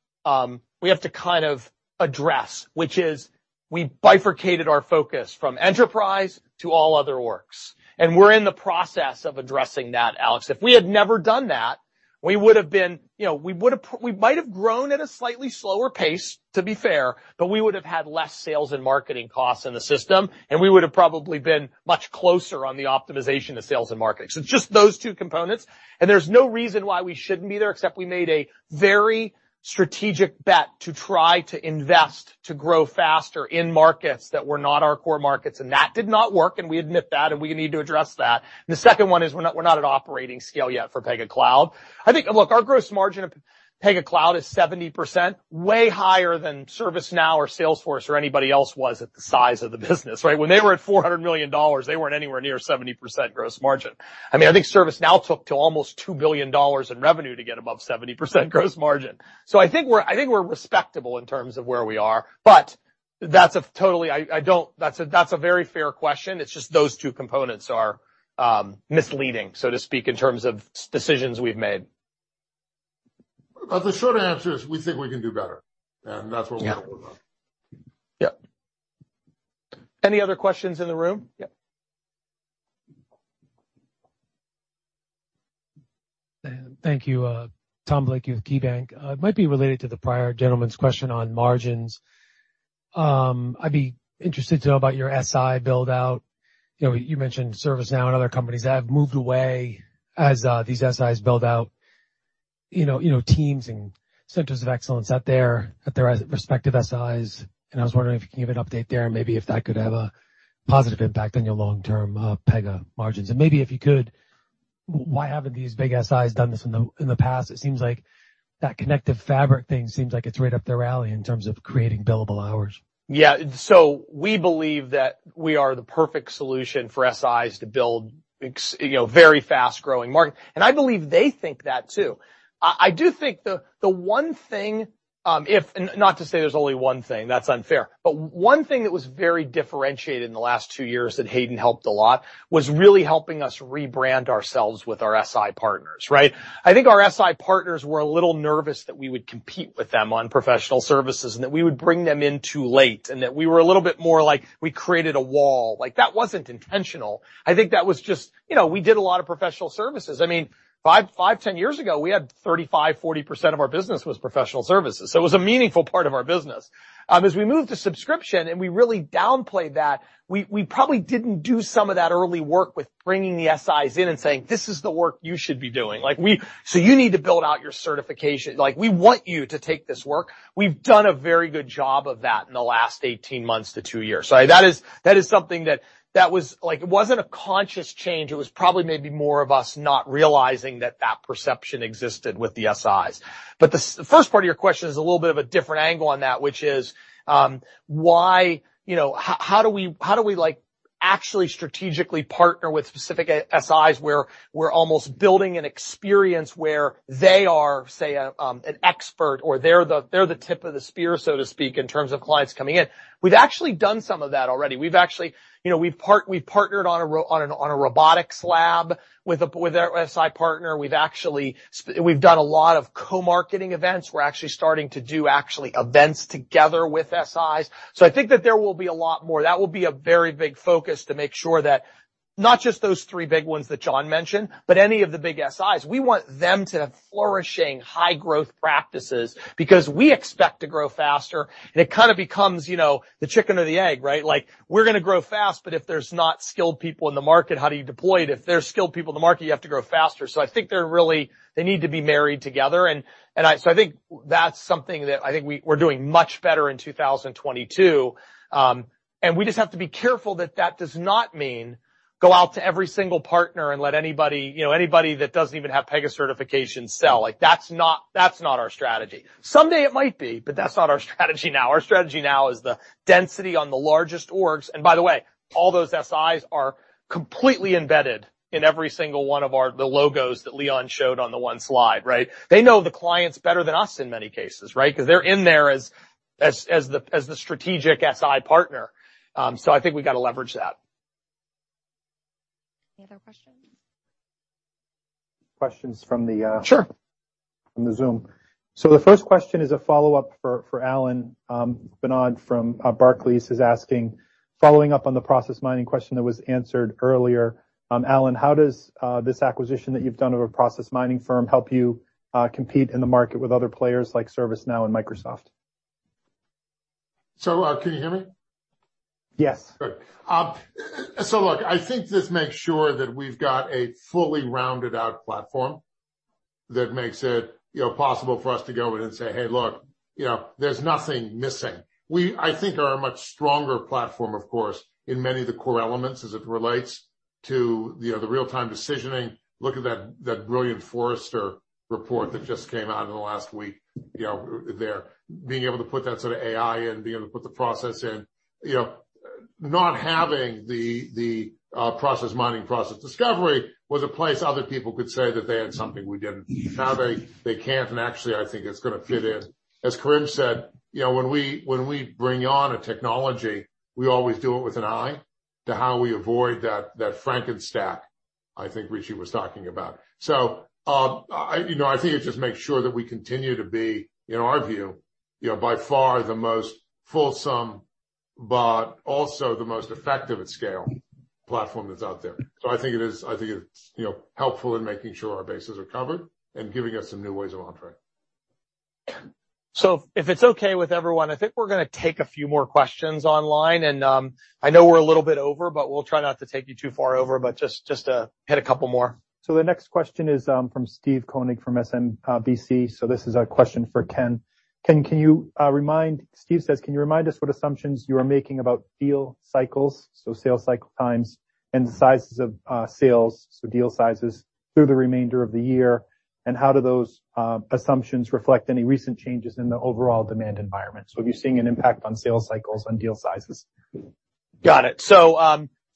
Speaker 2: address, which is we bifurcated our focus from enterprise to all other workloads. We're in the process of addressing that, Alex. If we had never done that, we would have been, you know, we would have we might have grown at a slightly slower pace, to be fair, but we would have had less sales and marketing costs in the system, and we would have probably been much closer on the optimization of sales and marketing. Just those two components, and there's no reason why we shouldn't be there, except we made a very strategic bet to try to invest to grow faster in markets that were not our core markets. That did not work, and we admit that, and we need to address that. The second one is we're not at operating scale yet for Pega Cloud. I think Look, our gross margin of Pega Cloud is 70%, way higher than ServiceNow or Salesforce or anybody else was at the size of the business, right? When they were at $400 million, they weren't anywhere near 70% gross margin. I mean, I think ServiceNow took to almost $2 billion in revenue to get above 70% gross margin. I think we're respectable in terms of where we are. That's a very fair question. It's just those two components are misleading, so to speak, in terms of decisions we've made.
Speaker 3: The short answer is, we think we can do better, and that's what we're gonna work on.
Speaker 2: Yeah. Any other questions in the room? Yeah.
Speaker 9: Thank you. Tom Blakey with KeyBanc. It might be related to the prior gentleman's question on margins. I'd be interested to know about your SI build-out. You know, you mentioned ServiceNow and other companies that have moved away as these SIs build out, you know, teams and centers of excellence at their respective SIs. I was wondering if you can give an update there, and maybe if that could have a positive impact on your long-term Pega margins. Maybe if you could, why haven't these big SIs done this in the past? It seems like that connective fabric thing seems like it's right up their alley in terms of creating billable hours.
Speaker 2: Yeah. We believe that we are the perfect solution for SIs to build, you know, very fast-growing market. I believe they think that too. I do think the one thing. Not to say there's only one thing, that's unfair. One thing that was very differentiated in the last two years that Hayden helped a lot was really helping us rebrand ourselves with our SI partners, right? I think our SI partners were a little nervous that we would compete with them on professional services and that we would bring them in too late, and that we were a little bit more like we created a wall. Like, that wasn't intentional. I think that was just, you know, we did a lot of professional services. I mean, 5-10 years ago, we had 35-40% of our business was professional services. It was a meaningful part of our business. As we moved to subscription and we really downplayed that, we probably didn't do some of that early work with bringing the SIs in and saying, "This is the work you should be doing. So you need to build out your certification. Like, we want you to take this work." We've done a very good job of that in the last 18 months to 2 years. That is something that was, like, it wasn't a conscious change. It was probably maybe more of us not realizing that that perception existed with the SIs. The first part of your question is a little bit of a different angle on that, which is, why, you know, how do we, like, actually strategically partner with specific SIs where we're almost building an experience where they are, say, an expert or they're the tip of the spear, so to speak, in terms of clients coming in? We've actually done some of that already. You know, we've actually partnered on a robotics lab with a SI partner. We've done a lot of co-marketing events. We're actually starting to do events together with SIs. I think that there will be a lot more. That will be a very big focus to make sure not just those three big ones that John mentioned, but any of the big SIs. We want them to have flourishing high growth practices because we expect to grow faster, and it kind of becomes, you know, the chicken or the egg, right? Like, we're gonna grow fast, but if there's not skilled people in the market, how do you deploy it? If there's skilled people in the market, you have to grow faster. I think they need to be married together. I think that's something that I think we're doing much better in 2022. We just have to be careful that that does not mean go out to every single partner and let anybody, you know, anybody that doesn't even have Pega certifications sell. Like, that's not our strategy. Someday it might be, but that's not our strategy now. Our strategy now is the density on the largest orgs. By the way, all those SIs are completely embedded in every single one of the logos that Leon showed on the one slide, right? They know the clients better than us in many cases, right? 'Cause they're in there as the strategic SI partner. I think we gotta leverage that.
Speaker 10: Any other questions?
Speaker 1: Questions from the
Speaker 2: Sure.
Speaker 1: From the Zoom. The first question is a follow-up for Alan. Vinod from Barclays is asking, following up on the process mining question that was answered earlier, Alan, how does this acquisition that you've done of a process mining firm help you compete in the market with other players like ServiceNow and Microsoft?
Speaker 3: Can you hear me?
Speaker 1: Yes.
Speaker 3: Good. So look, I think this makes sure that we've got a fully rounded out platform that makes it, you know, possible for us to go in and say, "Hey, look, you know, there's nothing missing." We, I think are a much stronger platform, of course, in many of the core elements as it relates to, you know, the real-time decisioning. Look at that brilliant Forrester report that just came out in the last week, you know, there. Being able to put that sort of AI in, being able to put the process in. You know, not having the process mining, process discovery was a place other people could say that they had something we didn't. Now they can't, and actually I think it's gonna fit in. As Kerim said, you know, when we bring on a technology, we always do it with an eye to how we avoid that Frankenstack I think Rishi was talking about. I think it just makes sure that we continue to be, in our view, you know, by far the most fulsome but also the most effective at scale platform that's out there. I think it's, you know, helpful in making sure our bases are covered and giving us some new ways of entry.
Speaker 2: If it's okay with everyone, I think we're gonna take a few more questions online, and I know we're a little bit over, but we'll try not to take you too far over, but just hit a couple more.
Speaker 1: The next question is from Steve Koenig from SMBC. This is a question for Ken. Ken, can you remind us what assumptions you are making about deal cycles, so sales cycle times and the sizes of sales, so deal sizes through the remainder of the year, and how do those assumptions reflect any recent changes in the overall demand environment? Are you seeing an impact on sales cycles on deal sizes?
Speaker 2: Got it.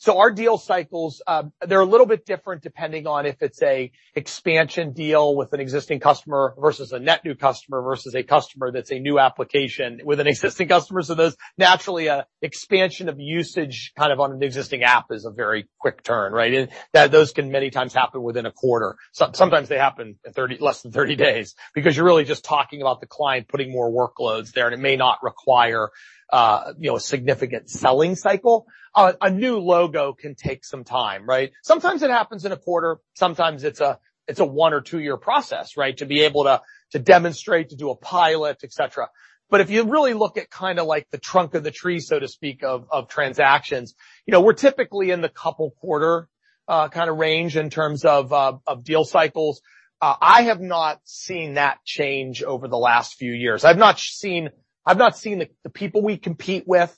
Speaker 2: Our deal cycles, they're a little bit different depending on if it's an expansion deal with an existing customer versus a net new customer versus a customer that's a new application with an existing customer. There's naturally an expansion of usage kind of on an existing app is a very quick turn, right? Those can many times happen within a quarter. Sometimes they happen in 30, less than 30 days because you're really just talking about the client putting more workloads there, and it may not require, you know, a significant selling cycle. A new logo can take some time, right? Sometimes it happens in a quarter. Sometimes it's a 1 or 2-year process, right, to be able to demonstrate, to do a pilot, et cetera. If you really look at kind of like the trunk of the tree, so to speak, of transactions, you know, we're typically in the couple quarter kind of range in terms of of deal cycles. I have not seen that change over the last few years. I've not seen the people we compete with,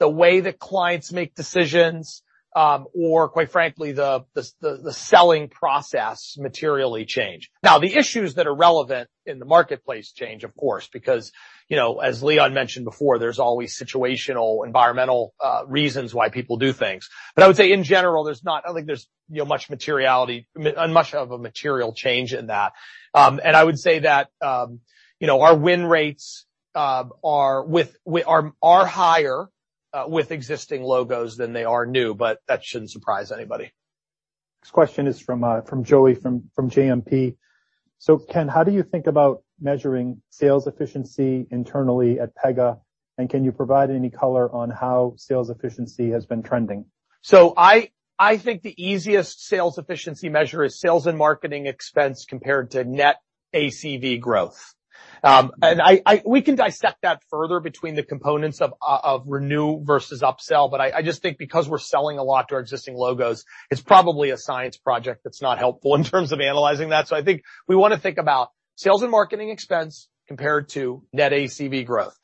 Speaker 2: the way that clients make decisions, or quite frankly, the selling process materially change. Now, the issues that are relevant in the marketplace change, of course, because, you know, as Leon mentioned before, there's always situational, environmental reasons why people do things. I would say in general, there's not, I think there's, you know, much materiality, much of a material change in that. I would say that, you know, our win rates are higher with existing logos than they are new, but that shouldn't surprise anybody.
Speaker 1: Next question is from Joey from JMP. Ken, how do you think about measuring sales efficiency internally at Pega, and can you provide any color on how sales efficiency has been trending?
Speaker 2: I think the easiest sales efficiency measure is sales and marketing expense compared to net ACV growth. We can dissect that further between the components of renew versus upsell, but I just think because we're selling a lot to our existing logos, it's probably a science project that's not helpful in terms of analyzing that. I think we wanna think about sales and marketing expense compared to net ACV growth.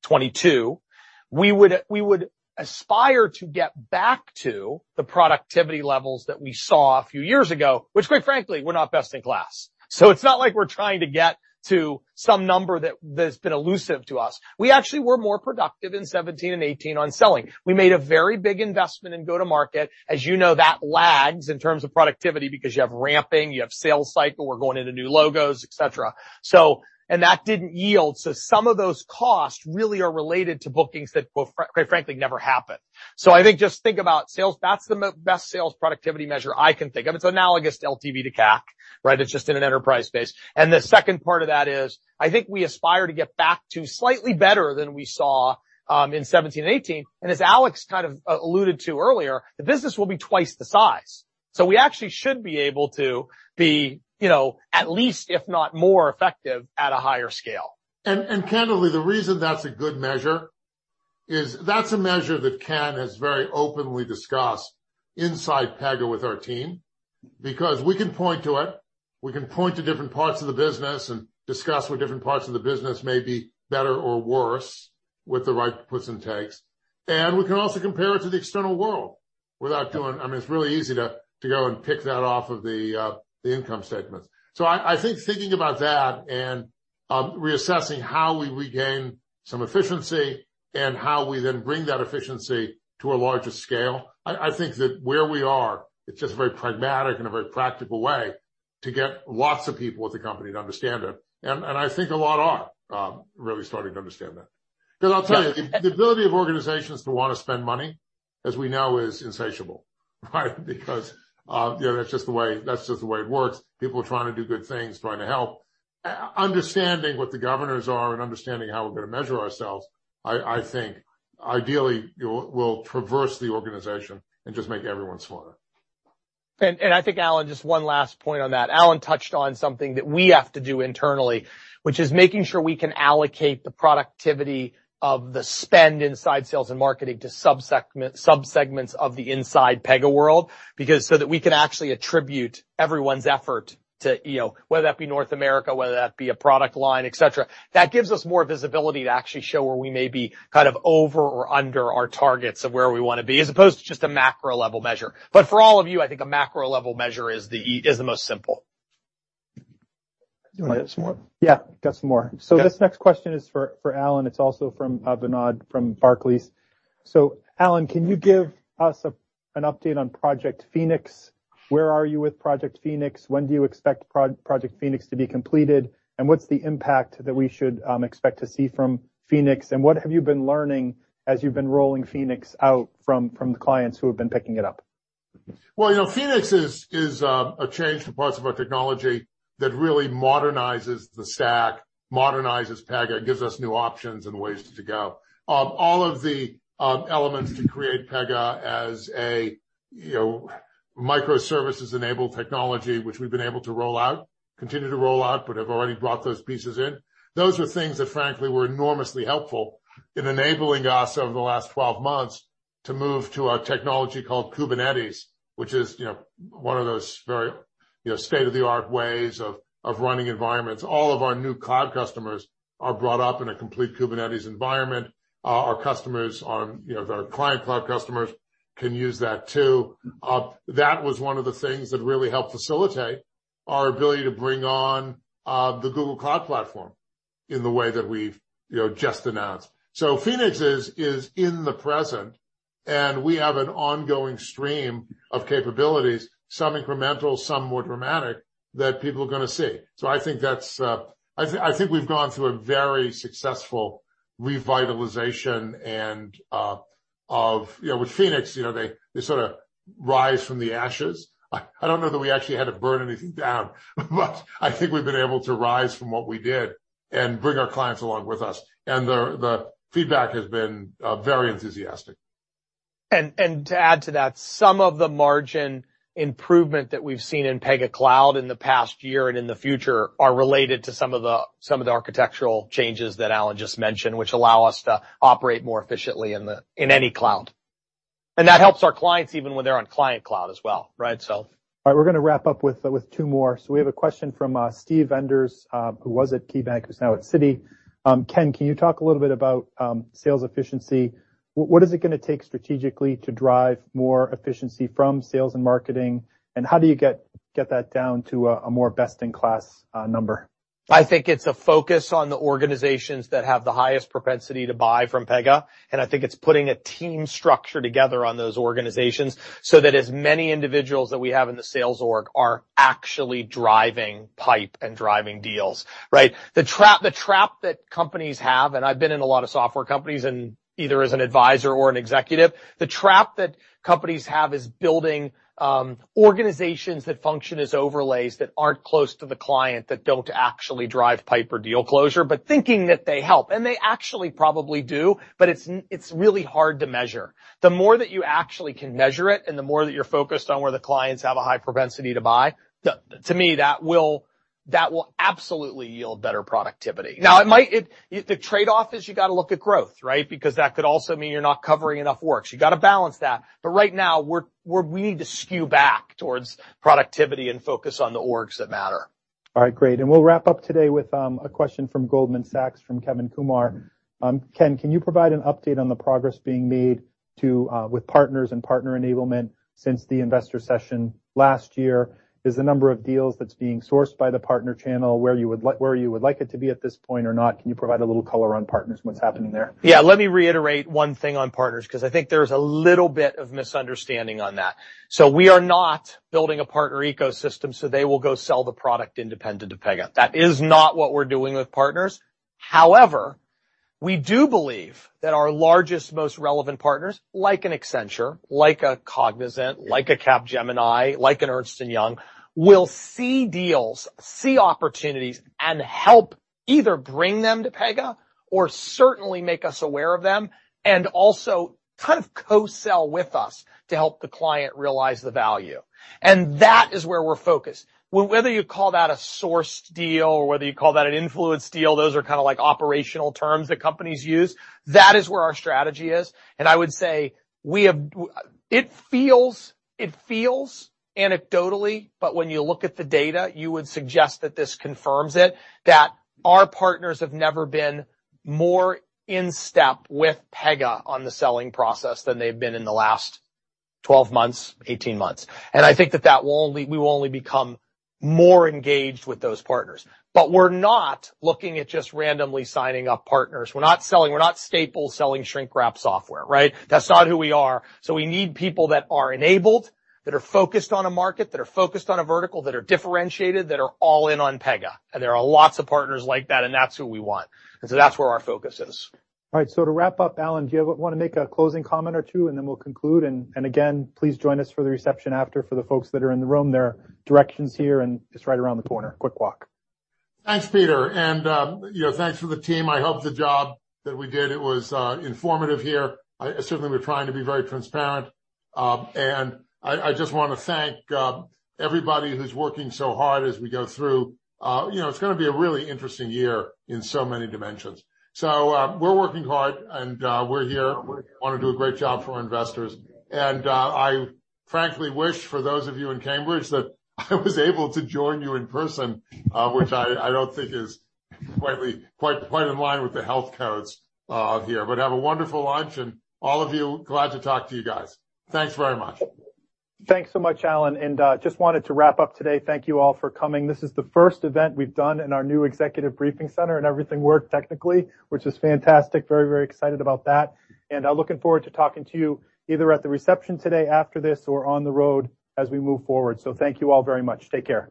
Speaker 2: That number, we were more efficient in 2016, 2017, 2018, and 2019 than we were in 2020 and 2021. In 2021 and the beginning part of 2022. We would aspire to get back to the productivity levels that we saw a few years ago, which quite frankly, we're not best in class. It's not like we're trying to get to some number that's been elusive to us. We actually were more productive in 2017 and 2018 on selling. We made a very big investment in go-to-market. As you know, that lags in terms of productivity because you have ramping, you have sales cycle, we're going into new logos, et cetera. That didn't yield, so some of those costs really are related to bookings that quite frankly, never happened. I think just think about sales. That's the most sales productivity measure I can think of. It's analogous to LTV to CAC, right? It's just in an enterprise space. The second part of that is, I think we aspire to get back to slightly better than we saw in 2017 and 2018. As Alex kind of alluded to earlier, the business will be twice the size. We actually should be able to be, you know, at least if not more effective at a higher scale.
Speaker 3: Candidly, the reason that's a good measure is that's a measure that Ken has very openly discussed inside Pega with our team because we can point to it, we can point to different parts of the business and discuss what different parts of the business may be better or worse with the right puts and takes. We can also compare it to the external world. I mean, it's really easy to go and pick that off of the income statements. I think thinking about that and reassessing how we regain some efficiency and how we then bring that efficiency to a larger scale, I think that where we are, it's just very pragmatic in a very practical way to get lots of people at the company to understand it. I think a lot are really starting to understand that. 'Cause I'll tell you, the ability of organizations to wanna spend money, as we know, is insatiable, right? Because you know, that's just the way it works. People are trying to do good things, trying to help. Understanding what the governors are and understanding how we're gonna measure ourselves, I think ideally will traverse the organization and just make everyone smarter.
Speaker 2: I think, Alan, just one last point on that. Alan touched on something that we have to do internally, which is making sure we can allocate the productivity of the spend inside sales and marketing to subsegments of the inside Pega world because so that we can actually attribute everyone's effort to, you know, whether that be North America, whether that be a product line, et cetera. That gives us more visibility to actually show where we may be kind of over or under our targets of where we wanna be, as opposed to just a macro level measure. For all of you, I think a macro level measure is the most simple.
Speaker 10: You wanna get some more?
Speaker 1: Yeah, got some more.
Speaker 2: Yeah.
Speaker 1: This next question is for Alan. It's also from Bernard from Barclays. Alan, can you give us an update on Project Phoenix? Where are you with Project Phoenix? When do you expect Project Phoenix to be completed? And what's the impact that we should expect to see from Phoenix? And what have you been learning as you've been rolling Phoenix out from the clients who have been picking it up?
Speaker 3: Well, you know, Phoenix is a change to parts of our technology that really modernizes the stack, modernizes Pega, gives us new options and ways to go. All of the elements to create Pega as a, you know, microservices-enabled technology, which we've been able to roll out, continue to roll out, but have already brought those pieces in. Those are things that, frankly, were enormously helpful in enabling us over the last 12 months to move to a technology called Kubernetes, which is, you know, one of those very, you know, state-of-the-art ways of running environments. All of our new cloud customers are brought up in a complete Kubernetes environment. Our customers on, you know, their Client Cloud customers can use that too. That was one of the things that really helped facilitate our ability to bring on the Google Cloud Platform in the way that we've, you know, just announced. Phoenix is in the present, and we have an ongoing stream of capabilities, some incremental, some more dramatic, that people are gonna see. I think that's, I think we've gone through a very successful revitalization and, of, you know, with Phoenix, you know, they sort of rise from the ashes. I don't know that we actually had to burn anything down, but I think we've been able to rise from what we did and bring our clients along with us. The feedback has been very enthusiastic.
Speaker 2: To add to that, some of the margin improvement that we've seen in Pega Cloud in the past year and in the future are related to some of the architectural changes that Alan just mentioned, which allow us to operate more efficiently in any cloud. That helps our clients even when they're on Client Cloud as well, right?
Speaker 1: All right, we're gonna wrap up with two more. We have a question from Steve Enders, who was at KeyBanc, who's now at Citi. Ken, can you talk a little bit about sales efficiency? What is it gonna take strategically to drive more efficiency from sales and marketing? How do you get that down to a more best-in-class number?
Speaker 2: I think it's a focus on the organizations that have the highest propensity to buy from Pega, and I think it's putting a team structure together on those organizations so that as many individuals that we have in the sales org are actually driving pipe and driving deals, right? The trap that companies have, and I've been in a lot of software companies and either as an advisor or an executive, the trap that companies have is building organizations that function as overlays that aren't close to the client, that don't actually drive pipe or deal closure, but thinking that they help, and they actually probably do, but it's really hard to measure. The more that you actually can measure it and the more that you're focused on where the clients have a high propensity to buy, to me, that will absolutely yield better productivity. Now, it might. The trade-off is you gotta look at growth, right? Because that could also mean you're not covering enough works. You gotta balance that. Right now, we need to skew back towards productivity and focus on the orgs that matter.
Speaker 1: All right, great. We'll wrap up today with a question from Goldman Sachs, from Kevin Kumar. Ken, can you provide an update on the progress being made with partners and partner enablement since the investor session last year? Is the number of deals that's being sourced by the partner channel where you would like it to be at this point or not? Can you provide a little color on partners and what's happening there?
Speaker 2: Yeah, let me reiterate one thing on partners 'cause I think there's a little bit of misunderstanding on that. We are not building a partner ecosystem, so they will go sell the product independent of Pega. That is not what we're doing with partners. However, we do believe that our largest, most relevant partners, like an Accenture, like a Cognizant, like a Capgemini, like an Ernst & Young, will see deals, see opportunities and help either bring them to Pega or certainly make us aware of them and also kind of co-sell with us to help the client realize the value. That is where we're focused. Whether you call that a sourced deal or whether you call that an influenced deal, those are kinda like operational terms that companies use. That is where our strategy is, and I would say we have... It feels anecdotally, but when you look at the data, you would suggest that this confirms it, that our partners have never been more in step with Pega on the selling process than they've been in the last 12 months, 18 months. I think that we will only become more engaged with those partners. We're not looking at just randomly signing up partners. We're not selling, we're not staple selling shrink wrap software, right? That's not who we are. We need people that are enabled, that are focused on a market, that are focused on a vertical, that are differentiated, that are all in on Pega. There are lots of partners like that, and that's who we want. That's where our focus is.
Speaker 1: All right. To wrap up, Alan, do you want to make a closing comment or two, and then we'll conclude. Again, please join us for the reception after. For the folks that are in the room, there are directions here, and it's right around the corner. Quick walk.
Speaker 3: Thanks, Peter. You know, thanks for the team. I hope the job that we did, it was informative here. I certainly we're trying to be very transparent. I just wanna thank everybody who's working so hard as we go through. You know, it's gonna be a really interesting year in so many dimensions. We're working hard, and we're here. Wanna do a great job for our investors. I frankly wish for those of you in Cambridge that I was able to join you in person, which I don't think is quite in line with the health codes here. Have a wonderful lunch, and all of you, glad to talk to you guys. Thanks very much.
Speaker 1: Thanks so much, Alan, and just wanted to wrap up today. Thank you all for coming. This is the first event we've done in our new executive briefing center, and everything worked technically, which is fantastic. Very, very excited about that. Looking forward to talking to you either at the reception today after this or on the road as we move forward. Thank you all very much. Take care.